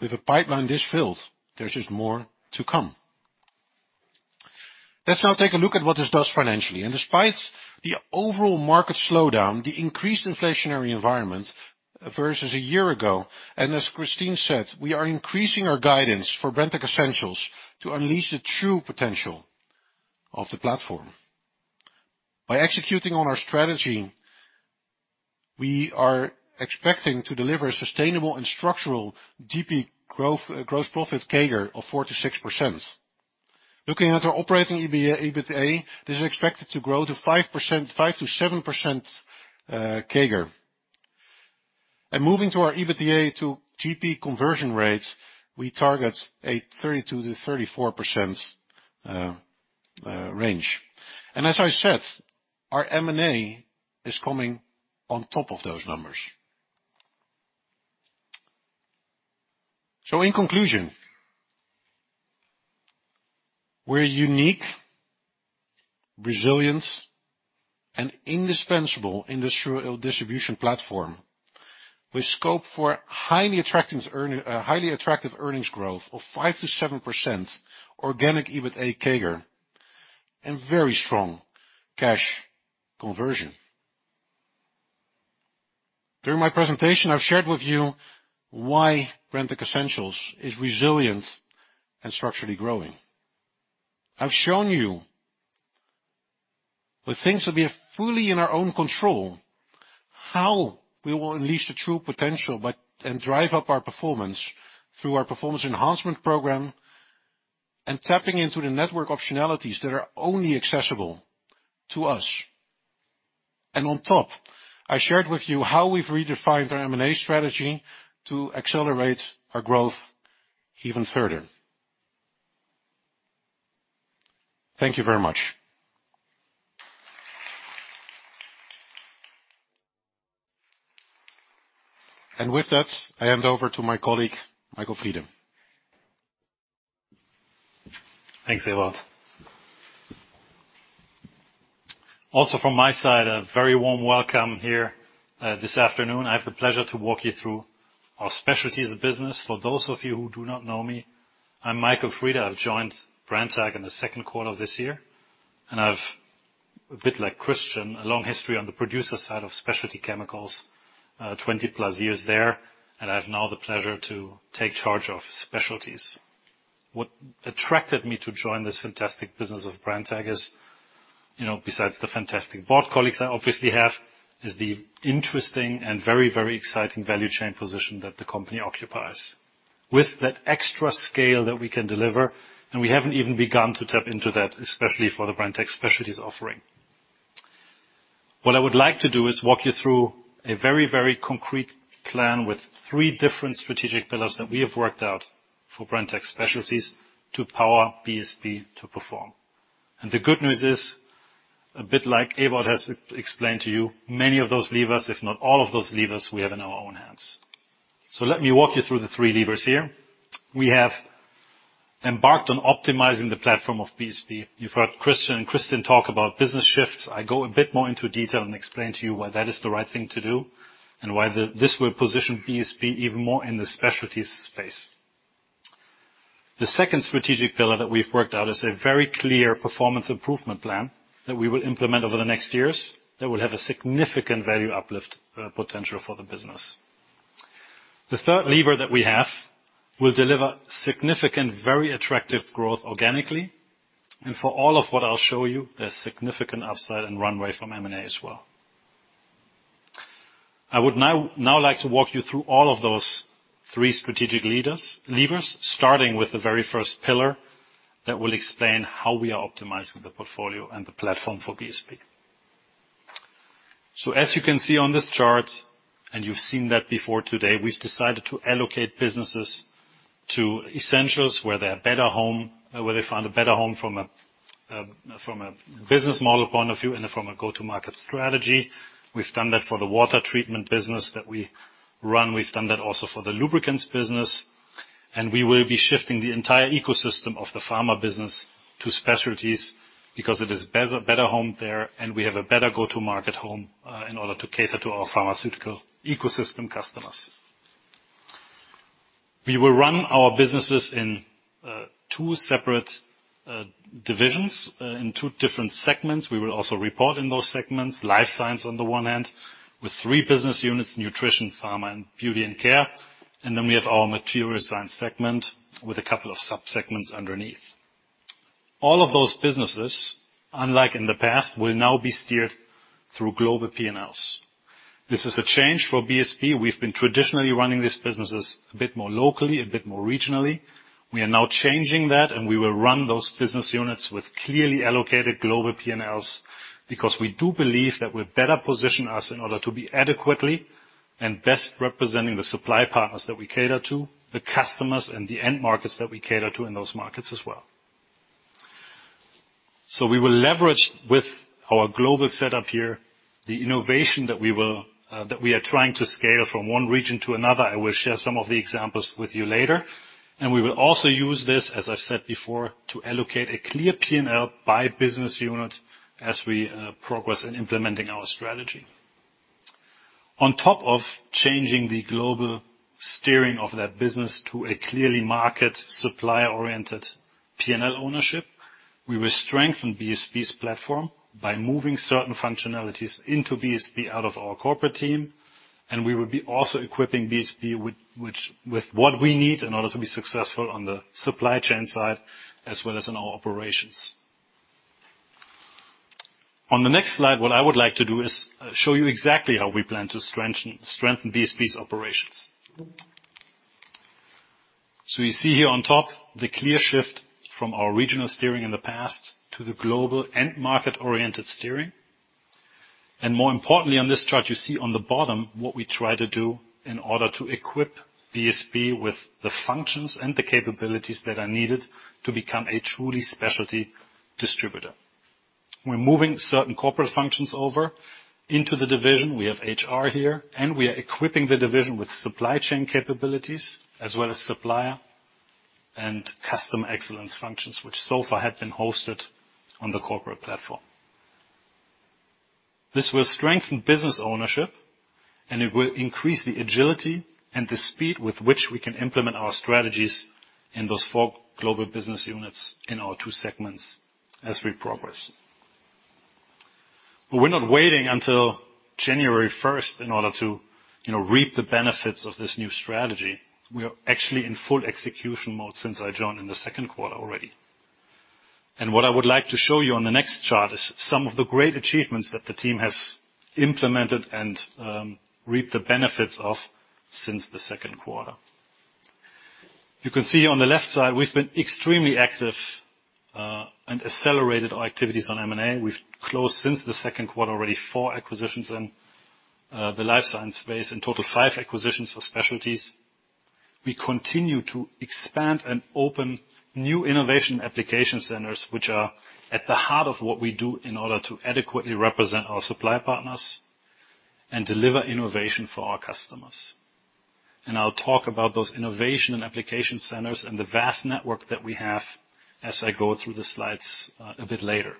With a pipeline this filled, there's just more to come. Let's now take a look at what this does financially. Despite the overall market slowdown, the increased inflationary environment versus a year ago, and as Kristin said, we are increasing our guidance for Brenntag Essentials to unleash the true potential of the platform. By executing on our strategy, we are expecting to deliver sustainable and structural GP growth, gross profit CAGR of 4%-6%. Looking at our operating EBITDA, EBITDA is expected to grow 5%-7% CAGR. Moving to our EBITDA to GP conversion rates, we target a 32%-34% range. As I said, our M&A is coming on top of those numbers. So in conclusion, we're a unique, resilient, and indispensable industrial distribution platform, with scope for highly attractive earnings growth of 5%-7% organic EBITDA CAGR, and very strong cash conversion. During my presentation, I've shared with you why Brenntag Essentials is resilient and structurally growing. I've shown you the things that we have fully in our own control, how we will unleash the true potential, and drive up our performance through our performance enhancement program, and tapping into the network optionalities that are only accessible to us. And on top, I shared with you how we've redefined our M&A strategy to accelerate our growth even further. Thank you very much. With that, I hand over to my colleague, Michael Friede. Thanks a lot. Also from my side, a very warm welcome here this afternoon. I have the pleasure to walk you through our specialties business. For those of you who do not know me, I'm Michael Friede. I've joined Brenntag in the second quarter of this year, and I've, a bit like Christian, a long history on the producer side of specialty chemicals, 20+ years there, and I have now the pleasure to take charge of specialties. What attracted me to join this fantastic business of Brenntag is, you know, besides the fantastic board colleagues I obviously have, is the interesting and very, very exciting value chain position that the company occupies. With that extra scale that we can deliver, and we haven't even begun to tap into that, especially for the Brenntag Specialties offering. What I would like to do is walk you through a very, very concrete plan with three different strategic pillars that we have worked out for Brenntag Specialties to power BSP to perform. The good news is, a bit like Ewout has explained to you, many of those levers, if not all of those levers, we have in our own hands. So let me walk you through the three levers here. We have embarked on optimizing the platform of BSP. You've heard Christian and Kristin talk about business shifts. I go a bit more into detail and explain to you why that is the right thing to do, and why this will position BSP even more in the specialties space. The second strategic pillar that we've worked out is a very clear performance improvement plan that we will implement over the next years, that will have a significant value uplift, potential for the business. The third lever that we have will deliver significant, very attractive growth organically, and for all of what I'll show you, there's significant upside and runway from M&A as well. I would now like to walk you through all of those three strategic levers, starting with the very first pillar that will explain how we are optimizing the portfolio and the platform for BSP. So as you can see on this chart, and you've seen that before today, we've decided to allocate businesses to Essentials, where they're better home, where they find a better home from a, from a business model point of view and from a go-to-market strategy. We've done that for the water treatment business that we run. We've done that also for the lubricants business, and we will be shifting the entire ecosystem of the Pharma business to specialties because it is better home there, and we have a better go-to-market home in order to cater to our Pharmaceutical ecosystem customers. We will run our businesses in two separate divisions in two different segments. We will also report in those segments, Life Science on the one hand, with three business units, Nutrition, Pharma, and Beauty & Care. And then we have our Material Science segment, with a couple of sub-segments underneath. All of those businesses, unlike in the past, will now be steered through global P&Ls. This is a change for BSP. We've been traditionally running these businesses a bit more locally, a bit more regionally. We are now changing that, and we will run those business units with clearly allocated global P&Ls, because we do believe that will better position us in order to be adequately and best representing the supply partners that we cater to, the customers, and the end markets that we cater to in those markets as well. So we will leverage with our global setup here, the innovation that we will, that we are trying to scale from one region to another. I will share some of the examples with you later. And we will also use this, as I've said before, to allocate a clear P&L by business unit as we, progress in implementing our strategy. On top of changing the global steering of that business to a clearly market, supplier-oriented P&L ownership, we will strengthen BSP's platform by moving certain functionalities into BSP out of our corporate team, and we will be also equipping BSP with what we need in order to be successful on the supply chain side, as well as in our operations. On the next slide, what I would like to do is show you exactly how we plan to strengthen BSP's operations. So you see here on top, the clear shift from our regional steering in the past to the global end market-oriented steering. And more importantly, on this chart, you see on the bottom, what we try to do in order to equip BSP with the functions and the capabilities that are needed to become a truly specialty distributor. We're moving certain corporate functions over into the division. We have HR here, and we are equipping the division with supply chain capabilities, as well as supplier and custom excellence functions, which so far had been hosted on the corporate platform. This will strengthen business ownership, and it will increase the agility and the speed with which we can implement our strategies in those four global business units in our two segments as we progress. But we're not waiting until January first in order to, you know, reap the benefits of this new strategy. We are actually in full execution mode since I joined in the second quarter already. And what I would like to show you on the next chart is some of the great achievements that the team has implemented and reaped the benefits of since the second quarter. You can see on the left side, we've been extremely active and accelerated our activities on M&A. We've closed, since the second quarter already, four acquisitions in the Life Science space, and total five acquisitions for specialties. We continue to expand and open new innovation application centers, which are at the heart of what we do in order to adequately represent our supply partners... and deliver innovation for our customers. I'll talk about those innovation and application centers and the vast network that we have as I go through the slides a bit later.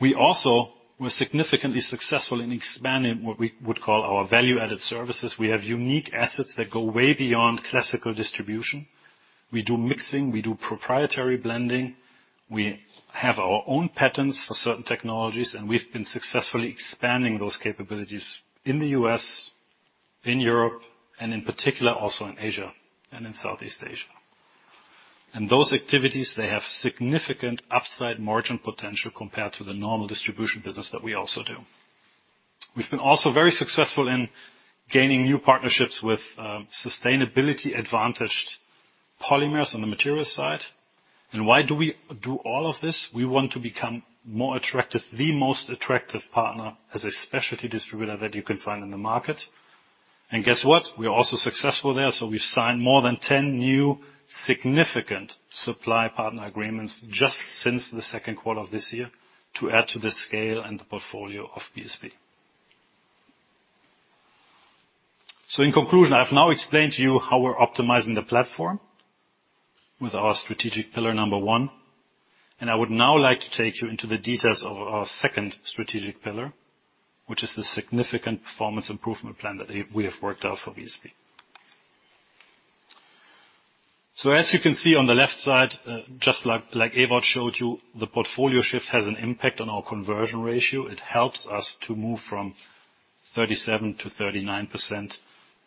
We also were significantly successful in expanding what we would call our value-added services. We have unique assets that go way beyond classical distribution. We do mixing, we do proprietary blending, we have our own patents for certain technologies, and we've been successfully expanding those capabilities in the U.S., in Europe, and in particular, also in Asia and in Southeast Asia. Those activities, they have significant upside margin potential compared to the normal distribution business that we also do. We've been also very successful in gaining new partnerships with sustainability-advantaged polymers on the materials side. Why do we do all of this? We want to become more attractive, the most attractive partner as a specialty distributor that you can find in the market. Guess what? We are also successful there, so we've signed more than 10 new significant supply partner agreements just since the second quarter of this year to add to the scale and the portfolio of BSP. So in conclusion, I've now explained to you how we're optimizing the platform with our strategic pillar number one, and I would now like to take you into the details of our second strategic pillar, which is the significant performance improvement plan that we have worked out for BSP. So as you can see on the left side, just like Ewout showed you, the portfolio shift has an impact on our conversion ratio. It helps us to move from 37%-39%,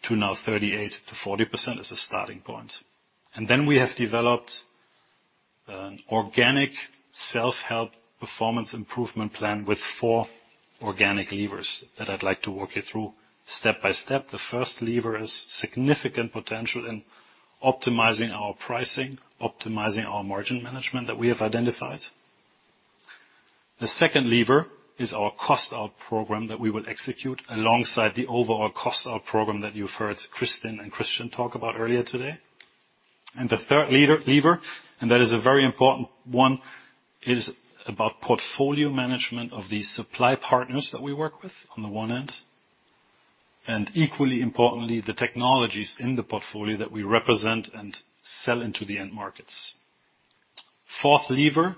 to now 38%-40% as a starting point. And then we have developed an organic self-help performance improvement plan with four organic levers that I'd like to walk you through step by step. The first lever is significant potential in optimizing our pricing, optimizing our margin management that we have identified. The second lever is our cost out program that we will execute alongside the overall cost out program that you heard Kristin and Christian talk about earlier today. And the third lever, and that is a very important one, is about portfolio management of the supply partners that we work with on the one end, and equally importantly, the technologies in the portfolio that we represent and sell into the end markets. Fourth lever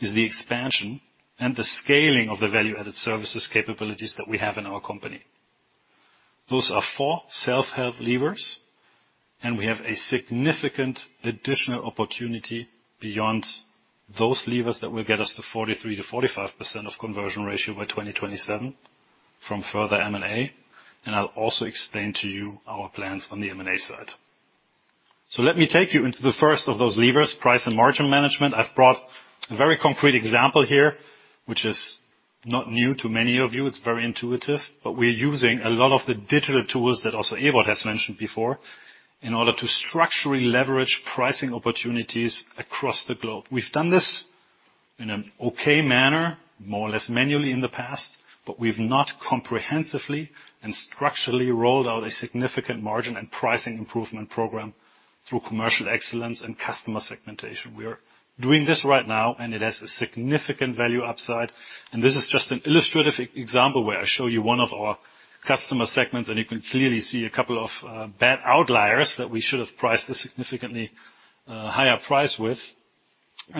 is the expansion and the scaling of the value-added services capabilities that we have in our company. Those are four self-help levers, and we have a significant additional opportunity beyond those levers that will get us to 43%-45% conversion ratio by 2027 from further M&A, and I'll also explain to you our plans on the M&A side. So let me take you into the first of those levers, price and margin management. I've brought a very concrete example here, which is not new to many of you. It's very intuitive, but we're using a lot of the digital tools that also Ewout has mentioned before, in order to structurally leverage pricing opportunities across the globe. We've done this in an okay manner, more or less manually in the past, but we've not comprehensively and structurally rolled out a significant margin and pricing improvement program through commercial excellence and customer segmentation. We are doing this right now, and it has a significant value upside. And this is just an illustrative example where I show you one of our customer segments, and you can clearly see a couple of bad outliers that we should have priced a significantly higher price with.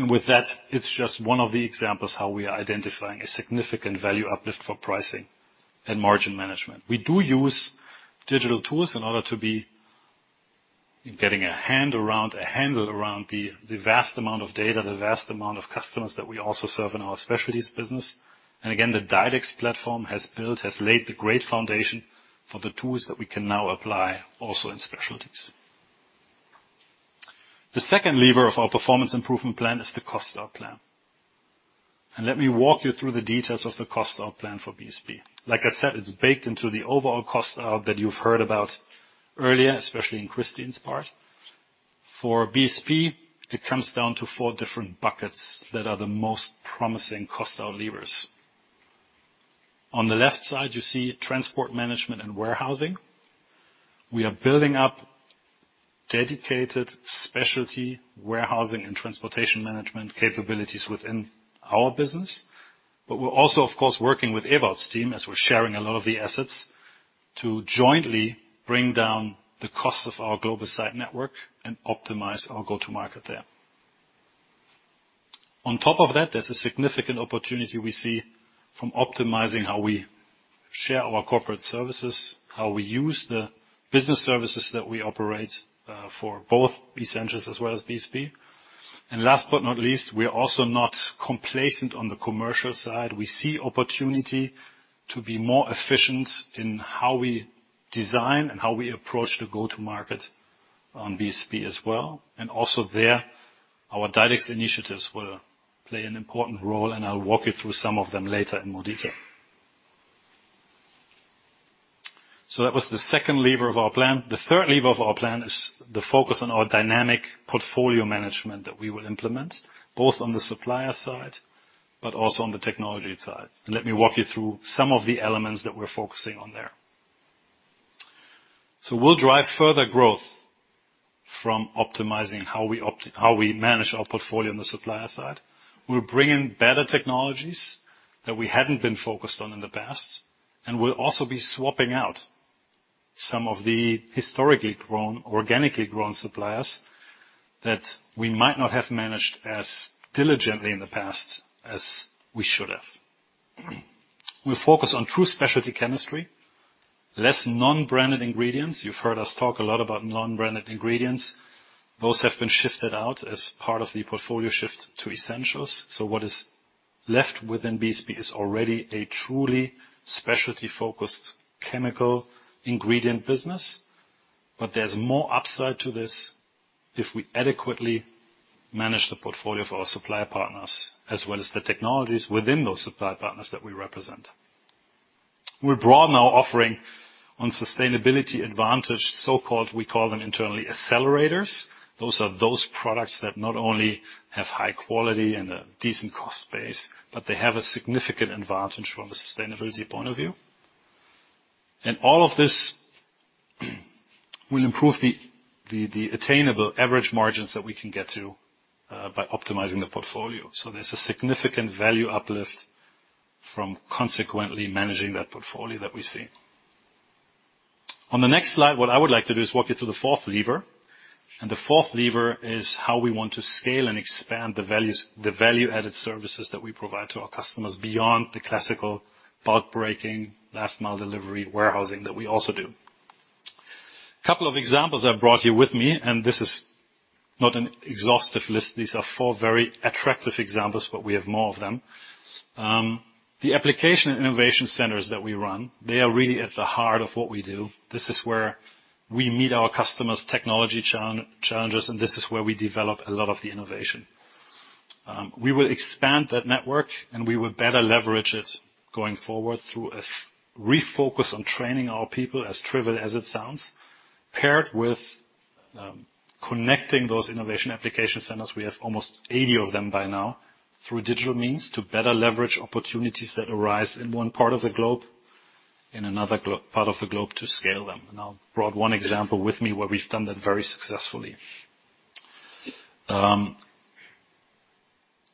With that, it's just one of the examples how we are identifying a significant value uplift for pricing and margin management. We do use digital tools in order to be getting a hand around, a handle around the, the vast amount of data, the vast amount of customers that we also serve in our specialties business. Again, the DiDEX platform has built, has laid the great foundation for the tools that we can now apply also in specialties. The second lever of our performance improvement plan is the cost out plan. Let me walk you through the details of the cost out plan for BSP. Like I said, it's baked into the overall cost out that you've heard about earlier, especially in Kristin's part. For BSP, it comes down to four different buckets that are the most promising cost out levers. On the left side, you see transport management and warehousing. We are building up dedicated specialty warehousing and transportation management capabilities within our business, but we're also, of course, working with Ewout's team, as we're sharing a lot of the assets, to jointly bring down the cost of our global site network and optimize our go-to-market there. On top of that, there's a significant opportunity we see from optimizing how we share our corporate services, how we use the business services that we operate, for both BES mantras as well as BSP. Last but not least, we are also not complacent on the commercial side. We see opportunity to be more efficient in how we design and how we approach the go-to-market on BSP as well. And also there, our DiDEX initiatives will play an important role, and I'll walk you through some of them later in more detail. So that was the second lever of our plan. The third lever of our plan is the focus on our dynamic portfolio management that we will implement, both on the supplier side, but also on the technology side. Let me walk you through some of the elements that we're focusing on there... So we'll drive further growth from optimizing how we manage our portfolio on the supplier side. We'll bring in better technologies that we hadn't been focused on in the past, and we'll also be swapping out some of the historically grown, organically grown suppliers that we might not have managed as diligently in the past as we should have. We focus on true specialty chemistry, less non-branded ingredients. You've heard us talk a lot about non-branded ingredients. Those have been shifted out as part of the portfolio shift to essentials. So what is left within BSP is already a truly specialty-focused chemical ingredient business. But there's more upside to this if we adequately manage the portfolio for our supplier partners, as well as the technologies within those supplier partners that we represent. We broaden our offering on sustainability advantage, so-called, we call them internally, accelerators. Those are those products that not only have high quality and a decent cost base, but they have a significant advantage from a sustainability point of view. And all of this will improve the attainable average margins that we can get to by optimizing the portfolio. So there's a significant value uplift from consequently managing that portfolio that we see. On the next slide, what I would like to do is walk you through the fourth lever, and the fourth lever is how we want to scale and expand the values, the value-added services that we provide to our customers beyond the classical bulk breaking, Last Mile delivery, warehousing that we also do. Couple of examples I've brought you with me, and this is not an exhaustive list. These are four very attractive examples, but we have more of them. The application and innovation centers that we run, they are really at the heart of what we do. This is where we meet our customers' technology challenges, and this is where we develop a lot of the innovation. We will expand that network, and we will better leverage it going forward through a refocus on training our people, as trivial as it sounds, paired with connecting those innovation application centers, we have almost 80 of them by now, through digital means to better leverage opportunities that arise in one part of the globe, in another part of the globe, to scale them. I'll brought one example with me where we've done that very successfully.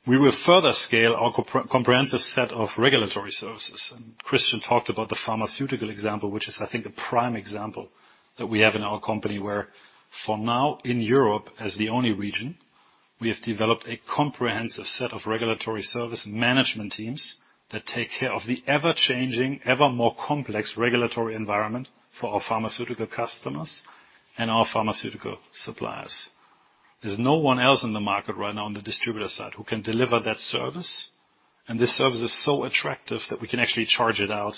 We will further scale our comprehensive set of regulatory services, and Christian talked about the Pharmaceutical example, which is, I think, a prime example that we have in our company, where for now, in Europe, as the only region, we have developed a comprehensive set of regulatory service management teams that take care of the ever-changing, ever more complex regulatory environment for our Pharmaceutical customers and our Pharmaceutical suppliers. There's no one else in the market right now on the distributor side who can deliver that service, and this service is so attractive that we can actually charge it out,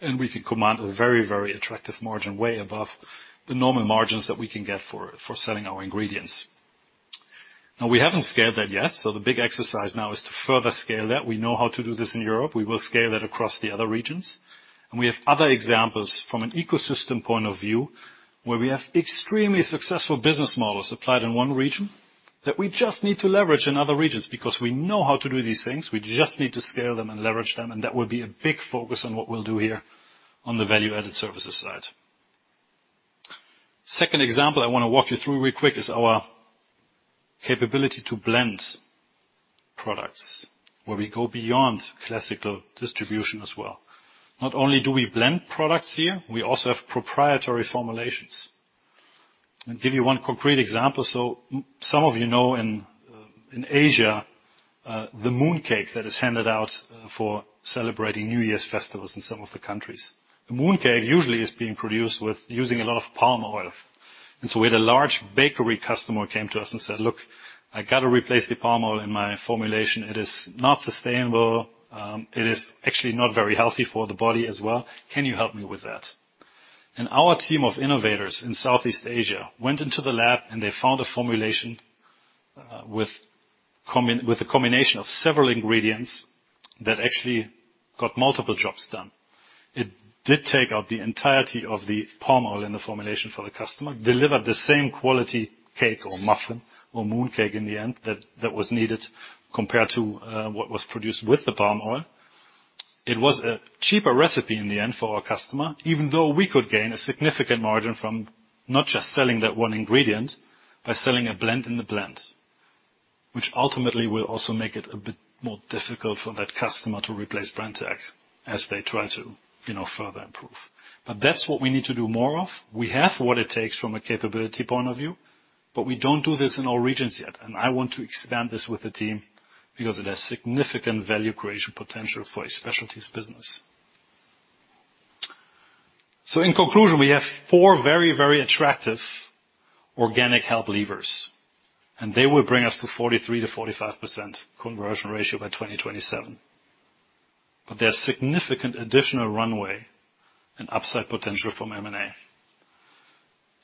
and we can command a very, very attractive margin, way above the normal margins that we can get for selling our ingredients. Now, we haven't scaled that yet, so the big exercise now is to further scale that. We know how to do this in Europe. We will scale that across the other regions. We have other examples from an ecosystem point of view, where we have extremely successful business models applied in one region that we just need to leverage in other regions, because we know how to do these things. We just need to scale them and leverage them, and that will be a big focus on what we'll do here on the value-added services side. Second example I want to walk you through real quick is our capability to blend products, where we go beyond classical distribution as well. Not only do we blend products here, we also have proprietary formulations. I'll give you one concrete example. So some of you know, in, in Asia, the mooncake that is handed out for celebrating New Year's festivals in some of the countries. The mooncake usually is being produced with using a lot of palm oil. So we had a large bakery customer came to us and said: "Look, I got to replace the palm oil in my formulation. It is not sustainable, it is actually not very healthy for the body as well. Can you help me with that?" Our team of innovators in Southeast Asia went into the lab, and they found a formulation with a combination of several ingredients that actually got multiple jobs done. It did take out the entirety of the palm oil in the formulation for the customer, delivered the same quality cake or muffin or mooncake in the end, that was needed compared to what was produced with the palm oil. It was a cheaper recipe in the end for our customer, even though we could gain a significant margin from not just selling that one ingredient, by selling a blend in the blend, which ultimately will also make it a bit more difficult for that customer to replace Brenntag as they try to, you know, further improve. But that's what we need to do more of. We have what it takes from a capability point of view, but we don't do this in all regions yet, and I want to expand this with the team because it has significant value creation potential for a specialties business. So in conclusion, we have four very, very attractive organic growth levers, and they will bring us to 43%-45% conversion ratio by 2027. But there's significant additional runway and upside potential from M&A.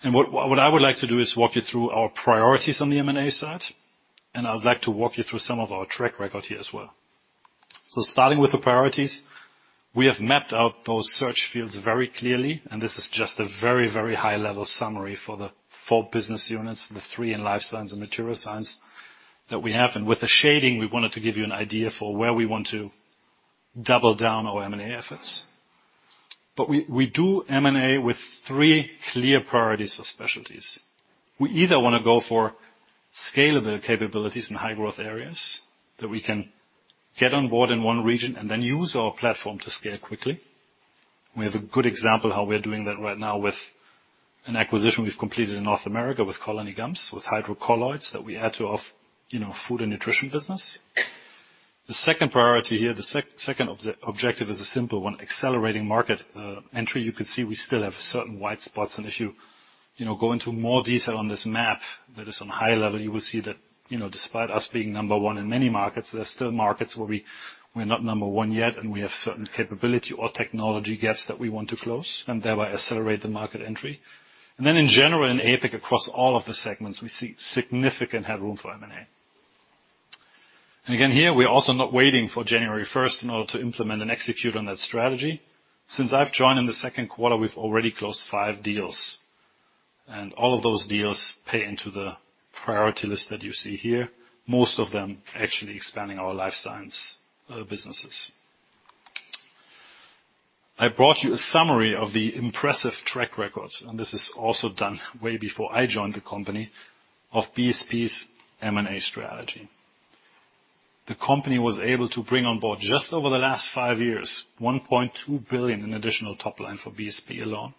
What, what I would like to do is walk you through our priorities on the M&A side, and I would like to walk you through some of our track record here as well. Starting with the priorities, we have mapped out those search fields very clearly, and this is just a very, very high-level summary for the four business units, the three in Life Science and Material Science that we have. With the shading, we wanted to give you an idea for where we want to double down our M&A efforts. We, we do M&A with three clear priorities for specialties. We either want to go for scalable capabilities in high growth areas, that we can get on board in one region and then use our platform to scale quickly. We have a good example how we are doing that right now with an acquisition we've completed in North America with Colony Gums, with hydrocolloids that we add to off, you know, Food & Nutrition business. The second priority here, the second objective is a simple one, accelerating market entry. You can see we still have certain white spots, and if you, you know, go into more detail on this map that is on high level, you will see that, you know, despite us being number one in many markets, there are still markets where we, we're not number one yet, and we have certain capability or technology gaps that we want to close and thereby accelerate the market entry. And then in general, in APAC, across all of the segments, we see significant headroom for M&A. Again, here, we're also not waiting for January first in order to implement and execute on that strategy. Since I've joined in the second quarter, we've already closed five deals, and all of those deals pay into the priority list that you see here, most of them actually expanding our Life Science businesses. I brought you a summary of the impressive track record, and this is also done way before I joined the company, of BSP's M&A strategy. The company was able to bring on board, just over the last five years, 1.2 billion in additional top line for BSP alone,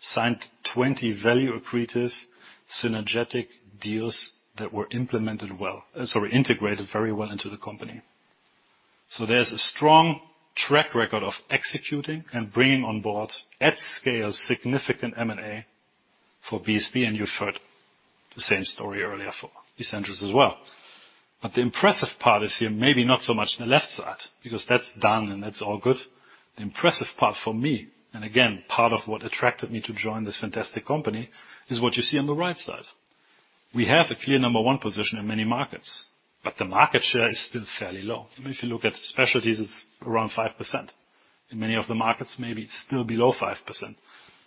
signed 20 value-accretive, synergetic deals that were implemented well—sorry, integrated very well into the company. So there's a strong track record of executing and bringing on board, at scale, significant M&A for BSP, and you heard the same story earlier for Essentials as well. But the impressive part is here, maybe not so much on the left side, because that's done and that's all good. The impressive part for me, and again, part of what attracted me to join this fantastic company, is what you see on the right side. We have a clear number one position in many markets, but the market share is still fairly low. I mean, if you look at specialties, it's around 5%. In many of the markets, maybe it's still below 5%.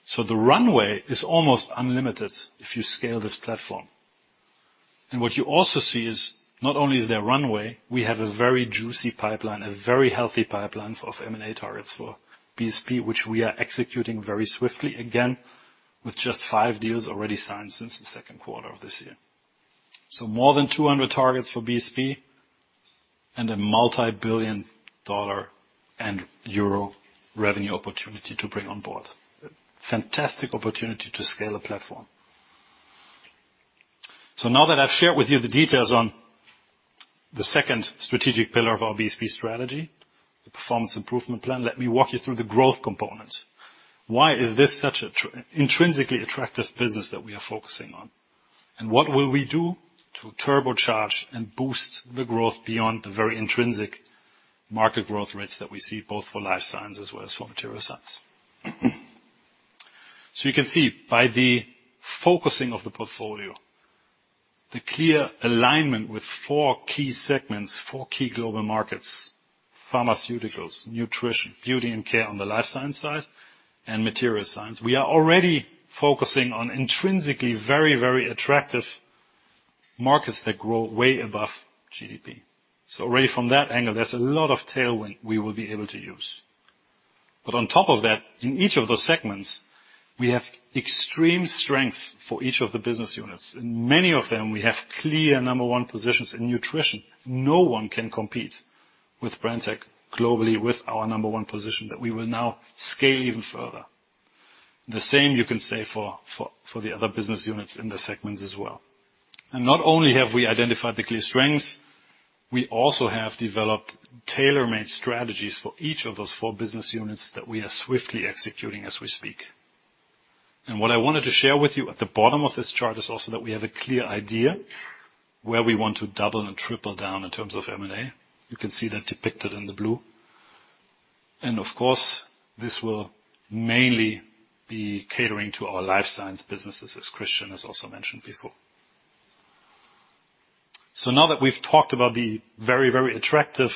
So the runway is almost unlimited if you scale this platform. What you also see is not only is there runway, we have a very juicy pipeline, a very healthy pipeline of M&A targets for BSP, which we are executing very swiftly, again, with just five deals already signed since the second quarter of this year. So more than 200 targets for BSP and a multi-billion-dollar and -euro revenue opportunity to bring on board. Fantastic opportunity to scale the platform. So now that I've shared with you the details on the second strategic pillar of our BSP strategy, the performance improvement plan, let me walk you through the growth component. Why is this such a intrinsically attractive business that we are focusing on? And what will we do to turbocharge and boost the growth beyond the very intrinsic market growth rates that we see, both for Life Science as well as for Material Science? So you can see by the focusing of the portfolio, the clear alignment with four key segments, four key Global Markets, Pharmaceuticals, Nutrition, Beauty & Care on the Life Science side, and Material Science. We are already focusing on intrinsically very, very attractive markets that grow way above GDP. So already from that angle, there's a lot of tailwind we will be able to use. But on top of that, in each of those segments, we have extreme strengths for each of the business units. In many of them, we have clear number one positions. In Nutrition, no one can compete with Brenntag globally, with our number one position that we will now scale even further. The same you can say for, for, for the other business units in the segments as well. Not only have we identified the clear strengths, we also have developed tailor-made strategies for each of those four business units that we are swiftly executing as we speak. What I wanted to share with you at the bottom of this chart is also that we have a clear idea where we want to double and Triple down in terms of M&A. You can see that depicted in the blue. Of course, this will mainly be catering to our Life Science businesses, as Christian has also mentioned before. Now that we've talked about the very, very attractive,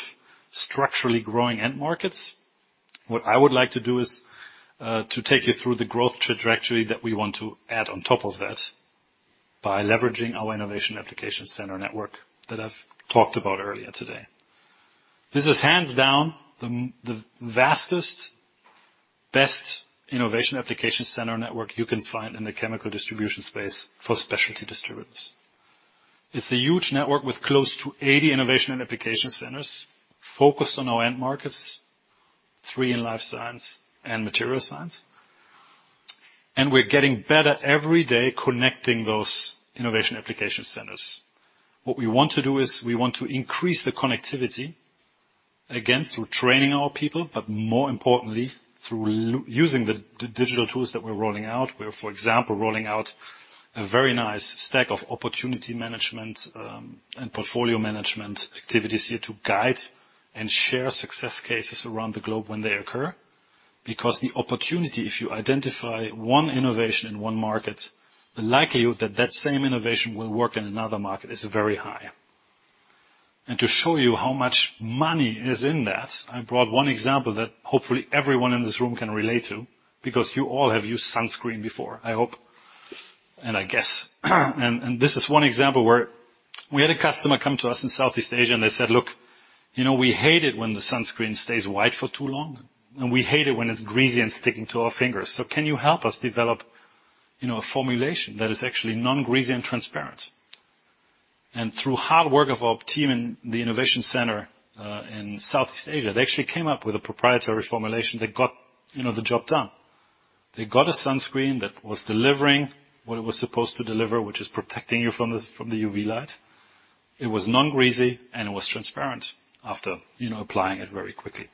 structurally growing end markets, what I would like to do is to take you through the growth trajectory that we want to add on top of that by leveraging our Innovation Application Center network that I've talked about earlier today. This is hands down the vastest, best Innovation Application Center network you can find in the chemical distribution space for specialty distributors. It's a huge network with close to 80 innovation and application centers focused on our end markets, three in Life Science and Material Science, and we're getting better every day connecting those innovation application centers. What we want to do is, we want to increase the connectivity, again, through training our people, but more importantly, through using the digital tools that we're rolling out. We're, for example, rolling out a very nice stack of opportunity management and portfolio management activities here to guide and share success cases around the globe when they occur, because the opportunity, if you identify one innovation in one market, the likelihood that that same innovation will work in another market is very high. To show you how much money is in that, I brought one example that hopefully everyone in this room can relate to, because you all have used sunscreen before, I hope, and I guess. This is one example where we had a customer come to us in Southeast Asia, and they said: "Look, you know, we hate it when the sunscreen stays white for too long, and we hate it when it's greasy and sticking to our fingers. So can you help us develop, you know, a formulation that is actually non-greasy and transparent?" Through hard work of our team in the innovation center in Southeast Asia, they actually came up with a proprietary formulation that got, you know, the job done. They got a sunscreen that was delivering what it was supposed to deliver, which is protecting you from the UV light. It was non-greasy, and it was transparent after, you know, applying it very quickly.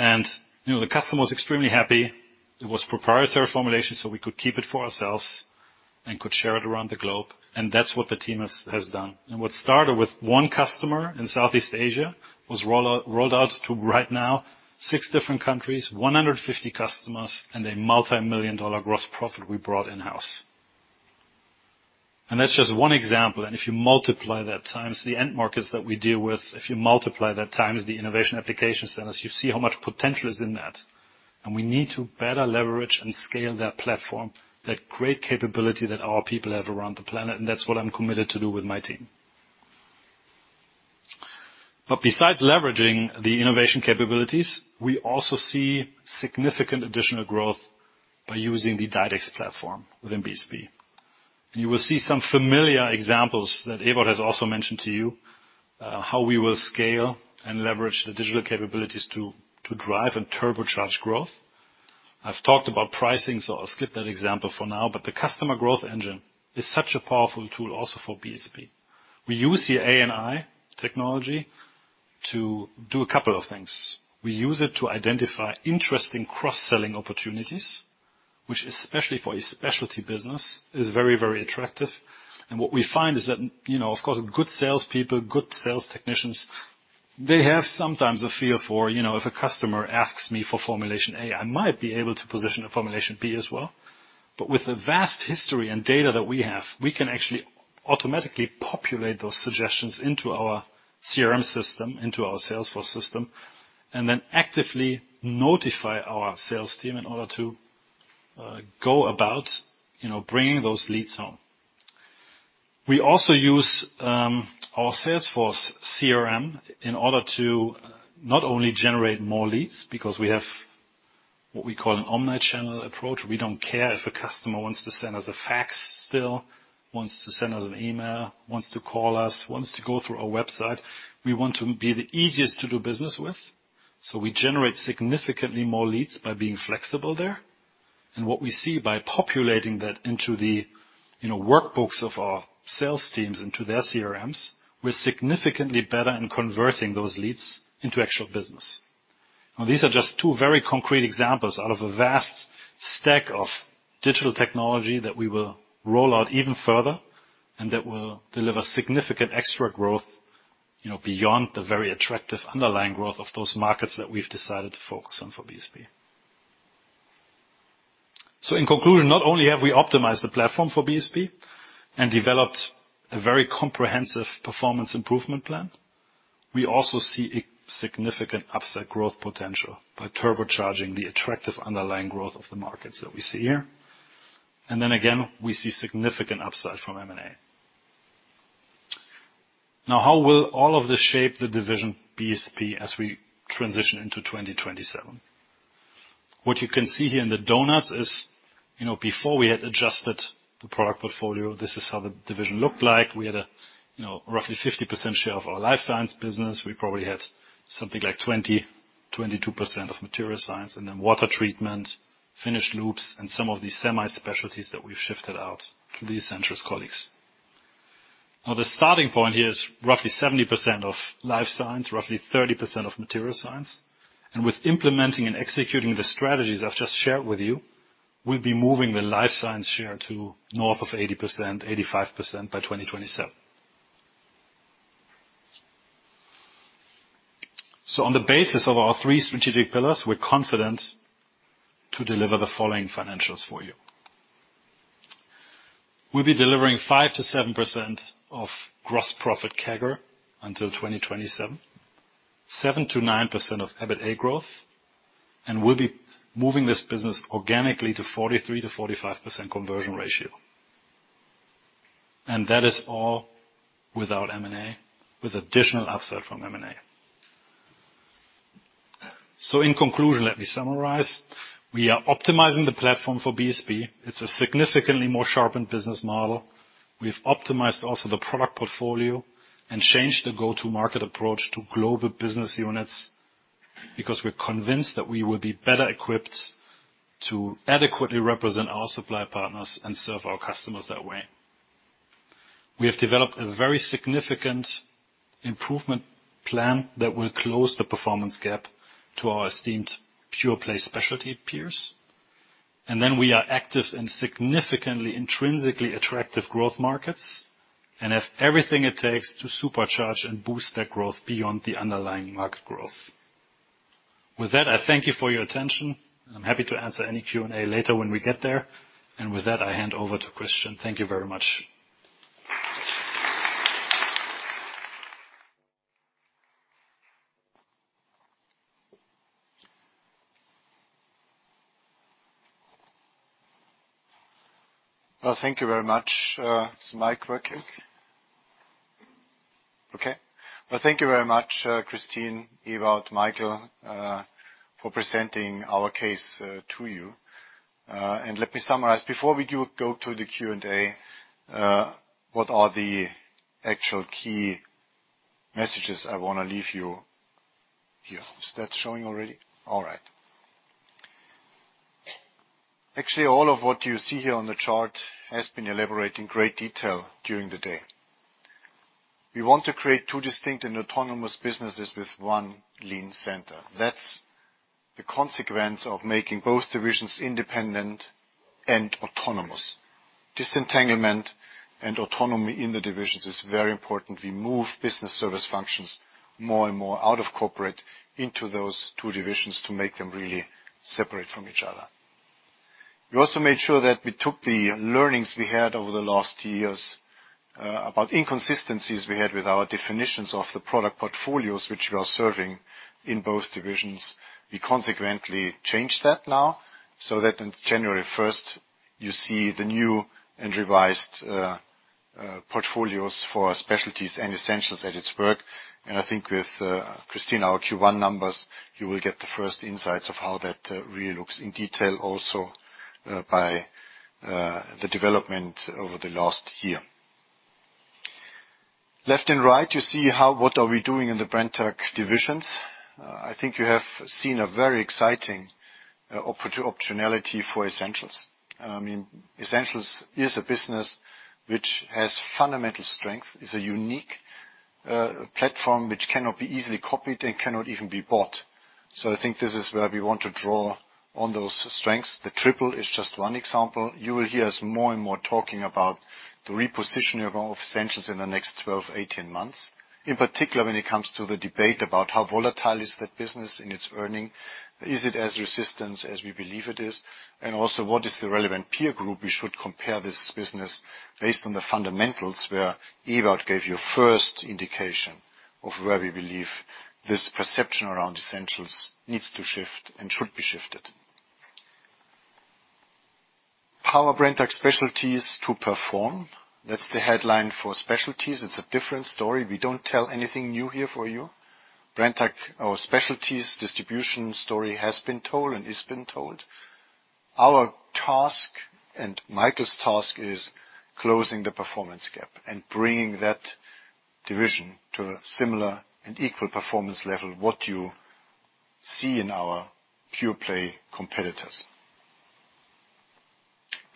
You know, the customer was extremely happy. It was proprietary formulation, so we could keep it for ourselves and could share it around the globe, and that's what the team has done. What started with one customer in Southeast Asia was rolled out to, right now, six different countries, 150 customers, and a multimillion-dollar gross profit we brought in-house. That's just one example. If you multiply that times the end markets that we deal with, if you multiply that times the innovation application centers, you see how much potential is in that. We need to better leverage and scale that platform, that great capability that our people have around the planet, and that's what I'm committed to do with my team. But besides leveraging the innovation capabilities, we also see significant additional growth by using the DiDEX platform within BSP. You will see some familiar examples that Ewout has also mentioned to you, how we will scale and leverage the digital capabilities to drive and turbocharge growth. I've talked about pricing, so I'll skip that example for now, but the Customer Growth Engine is such a powerful tool also for BSP. We use the AI technology to do a couple of things. We use it to identify interesting cross-selling opportunities, which, especially for a specialty business, is very, very attractive. And what we find is that, you know, of course, good salespeople, good sales technicians, they have sometimes a feel for, you know, if a customer asks me for formulation A, I might be able to position a formulation B as well. But with the vast history and data that we have, we can actually automatically populate those suggestions into our CRM system, into our Salesforce system, and then actively notify our sales team in order to go about, you know, bringing those leads home. We also use our Salesforce CRM in order to not only generate more leads, because we have what we call an omni-channel approach. We don't care if a customer wants to send us a fax still, wants to send us an email, wants to call us, wants to go through our website. We want to be the easiest to do business with, so we generate significantly more leads by being flexible there. And what we see by populating that into the, you know, workbooks of our sales teams, into their CRMs, we're significantly better in converting those leads into actual business. Now, these are just two very concrete examples out of a vast stack of digital technology that we will roll out even further and that will deliver significant extra growth, you know, beyond the very attractive underlying growth of those markets that we've decided to focus on for BSP. So in conclusion, not only have we optimized the platform for BSP and developed a very comprehensive performance improvement plan, we also see a significant upside growth potential by turbocharging the attractive underlying growth of the markets that we see here. And then again, we see significant upside from M&A. Now, how will all of this shape the division BSP as we transition into 2027? What you can see here in the donuts is, you know, before we had adjusted the product portfolio, this is how the division looked like. We had a, you know, roughly 50% share of our Life Science business. We probably had something like 22% of Material Science, and then water treatment, finished lubes, and some of the Semi-Specialties that we've shifted out to the Essentials' colleagues. Now, the starting point here is roughly 70% of Life Science, roughly 30% of Material Science. And with implementing and executing the strategies I've just shared with you, we'll be moving the Life Science share to north of 80%, 85% by 2027. So on the basis of our three strategic pillars, we're confident to deliver the following financials for you. We'll be delivering 5%-7% gross profit CAGR until 2027, 7%-9% EBITDA growth, and we'll be moving this business organically to 43%-45% Conversion Ratio. That is all without M&A, with additional upside from M&A. So in conclusion, let me summarize. We are optimizing the platform for BSP. It's a significantly more sharpened business model. We've optimized also the product portfolio and changed the go-to-market approach to global business units because we're convinced that we will be better equipped to adequately represent our supply partners and serve our customers that way. We have developed a very significant improvement plan that will close the performance gap to our esteemed pure play specialty peers. And then we are active in significantly, intrinsically attractive growth markets and have everything it takes to supercharge and boost that growth beyond the underlying market growth. With that, I thank you for your attention, and I'm happy to answer any Q&A later when we get there. And with that, I hand over to Christian. Thank you very much. Well, thank you very much. Is the mic working? Okay. Well, thank you very much, Kristin, Ewout, Michael, for presenting our case to you. Let me summarize before we do go to the Q&A, what are the actual key messages I want to leave you here. Is that showing already? All right. Actually, all of what you see here on the chart has been elaborated in great detail during the day. We want to create two distinct and autonomous businesses with one lean center. That's the consequence of making both divisions independent and autonomous. Disentanglement and autonomy in the divisions is very important. We move business service functions more and more out of corporate into those two divisions to make them really separate from each other. We also made sure that we took the learnings we had over the last two years about inconsistencies we had with our definitions of the product portfolios, which we are serving in both divisions. We consequently changed that now, so that in January first, you see the new and revised portfolios for specialties and essentials at work. And I think with Kristin, our Q1 numbers, you will get the first insights of how that really looks in detail, also by the development over the last year. Left and right, you see how—what are we doing in the Brenntag divisions. I think you have seen a very exciting opportunity for essentials. I mean, essentials is a business which has fundamental strength, is a unique platform, which cannot be easily copied and cannot even be bought. So I think this is where we want to draw on those strengths. The Triple is just one example. You will hear us more and more talking about the repositioning of Essentials in the next 12, 18 months. In particular, when it comes to the debate about how volatile is that business in its earnings, is it as resistant as we believe it is, and also what is the relevant peer group we should compare this business based on the fundamentals, where Ewout gave you first indication of where we believe this perception around Essentials needs to shift and should be shifted. Power [Brenntag] specialties to perform. That's the headline for Specialties. It's a different story. We don't tell anything new here for you. [Brenntag], our specialties distribution story has been told and is being told. Our task, and Michael's task, is closing the performance gap and bringing that division to a similar and equal performance level, what you see in our pure play competitors.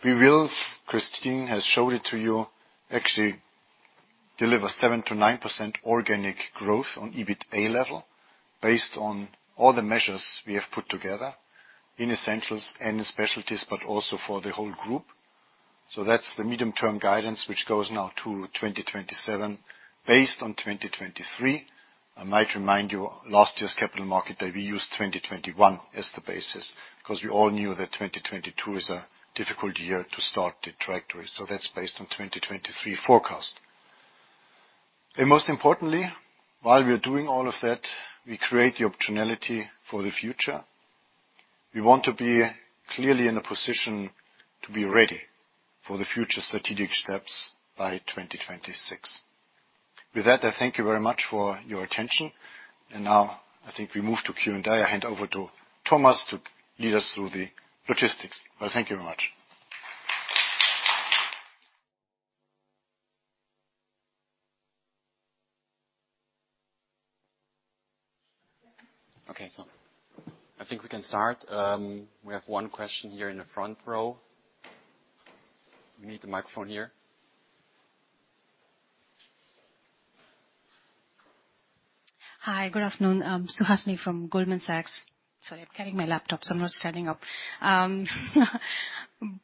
We will, Kristin has showed it to you, actually deliver 7%-9% organic growth on EBITDA level, based on all the measures we have put together in Essentials and Specialties, but also for the whole group. So that's the medium-term guidance, which goes now to 2027, based on 2023. I might remind you, last year's capital market day, we used 2021 as the basis, 'cause we all knew that 2022 is a difficult year to start the trajectory, so that's based on 2023 forecast. And most importantly, while we are doing all of that, we create the optionality for the future. We want to be clearly in a position to be ready for the future strategic steps by 2026. With that, I thank you very much for your attention. And now, I think we move to Q&A. I hand over to Thomas to lead us through the logistics. Well, thank you very much. Okay, so I think we can start. We have one question here in the front row. You need the microphone here. Hi, good afternoon. I'm Suhasini from Goldman Sachs. Sorry, I'm carrying my laptop, so I'm not standing up.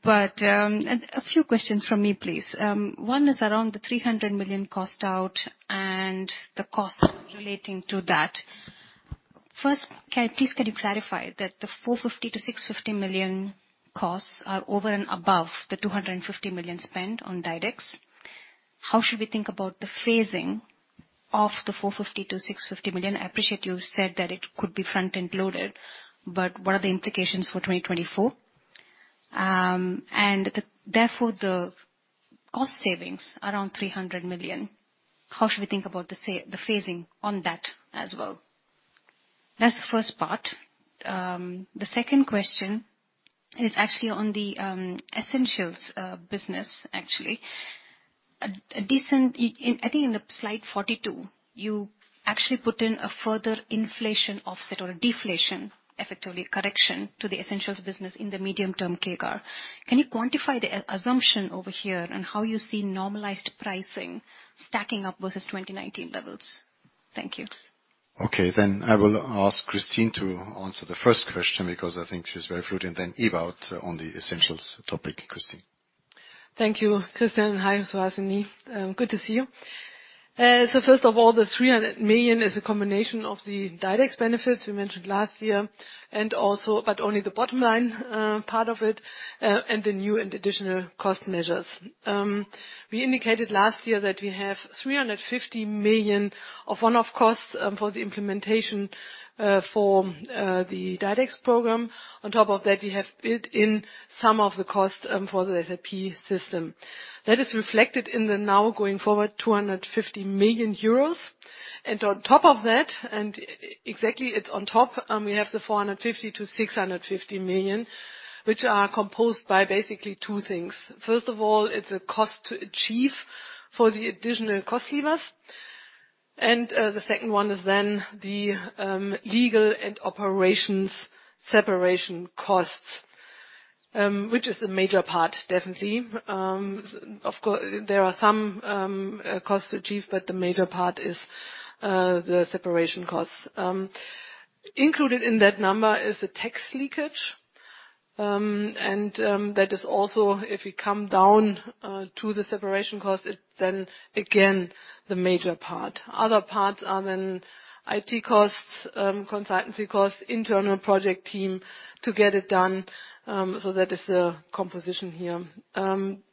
But a few questions from me, please. One is around the 300 million cost out and the costs relating to that. First, please, can you clarify that the 450 million-650 million costs are over and above the 250 million spent on DiDEX? How should we think about the phasing of the 450 million-650 million? I appreciate you said that it could be front-end loaded, but what are the implications for 2024? And therefore, the cost savings around 300 million, how should we think about the phasing on that as well? That's the first part. The second question is actually on the Essentials business, actually. A decent... I think in the slide 42, you actually put in a further inflation offset or a deflation, effectively, correction to the essentials business in the medium term CAGR. Can you quantify the assumption over here, and how you see normalized pricing stacking up versus 2019 levels? Thank you. Okay, then I will ask Kristin to answer the first question, because I think she is very fluid, and then Ewout on the essentials topic. Kristin? Thank you, Christian. Hi, Suhasini. Good to see you. So first of all, the 300 million is a combination of the DiDEX benefits we mentioned last year, and also, but only the bottom line, part of it, and the new and additional cost measures. We indicated last year that we have 350 million of one-off costs, for the implementation, the DiDEX program. On top of that, we have built in some of the costs, for the SAP system. That is reflected in the now going forward, 250 million euros. And on top of that, and exactly, it's on top, we have the 450 million-650 million, which are composed by basically two things. First of all, it's a cost to achieve for the additional cost levers. The second one is then the legal and operations separation costs, which is the major part, definitely. Of costs to achieve, there are some costs to achieve, but the major part is the separation costs. Included in that number is the tax leakage, and that is also, if you come down to the separation cost, it then again the major part. Other parts are then IT costs, consultancy costs, internal project team to get it done. So that is the composition here.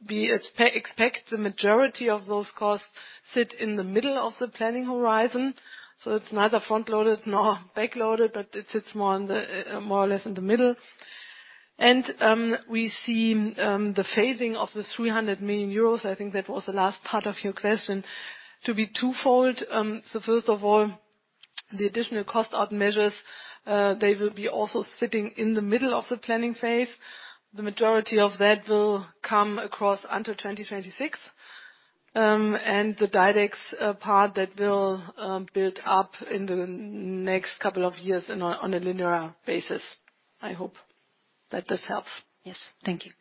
We expect the majority of those costs sit in the middle of the planning horizon, so it's neither front-loaded nor back-loaded, but it sits more or less in the middle. We see the phasing of 300 million euros, I think that was the last part of your question, to be twofold. So first of all, the additional cost out measures, they will be also sitting in the middle of the planning phase. The majority of that will come across under 2026, and the DiDEX part that will build up in the next couple of years on a linear basis. I hope that this helps. Yes. Thank you.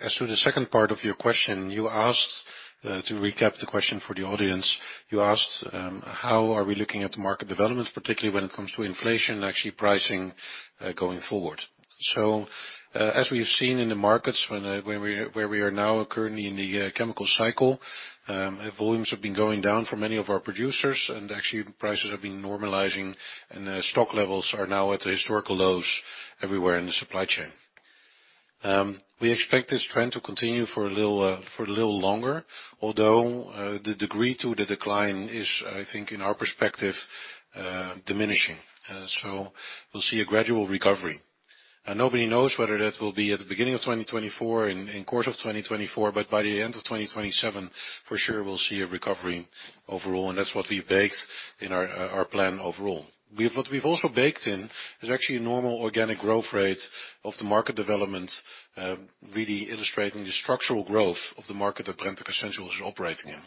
As to the second part of your question, you asked, to recap the question for the audience, you asked, how are we looking at the market development, particularly when it comes to inflation and actually pricing, going forward? So, as we've seen in the markets, where we are now currently in the chemical cycle, volumes have been going down for many of our producers, and actually, prices have been normalizing and, stock levels are now at historical lows everywhere in the supply chain. We expect this trend to continue for a little longer, although, the degree to the decline is, I think, in our perspective, diminishing. So we'll see a gradual recovery. And nobody knows whether that will be at the beginning of 2024, in course of 2024, but by the end of 2027, for sure, we'll see a recovery overall, and that's what we've baked in our plan overall. What we've also baked in is actually a normal organic growth rate of the market development, really illustrating the structural growth of the market that Brenntag Essentials is operating in.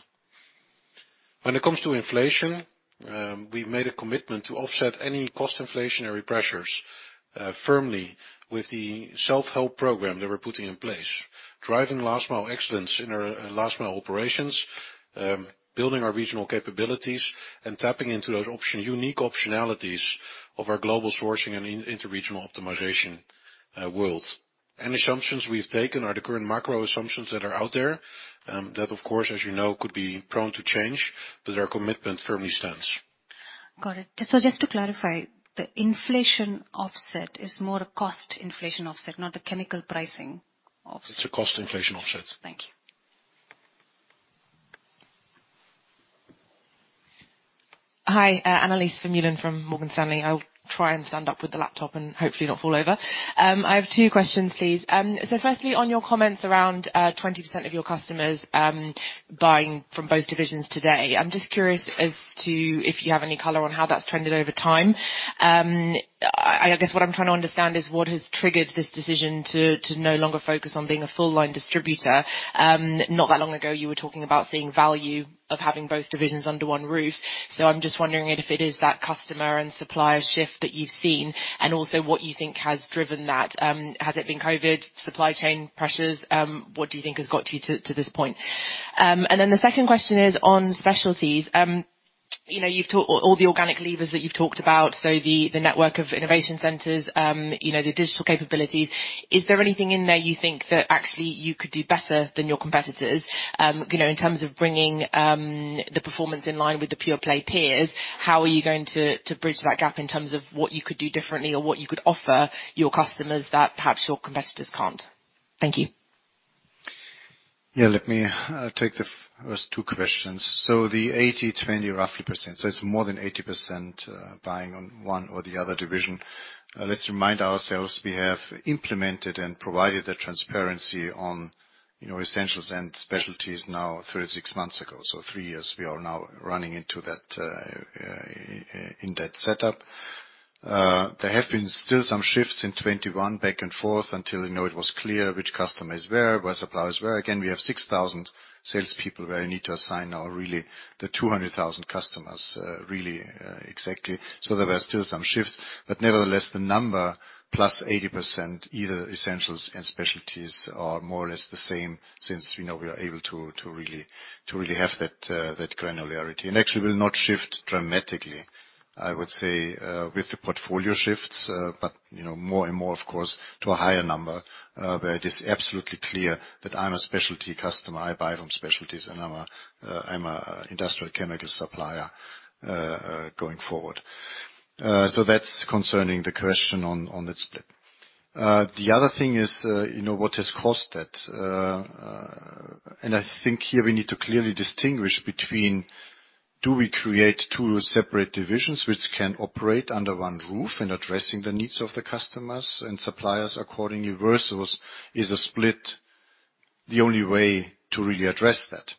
When it comes to inflation, we've made a commitment to offset any cost inflationary pressures firmly with the self-help program that we're putting in place, driving Last Mile excellence in our Last Mile operations, building our regional capabilities and tapping into those unique optionalities of our global sourcing and into regional optimization worlds. Any assumptions we've taken are the current macro assumptions that are out there, that, of course, as you know, could be prone to change, but our commitment firmly stands. Got it. So just to clarify, the inflation offset is more a cost inflation offset, not the chemical pricing offset? It's a cost inflation offset. Thank you. Hi, Annelies Vermeulen from Morgan Stanley. I'll try and stand up with the laptop and hopefully not fall over. I have two questions, please. So firstly, on your comments around 20% of your customers buying from both divisions today, I'm just curious as to if you have any color on how that's trended over time. I guess what I'm trying to understand is what has triggered this decision to no longer focus on being a full line distributor? Not that long ago, you were talking about seeing value of having both divisions under one roof. So I'm just wondering if it is that customer and supplier shift that you've seen, and also what you think has driven that. Has it been COVID, supply chain pressures? What do you think has got you to this point? And then the second question is on specialties. You know, you've talked about all the organic levers that you've talked about, so the network of innovation centers, you know, the digital capabilities. Is there anything in there you think that actually you could do better than your competitors? You know, in terms of bringing the performance in line with the pure play peers, how are you going to bridge that gap in terms of what you could do differently or what you could offer your customers that perhaps your competitors can't? Thank you. Yeah, let me take the first two questions. So the 80/20, roughly percent, so it's more than 80%, buying on one or the other division. Let's remind ourselves, we have implemented and provided the transparency on, you know, essentials and specialties now 36 months ago. So three years, we are now running into that, in that setup. There have been still some shifts in 2021, back and forth, until, you know, it was clear which customer is where, where suppliers were. Again, we have 6,000 salespeople where you need to assign now, really, the 200,000 customers, really, exactly. So there were still some shifts, but nevertheless, the number plus 80%, either essentials and specialties, are more or less the same, since, you know, we are able to, to really, to really have that, that granularity. Actually, we'll not shift dramatically, I would say, with the portfolio shifts, but, you know, more and more, of course, to a higher number, where it is absolutely clear that I'm a specialty customer, I buy from specialties, and I'm a, I'm a industrial chemical supplier, going forward. So that's concerning the question on, on that split. The other thing is, you know, what has caused that? And I think here we need to clearly distinguish between? Do we create two separate divisions which can operate under one roof in addressing the needs of the customers and suppliers accordingly? Versus, is a split the only way to really address that?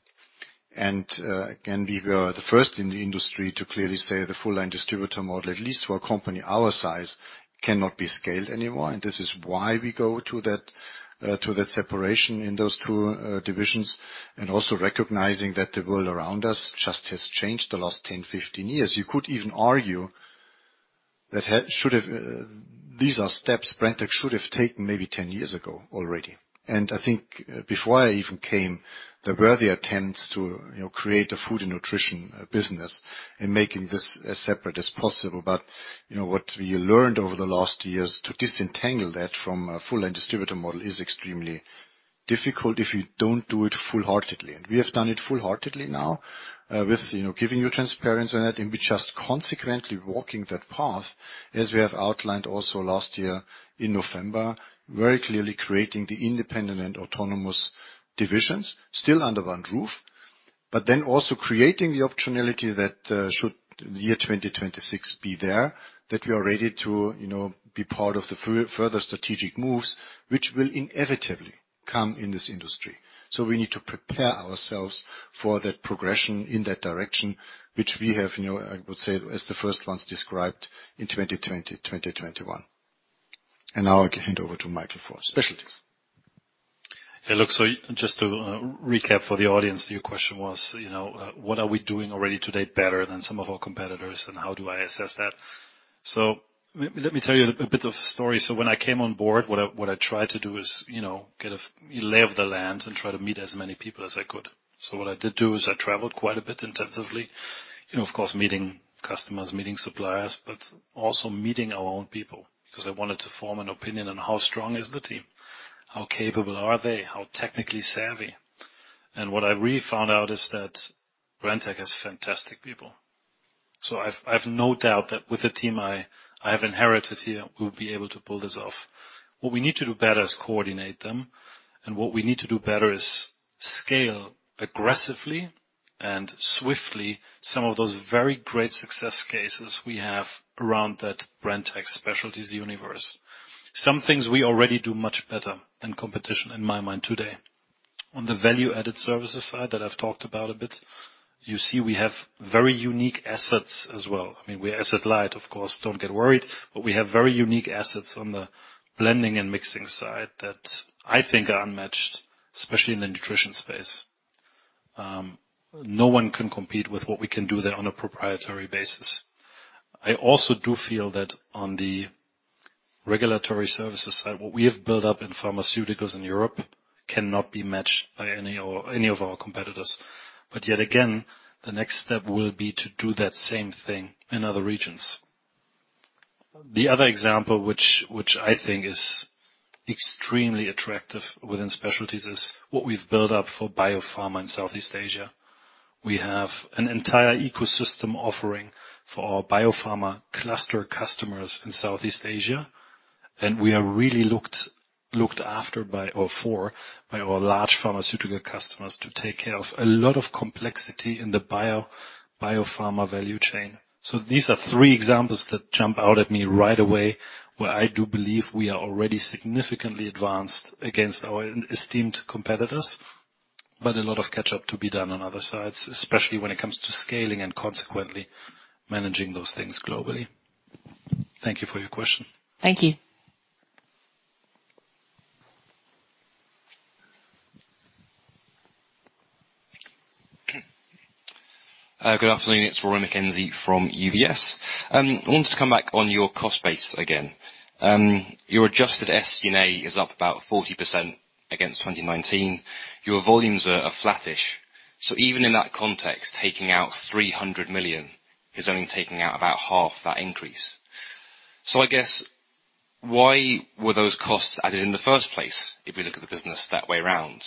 And, again, we were the first in the industry to clearly say the Full-Line Distributor Model, at least for a company our size, cannot be scaled anymore. This is why we go to that, to that separation in those two divisions, and also recognizing that the world around us just has changed the last 10, 15 years. You could even argue that should have, these are steps Brenntag should have taken maybe 10 years ago already. And I think before I even came, there were the attempts to, you know, create a Food & Nutrition business and making this as separate as possible. But, you know, what we learned over the last years, to disentangle that from a full-line distributor model is extremely difficult if you don't do it full-heartedly. We have done it full-heartedly now, with, you know, giving you transparency on it, and we just consequently walking that path, as we have outlined also last year in November, very clearly creating the independent and autonomous divisions, still under one roof. But then also creating the optionality that, should the year 2026 be there, that we are ready to, you know, be part of the further strategic moves, which will inevitably come in this industry. So we need to prepare ourselves for that progression in that direction, which we have, you know, I would say, as the first ones described in 2020, 2021. And now I can hand over to Michael for specialties. Hey, look, so just to recap for the audience, your question was, you know, what are we doing already today better than some of our competitors, and how do I assess that? So let me tell you a bit of story. So when I came on board, what I tried to do is, you know, get a lay of the land and try to meet as many people as I could. So what I did do is I traveled quite a bit intensively, you know, of course, meeting customers, meeting suppliers, but also meeting our own people, because I wanted to form an opinion on how strong is the team, how capable are they, how technically savvy. And what I really found out is that Brenntag has fantastic people. So I've no doubt that with the team I have inherited here, we'll be able to pull this off. What we need to do better is coordinate them, and what we need to do better is scale aggressively and swiftly some of those very great success cases we have around that Brenntag Specialties universe. Some things we already do much better than competition, in my mind today. On the value-added services side that I've talked about a bit, you see we have very unique assets as well. I mean, we're asset light, of course, don't get worried, but we have very unique assets on the blending and mixing side that I think are unmatched, especially in the Nutrition space. No one can compete with what we can do there on a proprietary basis. I also do feel that on the regulatory services side, what we have built up in Pharmaceuticals in Europe cannot be matched by any of our competitors. But yet again, the next step will be to do that same thing in other regions. The other example, which I think is extremely attractive within specialties, is what we've built up for biopharma in Southeast Asia. We have an entire ecosystem offering for our biopharma cluster customers in Southeast Asia, and we are really looked after by our large Pharmaceutical customers to take care of a lot of complexity in the biopharma value chain. So these are three examples that jump out at me right away, where I do believe we are already significantly advanced against our esteemed competitors, but a lot of catch up to be done on other sides, especially when it comes to scaling and consequently managing those things globally. Thank you for your question. Thank you. Good afternoon. It's Rory McKenzie from UBS. I wanted to come back on your cost base again. Your adjusted SCNA is up about 40% against 2019. Your volumes are flattish. So even in that context, taking out 300 million is only taking out about half that increase. So I guess, why were those costs added in the first place, if we look at the business that way around?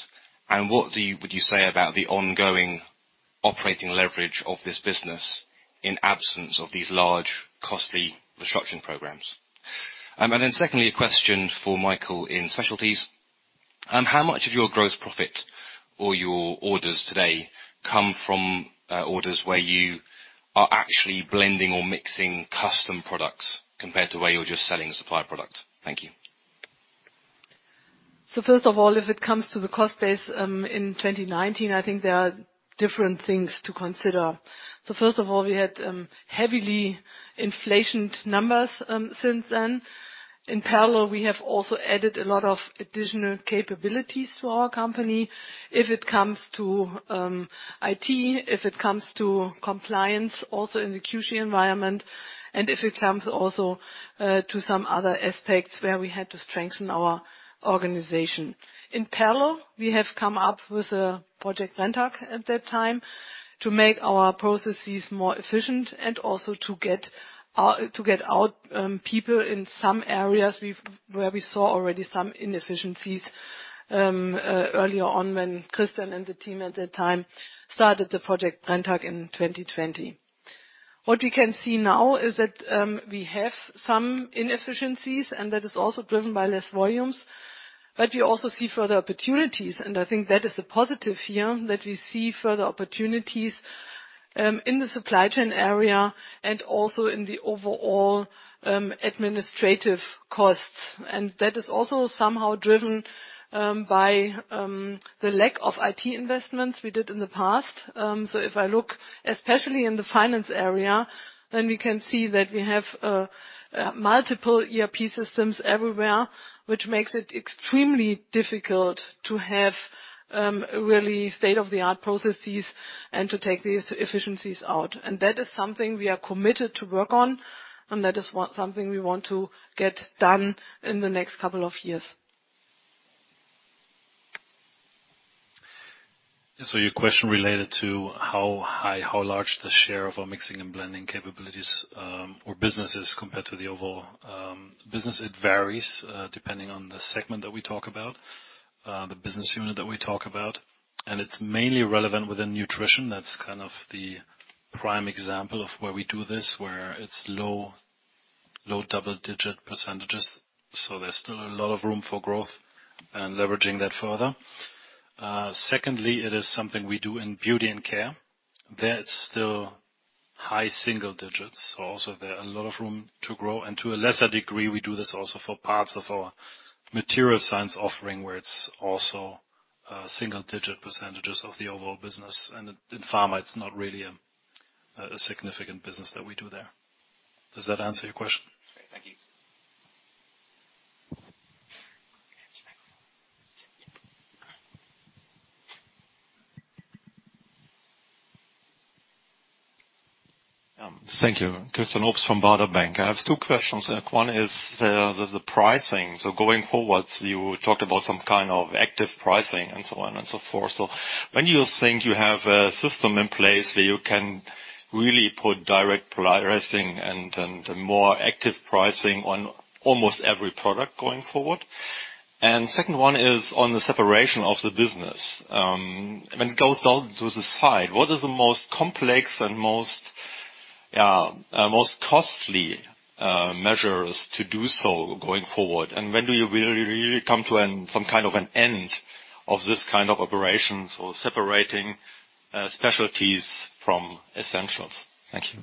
And what would you say about the ongoing operating leverage of this business in absence of these large, costly restructuring programs? And then secondly, a question for Michael in specialties. How much of your gross profit or your orders today come from orders where you are actually blending or mixing custom products compared to where you're just selling a supplier product? Thank you. So first of all, if it comes to the cost base, in 2019, I think there are different things to consider. So first of all, we had heavily inflated numbers since then. In parallel, we have also added a lot of additional capabilities to our company. If it comes to IT, if it comes to compliance, also in the QC environment, and if it comes also to some other aspects where we had to strengthen our organization. In parallel, we have come up with a Project Brenntag at that time, to make our processes more efficient and also to get our people out in some areas where we saw already some inefficiencies earlier on when Christian and the team at that time started the Project Brenntag in 2020. What we can see now is that we have some inefficiencies, and that is also driven by less volumes. But we also see further opportunities, and I think that is a positive here, that we see further opportunities in the supply chain area and also in the overall administrative costs. And that is also somehow driven by the lack of IT investments we did in the past. So if I look especially in the finance area, then we can see that we have multiple ERP systems everywhere, which makes it extremely difficult to have really state-of-the-art processes and to take these efficiencies out. And that is something we are committed to work on, and that is something we want to get done in the next couple of years. Your question related to how high, how large the share of our mixing and blending capabilities, or businesses compare to the overall, business? It varies, depending on the segment that we talk about, the business unit that we talk about, and it's mainly relevant within Nutrition. That's kind of the prime example of where we do this, where it's low double-digit percentages, so there's still a lot of room for growth and leveraging that further. Secondly, it is something we do in Beauty & Care. That's still high single digits, so also there a lot of room to grow. To a lesser degree, we do this also for parts of our Material Science offering, where it's also single digit percentages of the overall business. In Pharma, it's not really a significant business that we do there. Does that answer your question? Thank you. Thank you. Christian Obst from Baader Bank. I have two questions. One is, the, the pricing. So going forward, you talked about some kind of active pricing, and so on and so forth. So when do you think you have a system in place where you can really put direct pricing and, and more active pricing on almost every product going forward? And second one is on the separation of the business. When it goes down to the side, what is the most complex and most, most costly measures to do so going forward, and when do you really, really come to an, some kind of an end of this kind of operations, or separating, specialties from essentials? Thank you.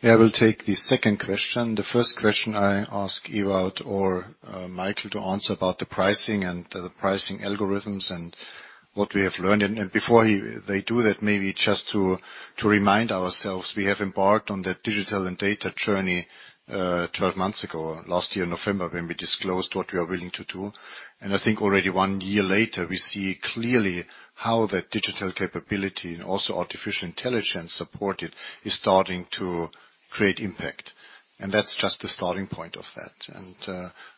Yeah, I will take the second question. The first question I ask Ewout or Michael to answer about the pricing and the pricing algorithms, and what we have learned. Before he, they do that, maybe just to remind ourselves, we have embarked on the digital and data journey, twelve months ago, last year, November, when we disclosed what we are willing to do. And I think already one year later, we see clearly how that digital capability and also artificial intelligence support, it is starting to create impact, and that's just the starting point of that. And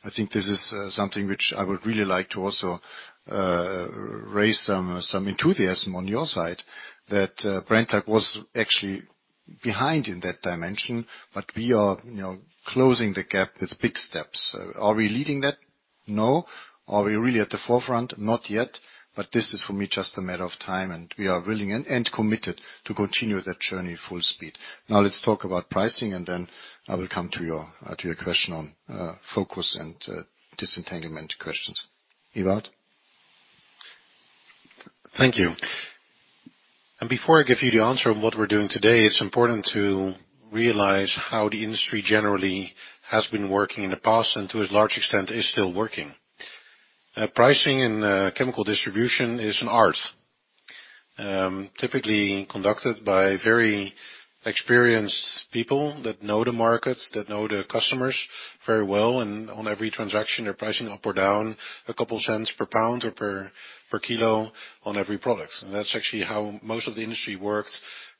I think this is something which I would really like to also raise some enthusiasm on your side, that Brenntag was actually behind in that dimension, but we are, you know, closing the gap with big steps. So are we leading that? No. Are we really at the forefront? Not yet, but this is, for me, just a matter of time, and we are willing and committed to continue that journey full speed. Now, let's talk about pricing, and then I will come to your question on focus and disentanglement questions. Ewout? Thank you. Before I give you the answer on what we're doing today, it's important to realize how the industry generally has been working in the past, and to a large extent, is still working. Pricing in chemical distribution is an art, typically conducted by very experienced people that know the markets, that know the customers very well, and on every transaction, they're pricing up or down a couple cents per pound or per kilo on every product. That's actually how most of the industry worked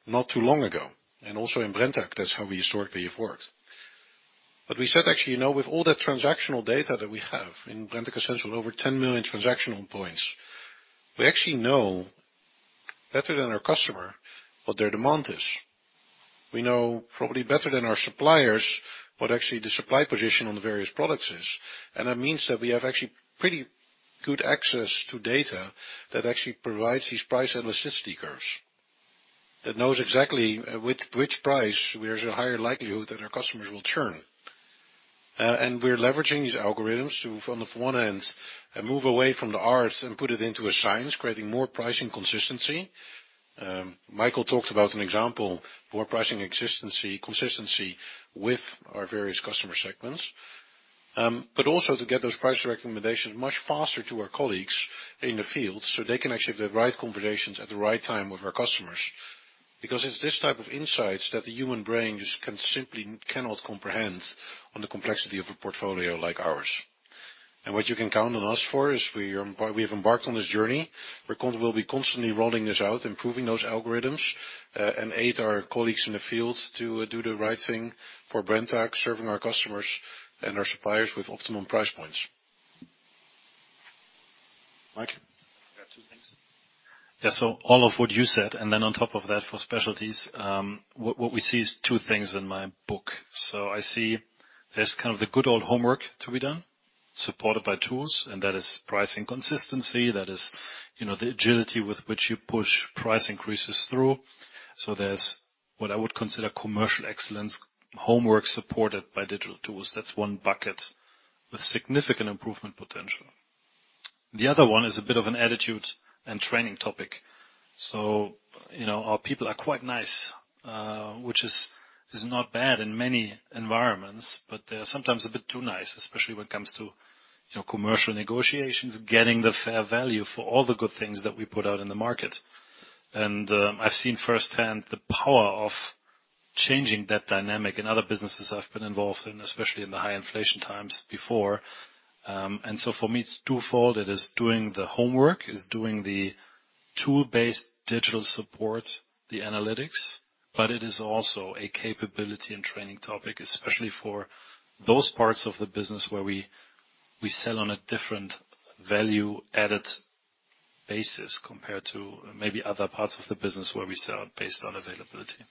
not too long ago. Also in Brenntag, that's how we historically have worked. But we said, actually, now with all that transactional data that we have, in Brenntag Essentials, over 10 million transactional points, we actually know better than our customer what their demand is. We know probably better than our suppliers, what actually the supply position on the various products is. And that means that we have actually pretty good access to data that actually provides these price and elasticity curves, that knows exactly with which price there's a higher likelihood that our customers will churn. And we're leveraging these algorithms to, from the front end, move away from the arts and put it into a science, creating more pricing consistency. Michael talked about an example for pricing consistency with our various customer segments. But also to get those price recommendations much faster to our colleagues in the field, so they can actually have the right conversations at the right time with our customers. Because it's this type of insights that the human brain just simply cannot comprehend on the complexity of a portfolio like ours. What you can count on us for is we have embarked on this journey. We'll be constantly rolling this out, improving those algorithms, and aid our colleagues in the field to do the right thing for Brenntag, serving our customers and our suppliers with optimum price points. Mike? Yeah, two things. Yeah, so all of what you said, and then on top of that, for specialties, what we see is two things in my book. So I see there's kind of the good old homework to be done, supported by tools, and that is pricing consistency, that is, you know, the agility with which you push price increases through. So there's what I would consider commercial excellence, homework supported by digital tools. That's one bucket with significant improvement potential. The other one is a bit of an attitude and training topic. So, you know, our people are quite nice, which is not bad in many environments, but they're sometimes a bit too nice, especially when it comes to, you know, commercial negotiations, getting the fair value for all the good things that we put out in the market. I've seen firsthand the power of changing that dynamic in other businesses I've been involved in, especially in the high inflation times before. So for me, it's twofold. It is doing the homework, it's doing the tool-based digital support, the analytics, but it is also a capability and training topic, especially for those parts of the business where we, we sell on a different value-added basis compared to maybe other parts of the business where we sell based on availability.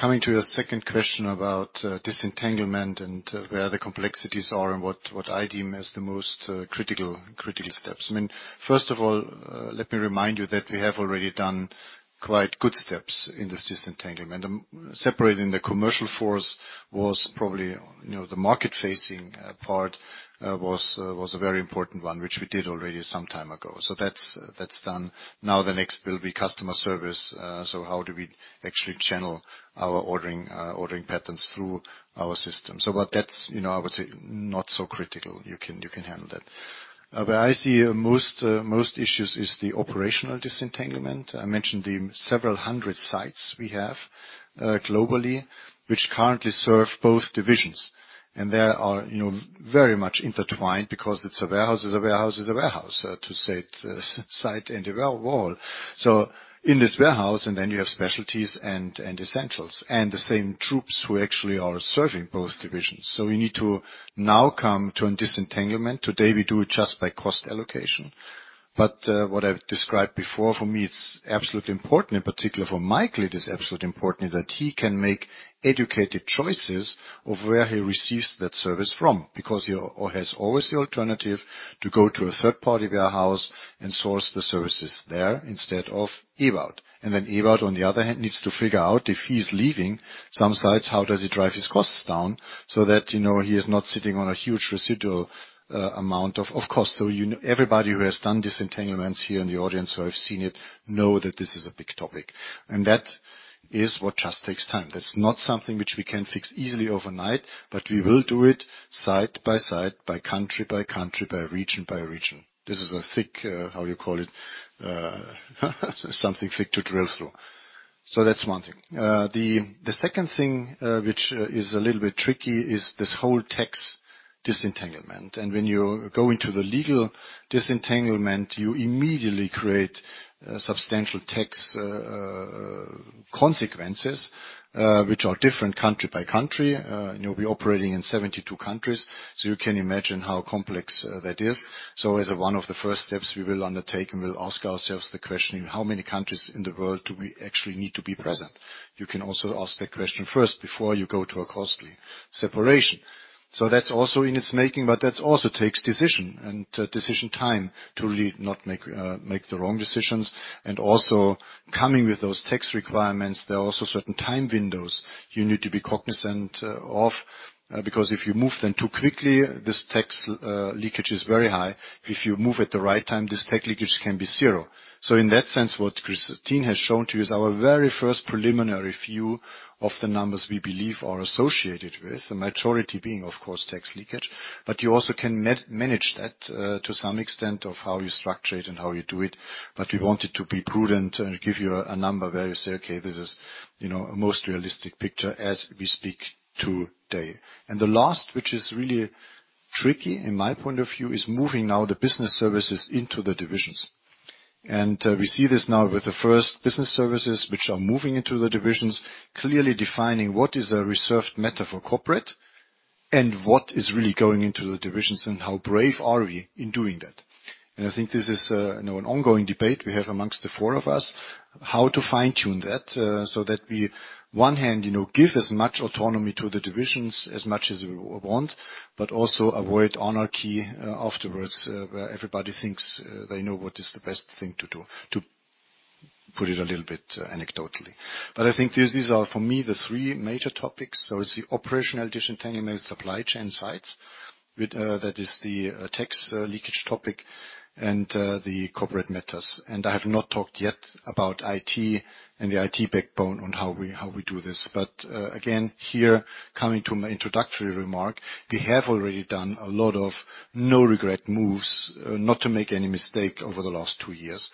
Coming to your second question about disentanglement, and where the complexities are, and what I deem as the most critical steps. I mean, first of all, let me remind you that we have already done quite good steps in this disentanglement. Separating the commercial force was probably, you know, the market-facing part was a very important one, which we did already some time ago. So that's done. Now, the next will be customer service. So how do we actually channel our ordering patterns through our system? So but that's, you know, I would say, not so critical. You can handle that. Where I see most issues is the operational disentanglement. I mentioned the several hundred sites we have globally, which currently serve both divisions, and they are, you know, very much intertwined because it's a warehouse, is a warehouse, is a warehouse, to say it, a site is a warehouse. So in this warehouse, and then you have Specialties and Essentials, and the same teams who actually are serving both divisions. So we need to now come to a disentanglement. Today, we do it just by cost allocation. But what I've described before, for me, it's absolutely important, in particular for Michael, it is absolutely important that he can make educated choices of where he receives that service from, because he always has the alternative to go to a third-party warehouse and source the services there instead of Ewout. And then Ewout, on the other hand, needs to figure out if he's leaving some sites, how does he drive his costs down so that, you know, he is not sitting on a huge residual amount of cost? So, you know, everybody who has done disentanglements here in the audience, who have seen it, know that this is a big topic, and that is what just takes time. That's not something which we can fix easily overnight, but we will do it side by side, by country by country, by region by region. This is a thick, how you call it? Something thick to drill through. So that's one thing. The second thing, which is a little bit tricky, is this whole tax disentanglement. When you go into the legal disentanglement, you immediately create substantial tax consequences, which are different country by country. You know, we're operating in 72 countries, so you can imagine how complex that is. As one of the first steps we will undertake, we'll ask ourselves the question, "In how many countries in the world do we actually need to be present?" You can also ask that question first before you go to a costly separation. That's also in its making, but that also takes decision and decision time to really not make the wrong decisions. Also coming with those tax requirements, there are also certain time windows you need to be cognizant of, because if you move them too quickly, this tax leakage is very high. If you move at the right time, this tax leakage can be zero. So in that sense, what Kristin has shown to you is our very first preliminary view of the numbers we believe are associated with, the majority being, of course, tax leakage. But you also can manage that to some extent of how you structure it and how you do it, but we wanted to be prudent and give you a number where you say, "Okay, this is, you know, a most realistic picture as we speak today." And the last, which is really tricky in my point of view, is moving now the business services into the divisions. We see this now with the first business services, which are moving into the divisions, clearly defining what is a reserved matter for corporate and what is really going into the divisions, and how brave are we in doing that? I think this is, you know, an ongoing debate we have among the four of us, how to fine-tune that, so that we one hand, you know, give as much autonomy to the divisions as much as we want, but also avoid anarchy, afterwards, where everybody thinks, they know what is the best thing to do, to put it a little bit, anecdotally. But I think these, these are, for me, the three major topics. It's the operational disentanglement, supply chain sites, with that is the tax leakage topic, and the corporate matters. I have not talked yet about IT and the IT backbone on how we do this. But again, here, coming to my introductory remark, we have already done a lot of no-regret moves, not to make any mistake over the last two years,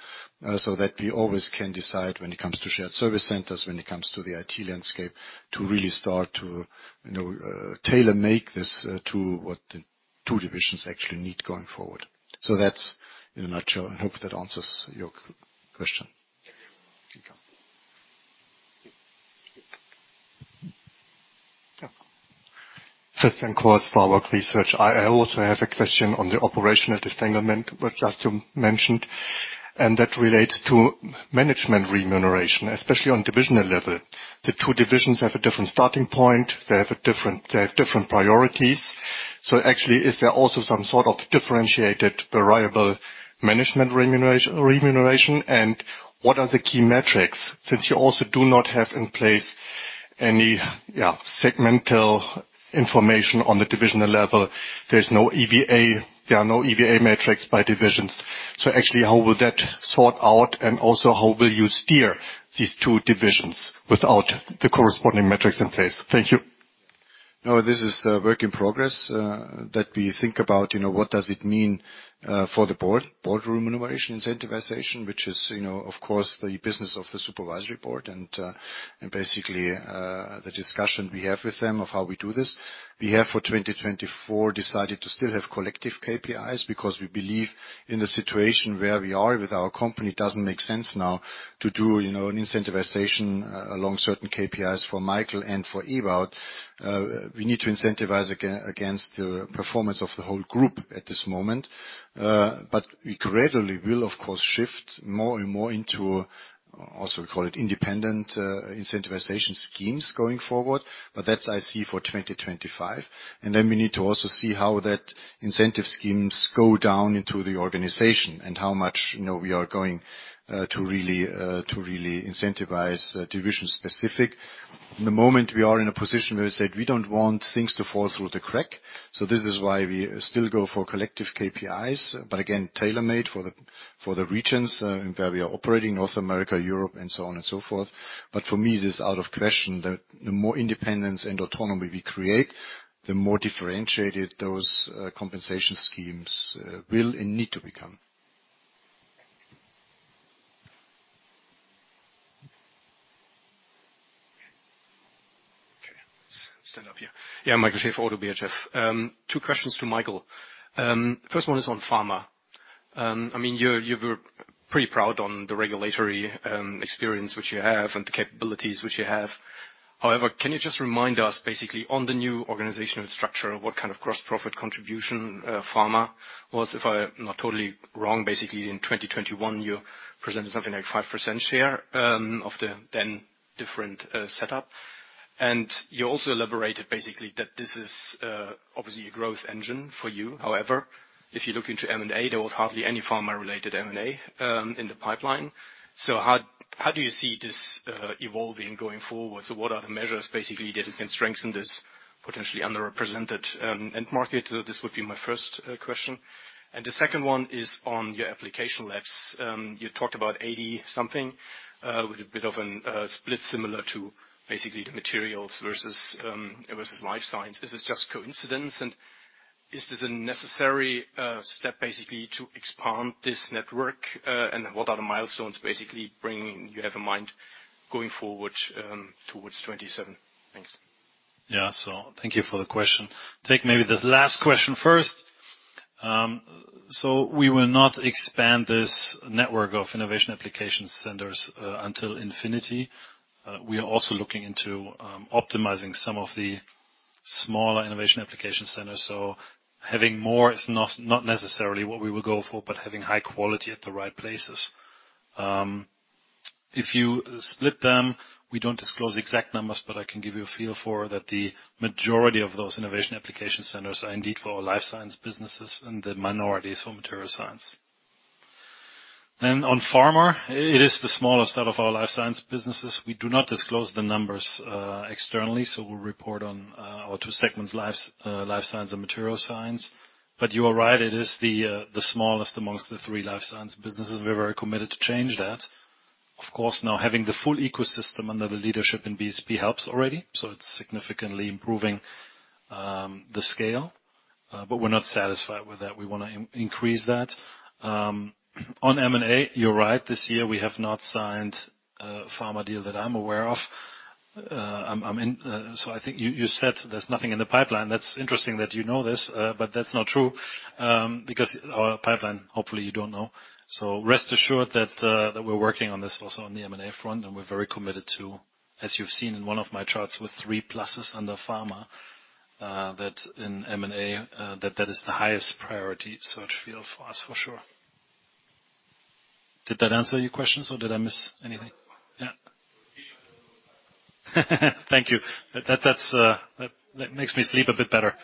so that we always can decide when it comes to shared service centers, when it comes to the IT landscape, to really start to, you know, tailor-make this, to what the two divisions actually need going forward. So that's in a nutshell. I hope that answers your question. Research. I also have a question on the operational disentanglement, which Kristin mentioned, and that relates to management remuneration, especially on divisional level. The two divisions have a different starting point; they have different priorities. So actually, is there also some sort of differentiated variable management remuneration, and what are the key metrics? Since you also do not have in place any, yeah, segmental information on the divisional level, there is no EVA; there are no EVA metrics by divisions. So actually, how will that sort out, and also, how will you steer these two divisions without the corresponding metrics in place? Thank you. No, this is a work in progress that we think about, you know, what does it mean for the board, board remuneration, incentivization, which is, you know, of course, the business of the supervisory board, and basically the discussion we have with them of how we do this. We have, for 2024, decided to still have collective KPIs, because we believe in the situation where we are with our company, it doesn't make sense now to do, you know, an incentivization along certain KPIs for Michael and for Ewout. We need to incentivize against the performance of the whole group at this moment. But we gradually will, of course, shift more and more into, also call it independent, incentivization schemes going forward, but that's I see for 2025. Then we need to also see how that incentive schemes go down into the organization, and how much, you know, we are going to really incentivize division-specific. In the moment, we are in a position where we said, we don't want things to fall through the crack. So this is why we still go for collective KPIs, but again, tailor-made for the regions where we are operating, North America, Europe, and so on and so forth. But for me, it is out of question that the more independence and autonomy we create, the more differentiated those compensation schemes will and need to become. Okay. Stand up here. Yeah, Michael Schäfer, Oddo BHF. Two questions to Michael. First one is on Pharma. I mean, you're, you were pretty proud on the regulatory experience which you have and the capabilities which you have. However, can you just remind us, basically, on the new organizational structure, what kind of gross profit contribution Pharma was? If I'm not totally wrong, basically in 2021, you presented something like 5% share of the then different setup. And you also elaborated, basically, that this is obviously a growth engine for you. However, if you look into M&A, there was hardly any Pharma-related M&A in the pipeline. So how, how do you see this evolving going forward? So what are the measures, basically, that can strengthen this potentially underrepresented end market? This would be my first question. And the second one is on your application labs. You talked about 80-something, with a bit of an split, similar to basically the materials versus versus Life Science. Is this just coincidence? And is this a necessary step, basically, to expand this network, and what are the milestones basically bringing you have in mind going forward, towards 2027? Thanks. Yeah, so thank you for the question. Take maybe the last question first. So we will not expand this network of innovation application centers until infinity. We are also looking into optimizing some of the smaller innovation application centers. So having more is not, not necessarily what we will go for, but having high quality at the right places. If you split them, we don't disclose exact numbers, but I can give you a feel for that the majority of those innovation application centers are indeed for our Life Science businesses, and the minority is for Material Science. And on Pharma, it is the smallest out of our Life Science businesses. We do not disclose the numbers externally, so we'll report on our two segments, Life Science and Material Science. But you are right, it is the smallest amongst the three Life Science businesses. We're very committed to change that. Of course, now having the full ecosystem under the leadership in BSP helps already, so it's significantly improving the scale, but we're not satisfied with that. We want to increase that. On M&A, you're right. This year, we have not signed a Pharma deal that I'm aware of. So I think you said there's nothing in the pipeline. That's interesting that you know this, but that's not true, because our pipeline, hopefully, you don't know. So rest assured that we're working on this also on the M&A front, and we're very committed to, as you've seen in one of my charts, with three pluses under Pharma, that in M&A, that is the highest priority search field for us, for sure. Did that answer your questions, or did I miss anything? Yeah. Thank you. That makes me sleep a bit better.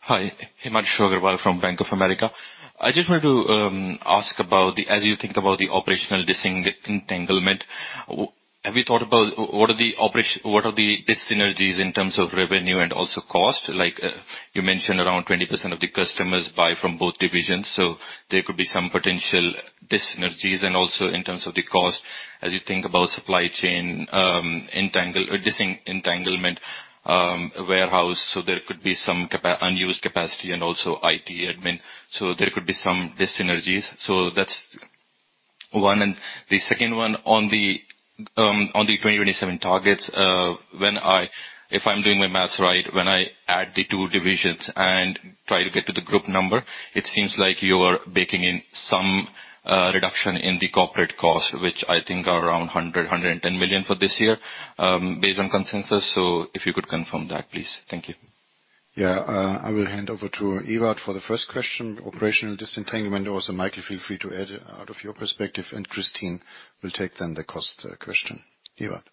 Hi, Himanshu Agarwal from Bank of America. I just wanted to ask about the- as you think about the operational disentanglement, have you thought about what are the dyssynergies in terms of revenue and also cost? Like, you mentioned around 20% of the customers buy from both divisions, so there could be some potential dyssynergies. And also in terms of the cost, as you think about supply chain disentanglement, warehouse, so there could be some unused capacity and also IT admin, so there could be some dyssynergies. So that's one, and the second one, on the on the 2027 targets, when I-... If I'm doing my math right, when I add the two divisions and try to get to the group number, it seems like you're baking in some reduction in the corporate costs, which I think are around 110 million for this year, based on consensus. So if you could confirm that, please. Thank you. Yeah, I will hand over to Ewout for the first question. Operational disentanglement, also, Michael, feel free to add out of your perspective, and Kristin will take then the cost question. Ewout?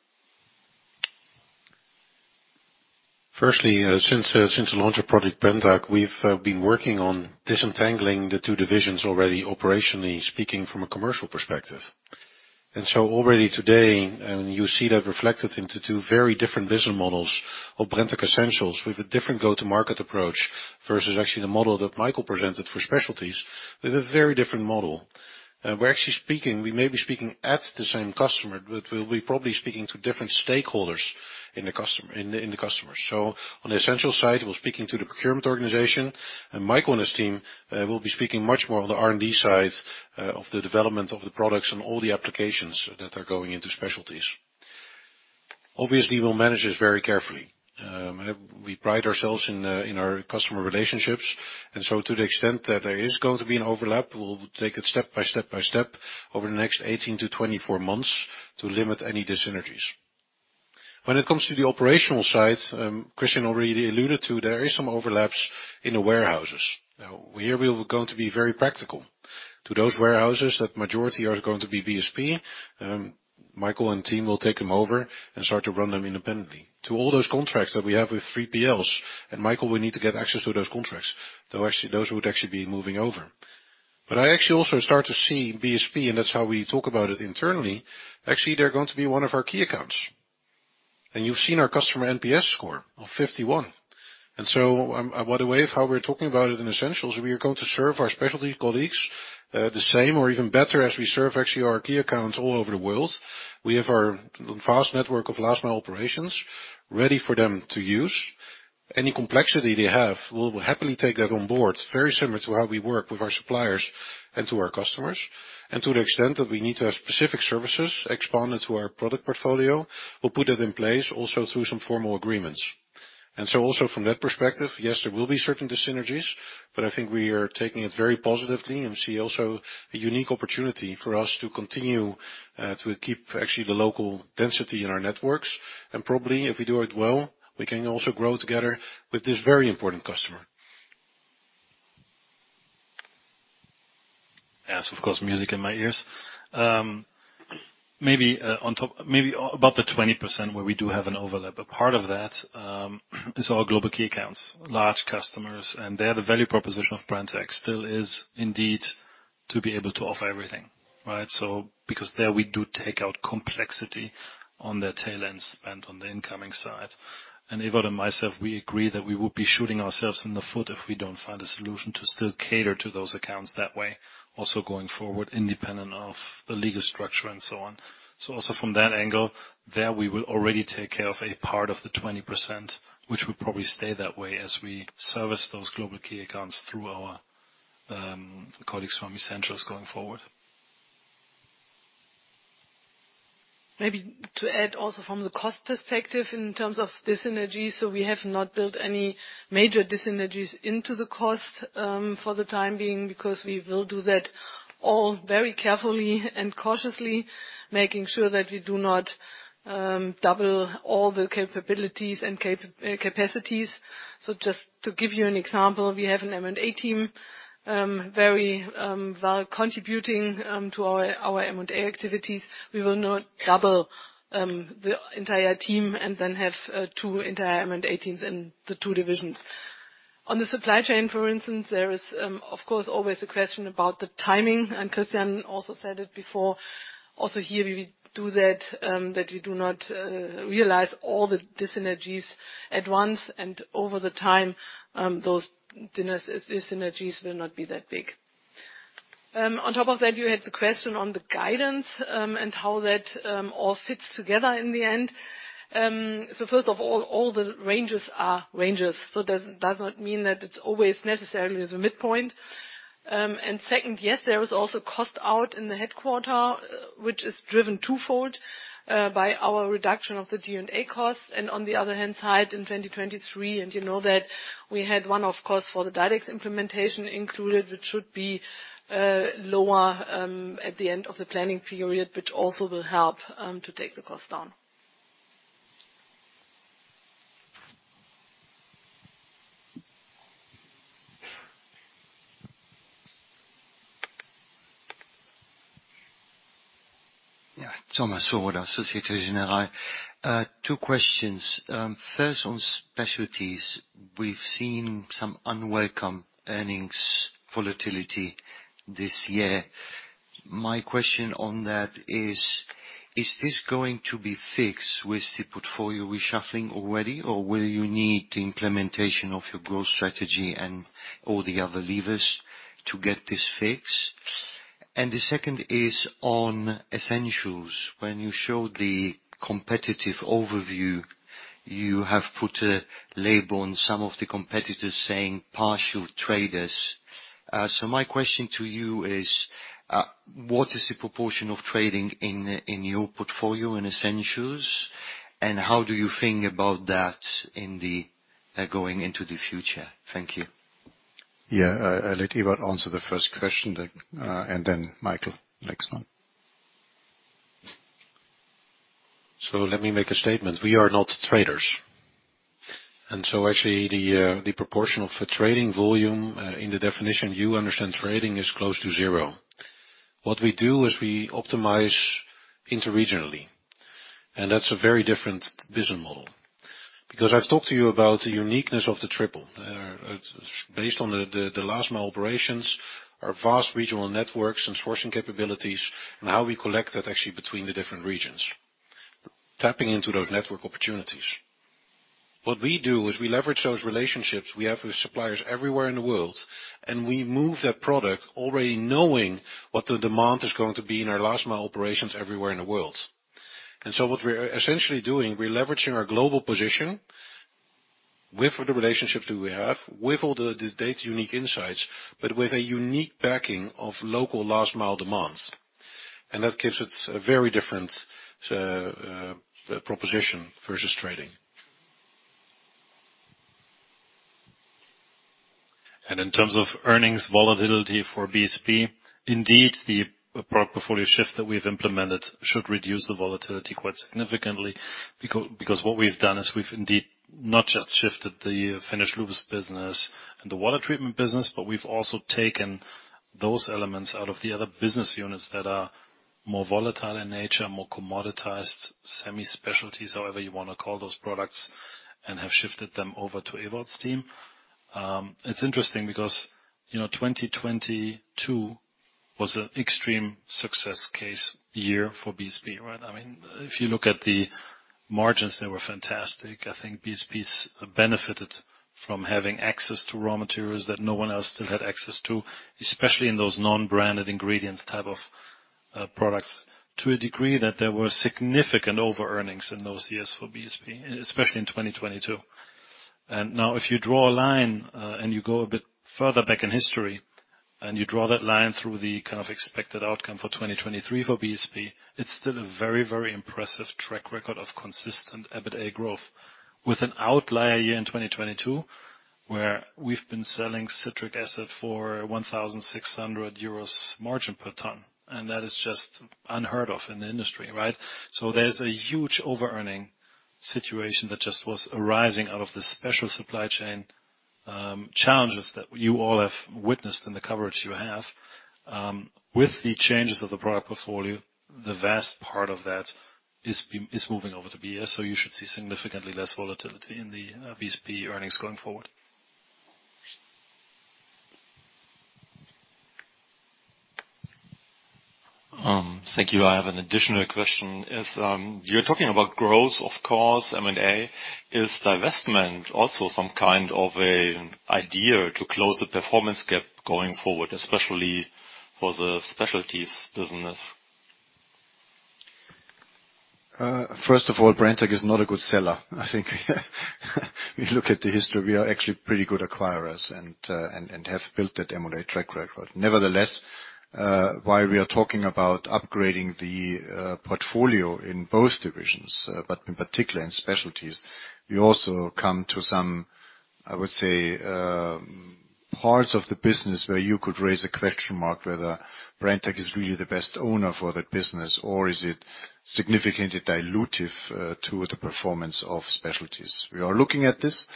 Firstly, since, since the launch of Project Brenntag, we've been working on disentangling the two divisions already, operationally speaking, from a commercial perspective. And so already today, and you see that reflected into two very different business models, of Brenntag Essentials, with a different go-to-market approach, versus actually the model that Michael presented for Specialties, with a very different model. We're actually speaking; we may be speaking at the same customer, but we'll be probably speaking to different stakeholders in the customer, in the, in the customer. So on the Essentials side, we're speaking to the procurement organization, and Michael and his team will be speaking much more on the R&D side, of the development of the products and all the applications that are going into Specialties. Obviously, we'll manage this very carefully. We pride ourselves in our customer relationships, and so to the extent that there is going to be an overlap, we'll take it step by step by step over the next 18-24 months to limit any dis-synergies. When it comes to the operational side, Christian already alluded to, there is some overlaps in the warehouses. Now, here we are going to be very practical. To those warehouses, that majority are going to be BSP, Michael and team will take them over and start to run them independently. To all those contracts that we have with 3PLs, and Michael, we need to get access to those contracts, though actually, those would actually be moving over. But I actually also start to see BSP, and that's how we talk about it internally. Actually, they're going to be one of our key accounts. And you've seen our customer NPS score of 51. And so, by the way of how we're talking about it in Essentials, we are going to serve our Specialty colleagues, the same or even better, as we serve actually our key accounts all over the world. We have our vast network Last Mile operations ready for them to use. Any complexity they have, we'll happily take that on board, very similar to how we work with our suppliers and to our customers. And to the extent that we need to have specific services expanded to our product portfolio, we'll put that in place also through some formal agreements. So also from that perspective, yes, there will be certain dis-synergies, but I think we are taking it very positively and see also a unique opportunity for us to continue to keep actually the local density in our networks. And probably, if we do it well, we can also grow together with this very important customer. Yes, of course, music to my ears. Maybe on top, maybe about the 20% where we do have an overlap, but part of that is our global key accounts, large customers, and there, the value proposition of Brenntag still is indeed to be able to offer everything, right? So because there we do take out complexity on their tail end spend on the incoming side. And Ewout and myself, we agree that we will be shooting ourselves in the foot if we don't find a solution to still cater to those accounts that way, also going forward, independent of the legal structure and so on. So also from that angle, there we will already take care of a part of the 20%, which will probably stay that way as we service those global key accounts through our colleagues from Essentials going forward. Maybe to add also from the cost perspective in terms of dis-synergies, so we have not built any major dis-synergies into the cost for the time being, because we will do that all very carefully and cautiously, making sure that we do not double all the capabilities and capacities. So just to give you an example, we have an M&A team very well contributing to our M&A activities. We will not double the entire team and then have two entire M&A teams in the two divisions. On the supply chain, for instance, there is of course always a question about the timing, and Christian also said it before. Also, here, we do that, that we do not realize all the dis-synergies at once, and over the time, those dis-synergies will not be that big. On top of that, you had the question on the guidance, and how that all fits together in the end. So first of all, all the ranges are ranges, so does not mean that it's always necessarily as a midpoint. And second, yes, there is also cost out in the headquarters, which is driven twofold, by our reduction of the D&A costs, and on the other hand side, in 2023, and you know that we had one, of course, for the DiDEX implementation included, which should be lower, at the end of the planning period, which also will help to take the cost down. Yeah. Thomas, Société Générale. Two questions. First, on Specialties, we've seen some unwelcome earnings volatility this year. My question on that is, is this going to be fixed with the portfolio reshuffling already, or will you need the implementation of your growth strategy and all the other levers to get this fixed? And the second is on Essentials. When you showed the competitive overview, you have put a label on some of the competitors saying partial traders. So my question to you is, what is the proportion of trading in your portfolio in Essentials, and how do you think about that going into the future? Thank you. Yeah, I'll let Ewout answer the first question, then, and then Michael, next one. So let me make a statement: We are not traders. So actually, the proportion of the trading volume, in the definition you understand trading, is close to zero. What we do is we optimize interregionally, and that's a very different business model. Because I've talked to you about the uniqueness of the Triple. It's based on the Last Mile operations, our vast regional networks and sourcing capabilities, and how we collect that actually between the different regions, tapping into those network opportunities. What we do is we leverage those relationships we have with suppliers everywhere in the world, and we move that product already knowing what the demand is going to be in our Last Mile operations everywhere in the world. What we're essentially doing, we're leveraging our global position with the relationships that we have, with all the data-unique insights, but with a unique backing of local last-mile demands. That gives us a very different proposition versus trading. In terms of earnings volatility for BSP, indeed, the product portfolio shift that we've implemented should reduce the volatility quite significantly. Because what we've done is we've indeed not just shifted the finished lubes business and the water treatment business, but we've also taken those elements out of the other business units that are more volatile in nature, more commoditized, Semi-Specialties, however you wanna call those products, and have shifted them over to Ewout's team. It's interesting because, you know, 2022 was an extreme success case year for BSP, right? I mean, if you look at the margins, they were fantastic. I think BSP's benefited from having access to raw materials that no one else still had access to, especially in those non-branded ingredients type of products, to a degree that there were significant over-earnings in those years for BSP, especially in 2022. And now, if you draw a line, and you go a bit further back in history, and you draw that line through the kind of expected outcome for 2023 for BSP, it's still a very, very impressive track record of consistent EBITDA growth, with an outlier year in 2022, where we've been selling citric acid for 1,600 euros margin per ton. And that is just unheard of in the industry, right? So there's a huge over-earning situation that just was arising out of the special supply chain challenges that you all have witnessed in the coverage you have. With the changes of the product portfolio, the vast part of that is moving over to BS, so you should see significantly less volatility in the BSP earnings going forward. Thank you. I have an additional question. If you're talking about growth, of course, M&A, is divestment also some kind of an idea to close the performance gap going forward, especially for the specialties business? First of all, Brenntag is not a good seller. I think, if you look at the history, we are actually pretty good acquirers and have built that M&A track record. Nevertheless, while we are talking about upgrading the portfolio in both divisions, but in particular in specialties, we also come to some, I would say, parts of the business where you could raise a question mark whether Brenntag is really the best owner for that business, or is it significantly dilutive to the performance of specialties? We are looking at this.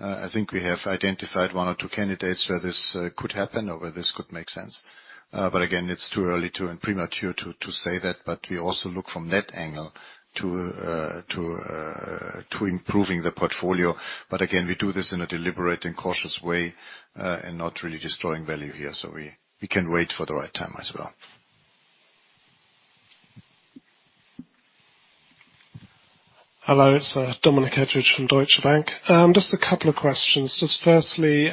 I think we have identified one or two candidates where this could happen or where this could make sense. But again, it's too early and premature to say that, but we also look from that angle to improving the portfolio. But again, we do this in a deliberate and cautious way, and not really destroying value here, so we can wait for the right time as well. Hello, it's Dominic Edridge from Deutsche Bank. Just a couple of questions. Just firstly,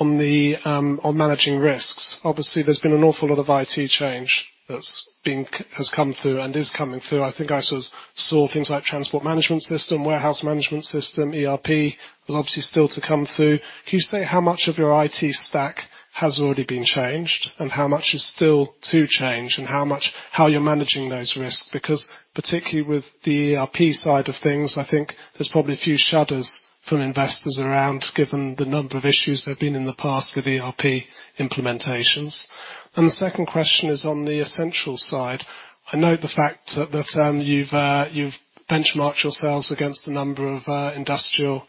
on managing risks. Obviously, there's been an awful lot of IT change that's come through and is coming through. I think I sort of saw things like transport management system, warehouse management system, ERP, was obviously still to come through. Can you say how much of your IT stack has already been changed, and how much is still to change, and how you're managing those risks? Because particularly with the ERP side of things, I think there's probably a few shudders from investors around, given the number of issues there have been in the past with ERP implementations. The second question is on the Essentials side. I know the fact that you've benchmarked yourselves against a number of industrial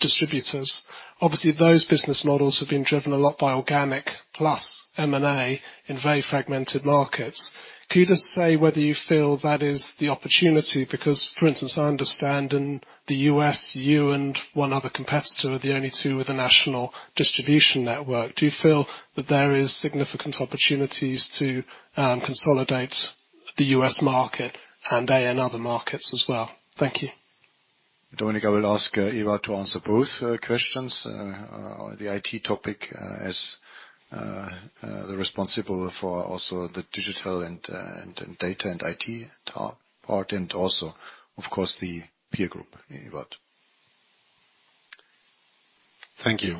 distributors. Obviously, those business models have been driven a lot by organic plus M&A in very fragmented markets. Can you just say whether you feel that is the opportunity? Because, for instance, I understand in the U.S., you and one other competitor are the only two with a national distribution network. Do you feel that there is significant opportunities to consolidate the U.S. market and any other markets as well? Thank you. Dominic, I will ask Ewout to answer both questions. On the IT topic, as the responsible for also the digital and data and IT part, and also, of course, the peer group, Ewout. Thank you.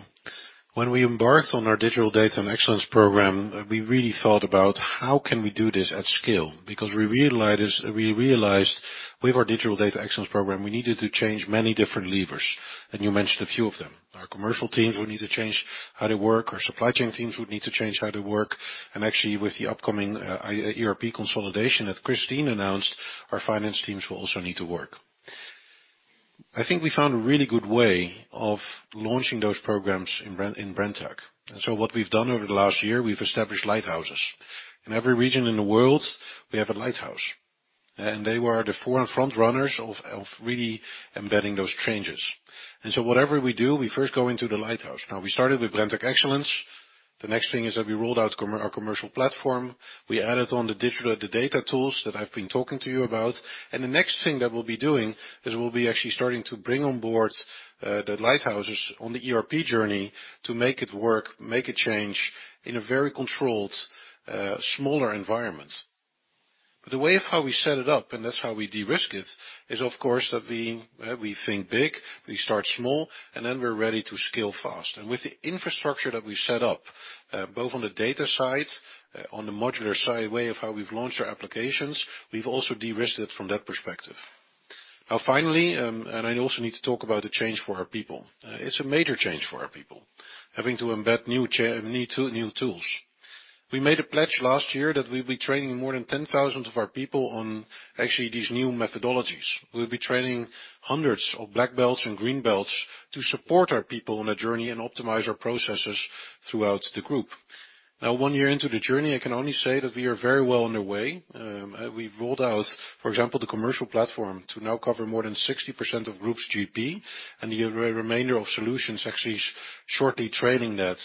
When we embarked on our digital data and excellence program, we really thought about: How can we do this at scale? Because we realized, we realized with our digital data excellence program, we needed to change many different levers, and you mentioned a few of them. Our commercial teams would need to change how they work, our supply chain teams would need to change how they work, and actually, with the upcoming ERP consolidation that Kristin announced, our finance teams will also need to work. I think we found a really good way of launching those programs in Brenntag. And so what we've done over the last year, we've established lighthouses. In every region in the world, we have a lighthouse, and they were the front runners of really embedding those changes. Whatever we do, we first go into the lighthouse. Now, we started with Brenntag Excellence. The next thing is that we rolled out our commercial platform. We added on the digital, the data tools that I've been talking to you about. The next thing that we'll be doing is we'll be actually starting to bring on board the lighthouses on the ERP journey to make it work, make a change in a very controlled, smaller environment. But the way of how we set it up, and that's how we de-risk it, is, of course, that we think big, we start small, and then we're ready to scale fast. And with the infrastructure that we set up, both on the data side, on the modular way of how we've launched our applications, we've also de-risked it from that perspective. Now, finally, and I also need to talk about the change for our people. It's a major change for our people, having to embed new tools. We made a pledge last year that we'd be training more than 10,000 of our people on actually these new methodologies. We'll be training hundreds of black belts and green belts to support our people on their journey and optimize our processes throughout the group. Now, one year into the journey, I can only say that we are very well on the way. We've rolled out, for example, the commercial platform to now cover more than 60% of group's GP, and the remainder of solutions actually is shortly trailing that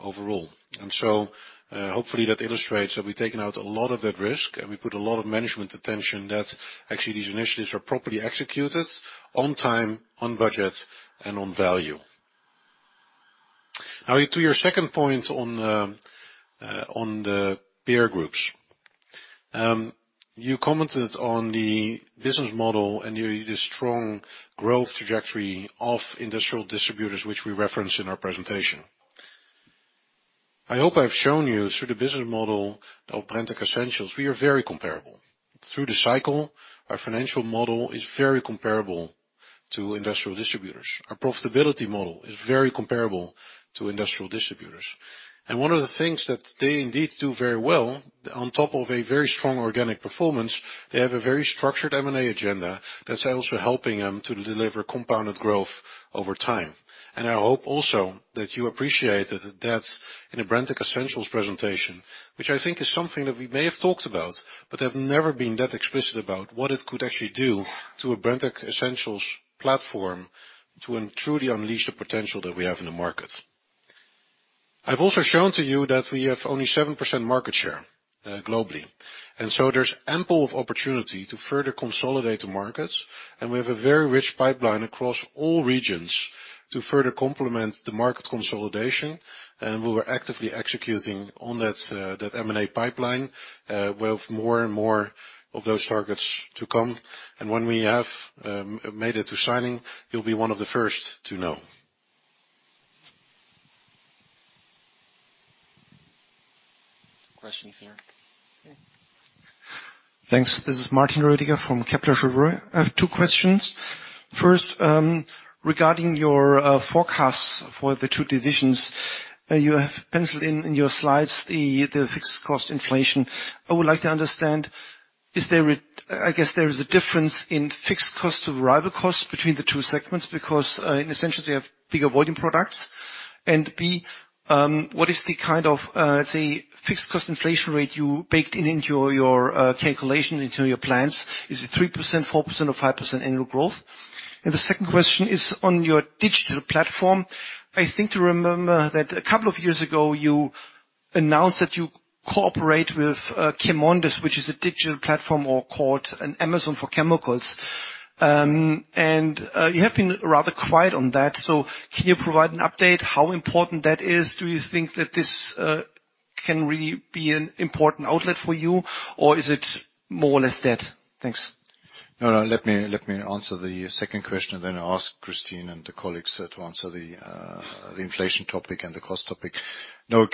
overall. And so, hopefully, that illustrates that we've taken out a lot of that risk, and we put a lot of management attention that actually these initiatives are properly executed on time, on budget, and on value. Now, to your second point on the peer groups. You commented on the business model and the strong growth trajectory of industrial distributors, which we referenced in our presentation. I hope I've shown you through the business model of Brenntag Essentials, we are very comparable. Through the cycle, our financial model is very comparable to industrial distributors. Our profitability model is very comparable to industrial distributors. And one of the things that they indeed do very well, on top of a very strong organic performance, they have a very structured M&A agenda that's also helping them to deliver compounded growth over time. I hope also that you appreciate that in a Brenntag Essentials presentation, which I think is something that we may have talked about, but have never been that explicit about, what it could actually do to a Brenntag Essentials platform to truly unleash the potential that we have in the market. I've also shown to you that we have only 7% market share globally, and so there's ample of opportunity to further consolidate the markets, and we have a very rich pipeline across all regions to further complement the market consolidation, and we are actively executing on that M&A pipeline with more and more of those targets to come. When we have made it to signing, you'll be one of the first to know. Questions here. Thanks. This is Martin Roediger from Kepler Cheuvreux. I have two questions. First, regarding your forecasts for the two divisions, you have penciled in, in your slides, the, the fixed cost inflation. I would like to understand, is there a... I guess there is a difference in fixed cost to variable costs between the two segments, because, in Essentials, you have bigger volume products. And B, what is the kind of, say, fixed cost inflation rate you baked in into your, your, calculations, into your plans? Is it 3%, 4%, or 5% annual growth? And the second question is on your digital platform. I think to remember that a couple of years ago, you announced that you cooperate with, Chemondis, which is a digital platform or called an Amazon for chemicals. You have been rather quiet on that, so can you provide an update? How important that is? Do you think that this can really be an important outlet for you, or is it more or less dead? Thanks. No, no, let me, let me answer the second question, and then I'll ask Kristin and the colleagues to answer the the inflation topic and the cost topic. Now,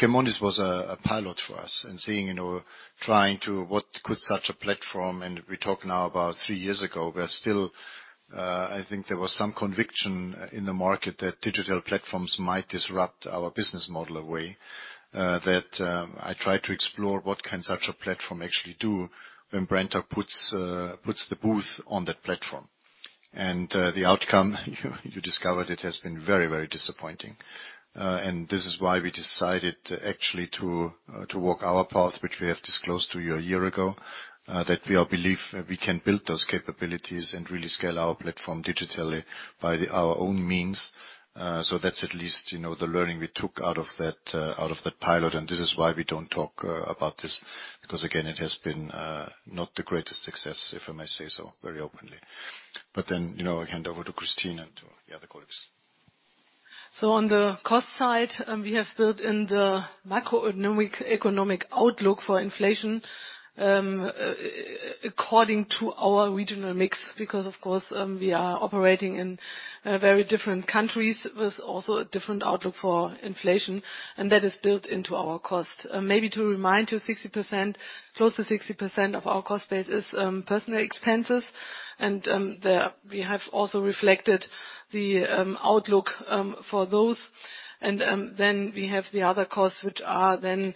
Chemondis was a, a pilot for us, and seeing, you know, trying to what could such a platform... And we talk now about three years ago, where still, I think there was some conviction in the market that digital platforms might disrupt our business model away. That, I tried to explore what can such a platform actually do when Brenntag puts, puts the booth on that platform. And, the outcome, you discovered it, has been very, very disappointing. And this is why we decided to actually walk our path, which we have disclosed to you a year ago, that we believe we can build those capabilities and really scale our platform digitally by our own means. So that's at least, you know, the learning we took out of that pilot, and this is why we don't talk about this, because again, it has been not the greatest success, if I may say so, very openly. But then, you know, I hand over to Kristin and to the other colleagues. So on the cost side, we have built in the macroeconomic economic outlook for inflation according to our regional mix, because, of course, we are operating in very different countries with also a different outlook for inflation, and that is built into our cost. Maybe to remind you, 60%, close to 60% of our cost base is personal expenses, and we have also reflected the outlook for those. And then we have the other costs, which are then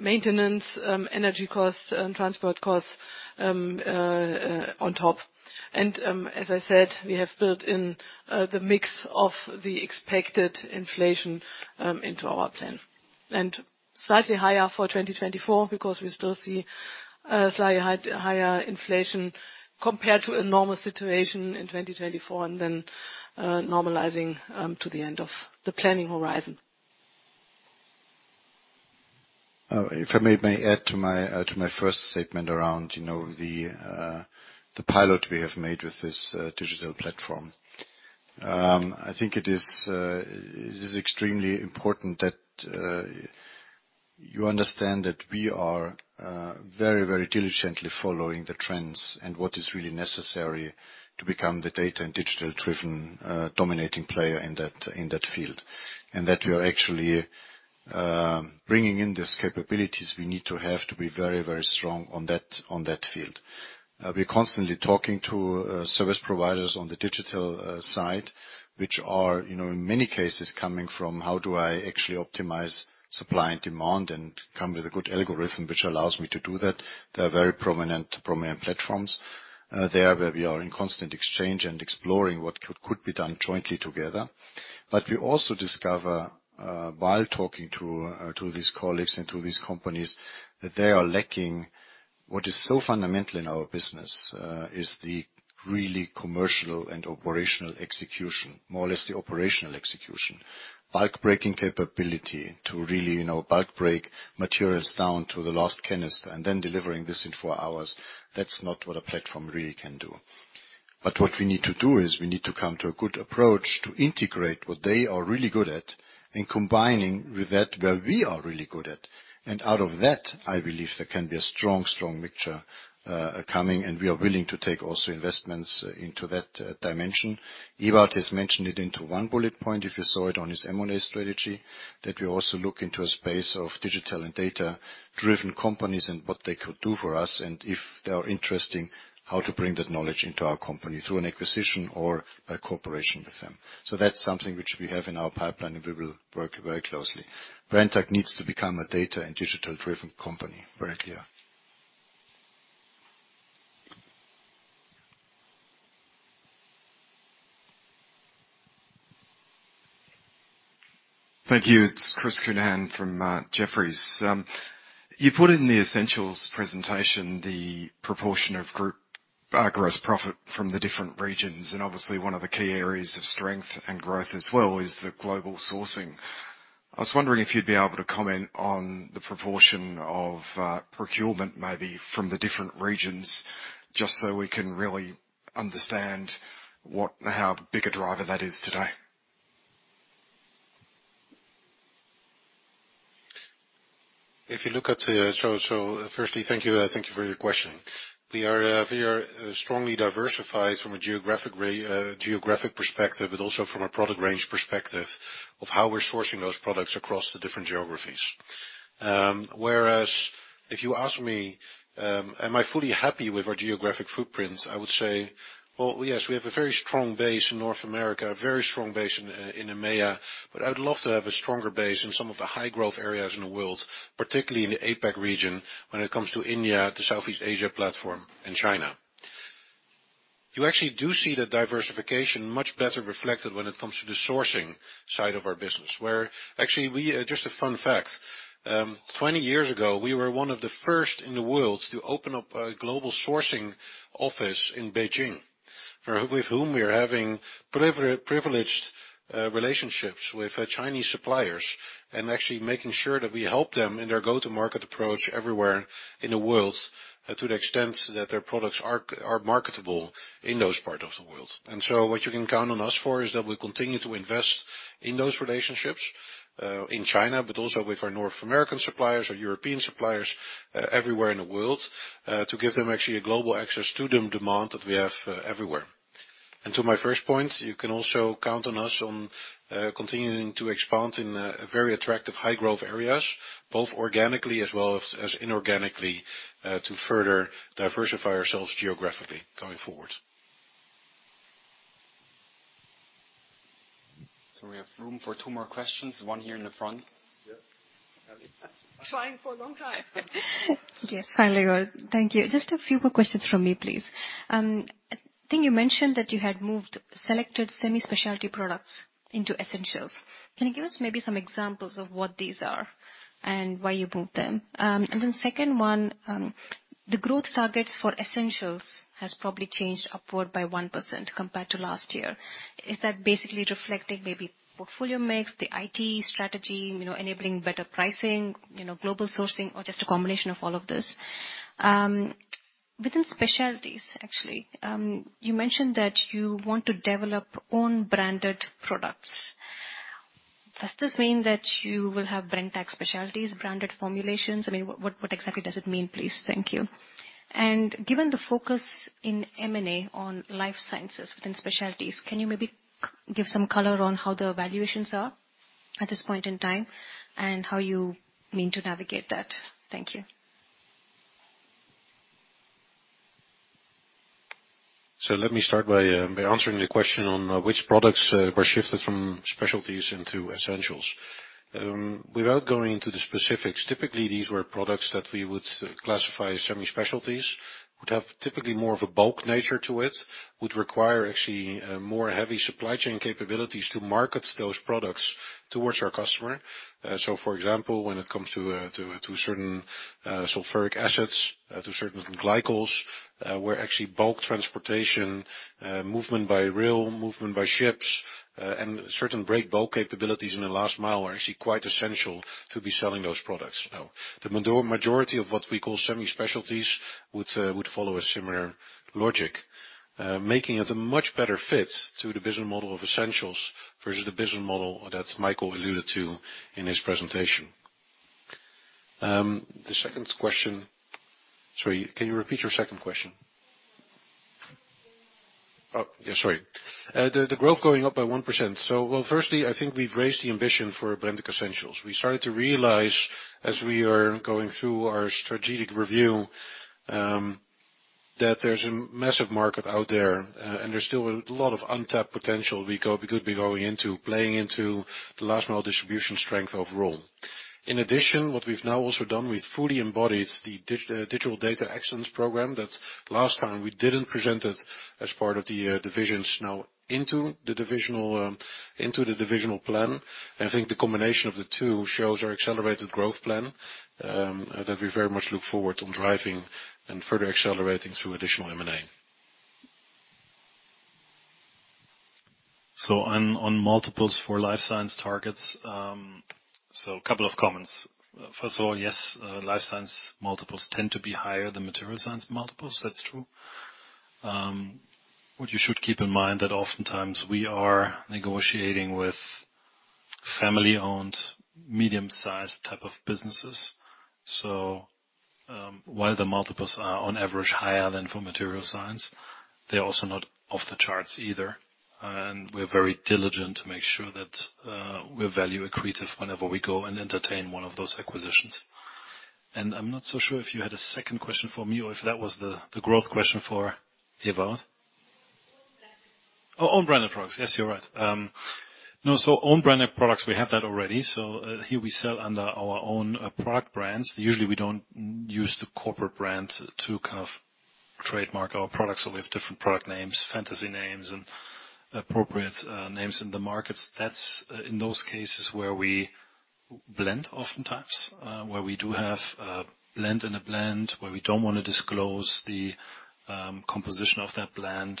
maintenance, energy costs, and transport costs on top. And as I said, we have built in the mix of the expected inflation into our plan. Slightly higher for 2024, because we still see slightly higher inflation compared to a normal situation in 2024, and then normalizing to the end of the planning horizon. If I may add to my first statement around, you know, the pilot we have made with this digital platform. I think it is, it is extremely important that you understand that we are very, very diligently following the trends and what is really necessary to become the data and digital-driven dominating player in that, in that field. And that we are actually bringing in these capabilities we need to have to be very, very strong on that, on that field. We're constantly talking to service providers on the digital side, which are, you know, in many cases, coming from how do I actually optimize supply and demand and come with a good algorithm which allows me to do that? There are very prominent, prominent platforms, there, where we are in constant exchange and exploring what could, could be done jointly together. But we also discover, while talking to these colleagues and to these companies, that they are lacking what is so fundamental in our business, is the really commercial and operational execution, more or less the operational execution. Bulk breaking capability to really, you know, bulk break materials down to the last canister and then delivering this in four hours. That's not what a platform really can do. But what we need to do is, we need to come to a good approach to integrate what they are really good at and combining with that, where we are really good at. Out of that, I believe there can be a strong, strong mixture, coming, and we are willing to take also investments into that, dimension. Ewout has mentioned it into one bullet point, if you saw it, on his M&A strategy, that we also look into a space of digital and data-driven companies and what they could do for us, and if they are interesting, how to bring that knowledge into our company through an acquisition or a cooperation with them. So that's something which we have in our pipeline, and we will work very closely. Brenntag needs to become a data and digital-driven company, very clear. Thank you. It's Chris Counihan from Jefferies. You put in the essentials presentation, the proportion of group gross profit from the different regions, and obviously, one of the key areas of strength and growth as well is the global sourcing. I was wondering if you'd be able to comment on the proportion of procurement, maybe from the different regions, just so we can really understand what and how big a driver that is today? If you look at, so firstly, thank you, thank you for your question. We are strongly diversified from a geographic perspective, but also from a product range perspective of how we're sourcing those products across the different geographies. Whereas, if you ask me, am I fully happy with our geographic footprint? I would say, well, yes, we have a very strong base in North America, a very strong base in EMEA, but I'd love to have a stronger base in some of the high-growth areas in the world, particularly in the APAC region, when it comes to India, the Southeast Asia platform, and China. You actually do see the diversification much better reflected when it comes to the sourcing side of our business, where actually we... Just a fun fact, 20 years ago, we were one of the first in the world to open up a global sourcing office in Beijing, where, with whom we are having privileged relationships with our Chinese suppliers, and actually making sure that we help them in their go-to-market approach everywhere in the world, to the extent that their products are marketable in those parts of the world. And so what you can count on us for is that we continue to invest in those relationships in China, but also with our North American suppliers, our European suppliers, everywhere in the world, to give them actually a global access to the demand that we have everywhere. And to my first point, you can also count on us on continuing to expand in very attractive high-growth areas, both organically as well as inorganically, to further diversify ourselves geographically going forward. We have room for two more questions. One here in the front. Yep. Trying for a long time. Yes, finally. Thank you. Just a few more questions from me, please. I think you mentioned that you had moved selected semi-specialty products into Essentials. Can you give us maybe some examples of what these are and why you moved them? And then second one, the growth targets for Essentials has probably changed upward by 1% compared to last year. Is that basically reflecting maybe portfolio mix, the IT strategy, you know, enabling better pricing, you know, global sourcing, or just a combination of all of this? Within Specialties, actually, you mentioned that you want to develop own branded products. Does this mean that you will have Brenntag Specialties, branded formulations? I mean, what, what exactly does it mean, please? Thank you. Given the focus in M&A on Life Sciences within specialties, can you maybe give some color on how the valuations are at this point in time, and how you mean to navigate that? Thank you. So let me start by answering the question on which products were shifted from Specialties into Essentials. Without going into the specifics, typically these were products that we would classify as Semi-Specialties, would have typically more of a bulk nature to it, would require actually more heavy supply chain capabilities to market those products towards our customer. So for example, when it comes to certain sulfuric acids, to certain glycols, where actually bulk transportation, movement by rail, movement by ships, and certain break bulk capabilities in the Last Mile are actually quite essential to be selling those products. Now, the majority of what we call Semi-Specialties would follow a similar logic, making it a much better fit to the business model of Essentials versus the business model that Michael alluded to in his presentation. The second question. Sorry, can you repeat your second question? Oh, yeah, sorry. The growth going up by 1%. So well, firstly, I think we've raised the ambition for Brenntag Essentials. We started to realize, as we are going through our strategic review, that there's a massive market out there, and there's still a lot of untapped potential we could be going into, playing into the Last Mile distribution strength overall. In addition, what we've now also done, we fully embodied the digital data excellence program, that last time we didn't present it as part of the divisions, now into the divisional plan. I think the combination of the two shows our accelerated growth plan, that we very much look forward on driving and further accelerating through additional M&A. On multiples for Life Science targets, so a couple of comments. First of all, yes, Life Science multiples tend to be higher than Material Science multiples. That's true. What you should keep in mind that oftentimes we are negotiating with family-owned, medium-sized type of businesses. So, while the multiples are on average higher than for Material Science, they're also not off the charts either. And we're very diligent to make sure that, we're value accretive whenever we go and entertain one of those acquisitions. And I'm not so sure if you had a second question for me, or if that was the growth question for Ewout? Own branded. Oh, own branded products. Yes, you're right. No, so own branded products, we have that already. So, here we sell under our own product brands. Usually, we don't use the corporate brand to kind of trademark our products, so we have different product names, fantasy names, and appropriate names in the markets. That's in those cases where we blend, oftentimes where we do have a blend in a blend, where we don't want to disclose the composition of that blend.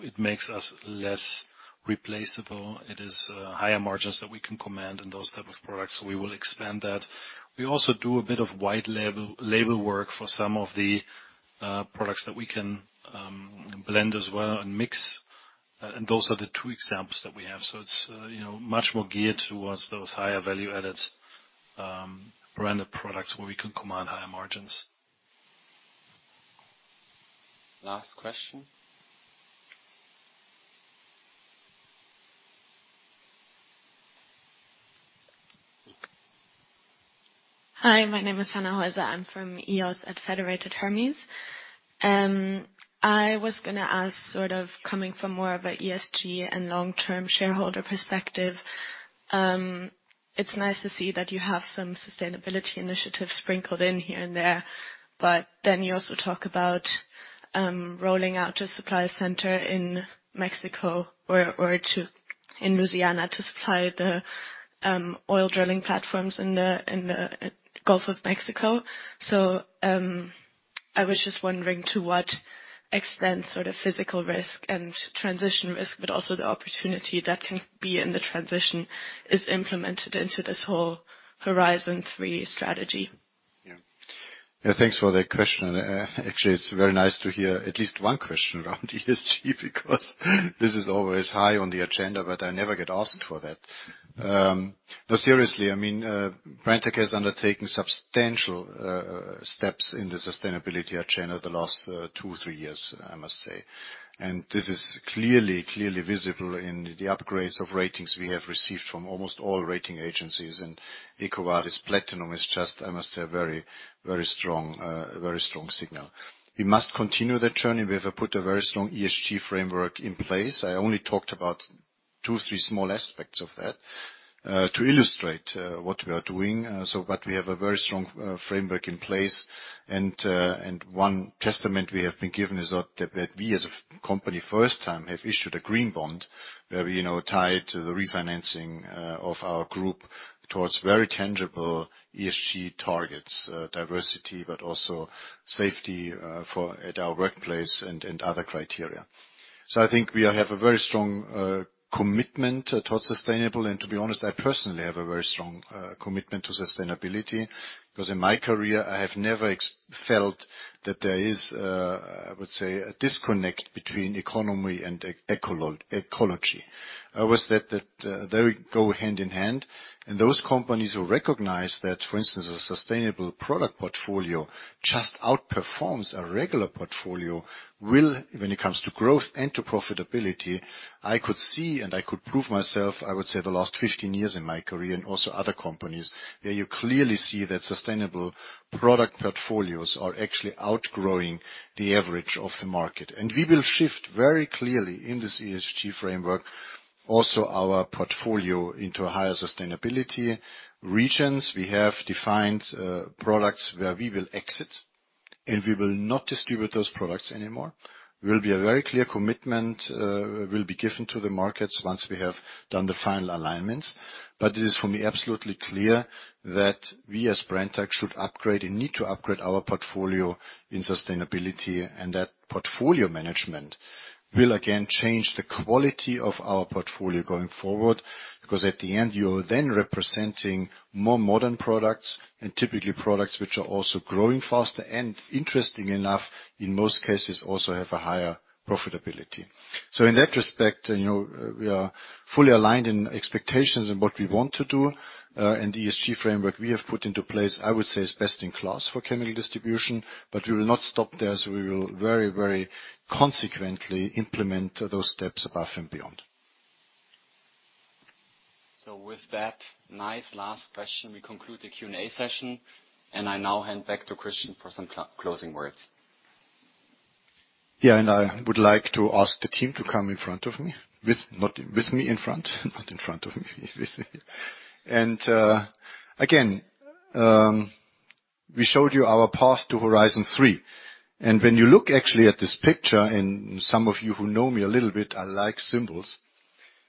It makes us less replaceable. It is higher margins that we can command in those type of products, so we will expand that. We also do a bit of white label work for some of the products that we can blend as well and mix, and those are the two examples that we have. So it's, you know, much more geared towards those higher value-added branded products where we can command higher margins. Last question. Hi, my name is Hannah Heuser. I'm from EOS at Federated Hermes. I was going to ask, sort of coming from more of an ESG and long-term shareholder perspective, it's nice to see that you have some sustainability initiatives sprinkled in here and there, but then you also talk about rolling out a supply center in Mexico or in Louisiana to supply the oil drilling platforms in the Gulf of Mexico. So, I was just wondering, to what extent sort of physical risk and transition risk, but also the opportunity that can be in the transition, is implemented into this whole Horizon 3 strategy? Yeah. Yeah, thanks for that question. And, actually, it's very nice to hear at least one question around ESG, because this is always high on the agenda, but I never get asked for that. But seriously, I mean, Brenntag has undertaken substantial steps in the sustainability agenda the last two, three years, I must say. And this is clearly, clearly visible in the upgrades of ratings we have received from almost all rating agencies, and EcoVadis Platinum is just, I must say, a very, very strong, a very strong signal. We must continue that journey. We have put a very strong ESG framework in place. I only talked about two, three small aspects of that, to illustrate, what we are doing. So but we have a very strong framework in place, and one testament we have been given is that we, as a company, first time, have issued a green bond that we, you know, tied to the refinancing of our group towards very tangible ESG targets, diversity, but also safety, for our workplace and other criteria. So I think we are have a very strong commitment towards sustainable, and to be honest, I personally have a very strong commitment to sustainability, because in my career I have never felt that there is, I would say, a disconnect between economy and ecology. I was that, that, they go hand in hand, and those companies who recognize that, for instance, a sustainable product portfolio just outperforms a regular portfolio, will, when it comes to growth and to profitability, I could see and I could prove myself, I would say, the last 15 years in my career and also other companies, where you clearly see that sustainable product portfolios are actually outgrowing the average of the market. And we will shift very clearly in this ESG framework, also our portfolio into higher sustainability regions. We have defined products where we will exit, and we will not distribute those products anymore. Will be a very clear commitment, will be given to the markets once we have done the final alignments. But it is for me, absolutely clear that we as Brenntag, should upgrade and need to upgrade our portfolio in sustainability, and that portfolio management will again change the quality of our portfolio going forward. Because at the end, you are then representing more modern products and typically products which are also growing faster and interestingly enough, in most cases, also have a higher profitability. So in that respect, you know, we are fully aligned in expectations and what we want to do, and the ESG framework we have put into place, I would say is best in class for chemical distribution, but we will not stop there, so we will very, very consequently implement those steps above and beyond. So with that nice last question, we conclude the Q&A session, and I now hand back to Christian for some closing words. Yeah, and I would like to ask the team to come in front of me. With, not with me in front, not in front of me. And, again, we showed you our path to Horizon 3. And when you look actually at this picture, and some of you who know me a little bit, I like symbols.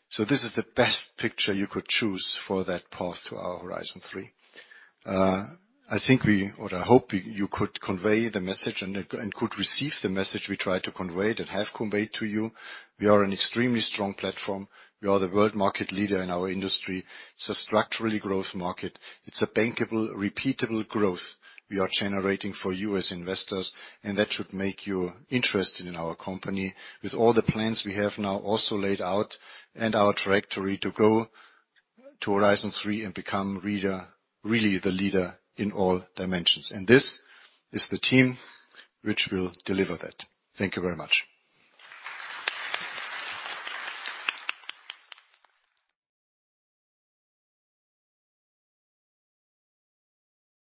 So this is the best picture you could choose for that path to our Horizon 3. I think we or I hope you, you could convey the message and, and could receive the message we tried to convey, that have conveyed to you. We are an extremely strong platform. We are the world market leader in our industry. It's a structurally growth market. It's a bankable, repeatable growth we are generating for you as investors, and that should make you interested in our company. With all the plans we have now also laid out and our trajectory to go to Horizon 3 and become the leader, really the leader in all dimensions. This is the team which will deliver that. Thank you very much.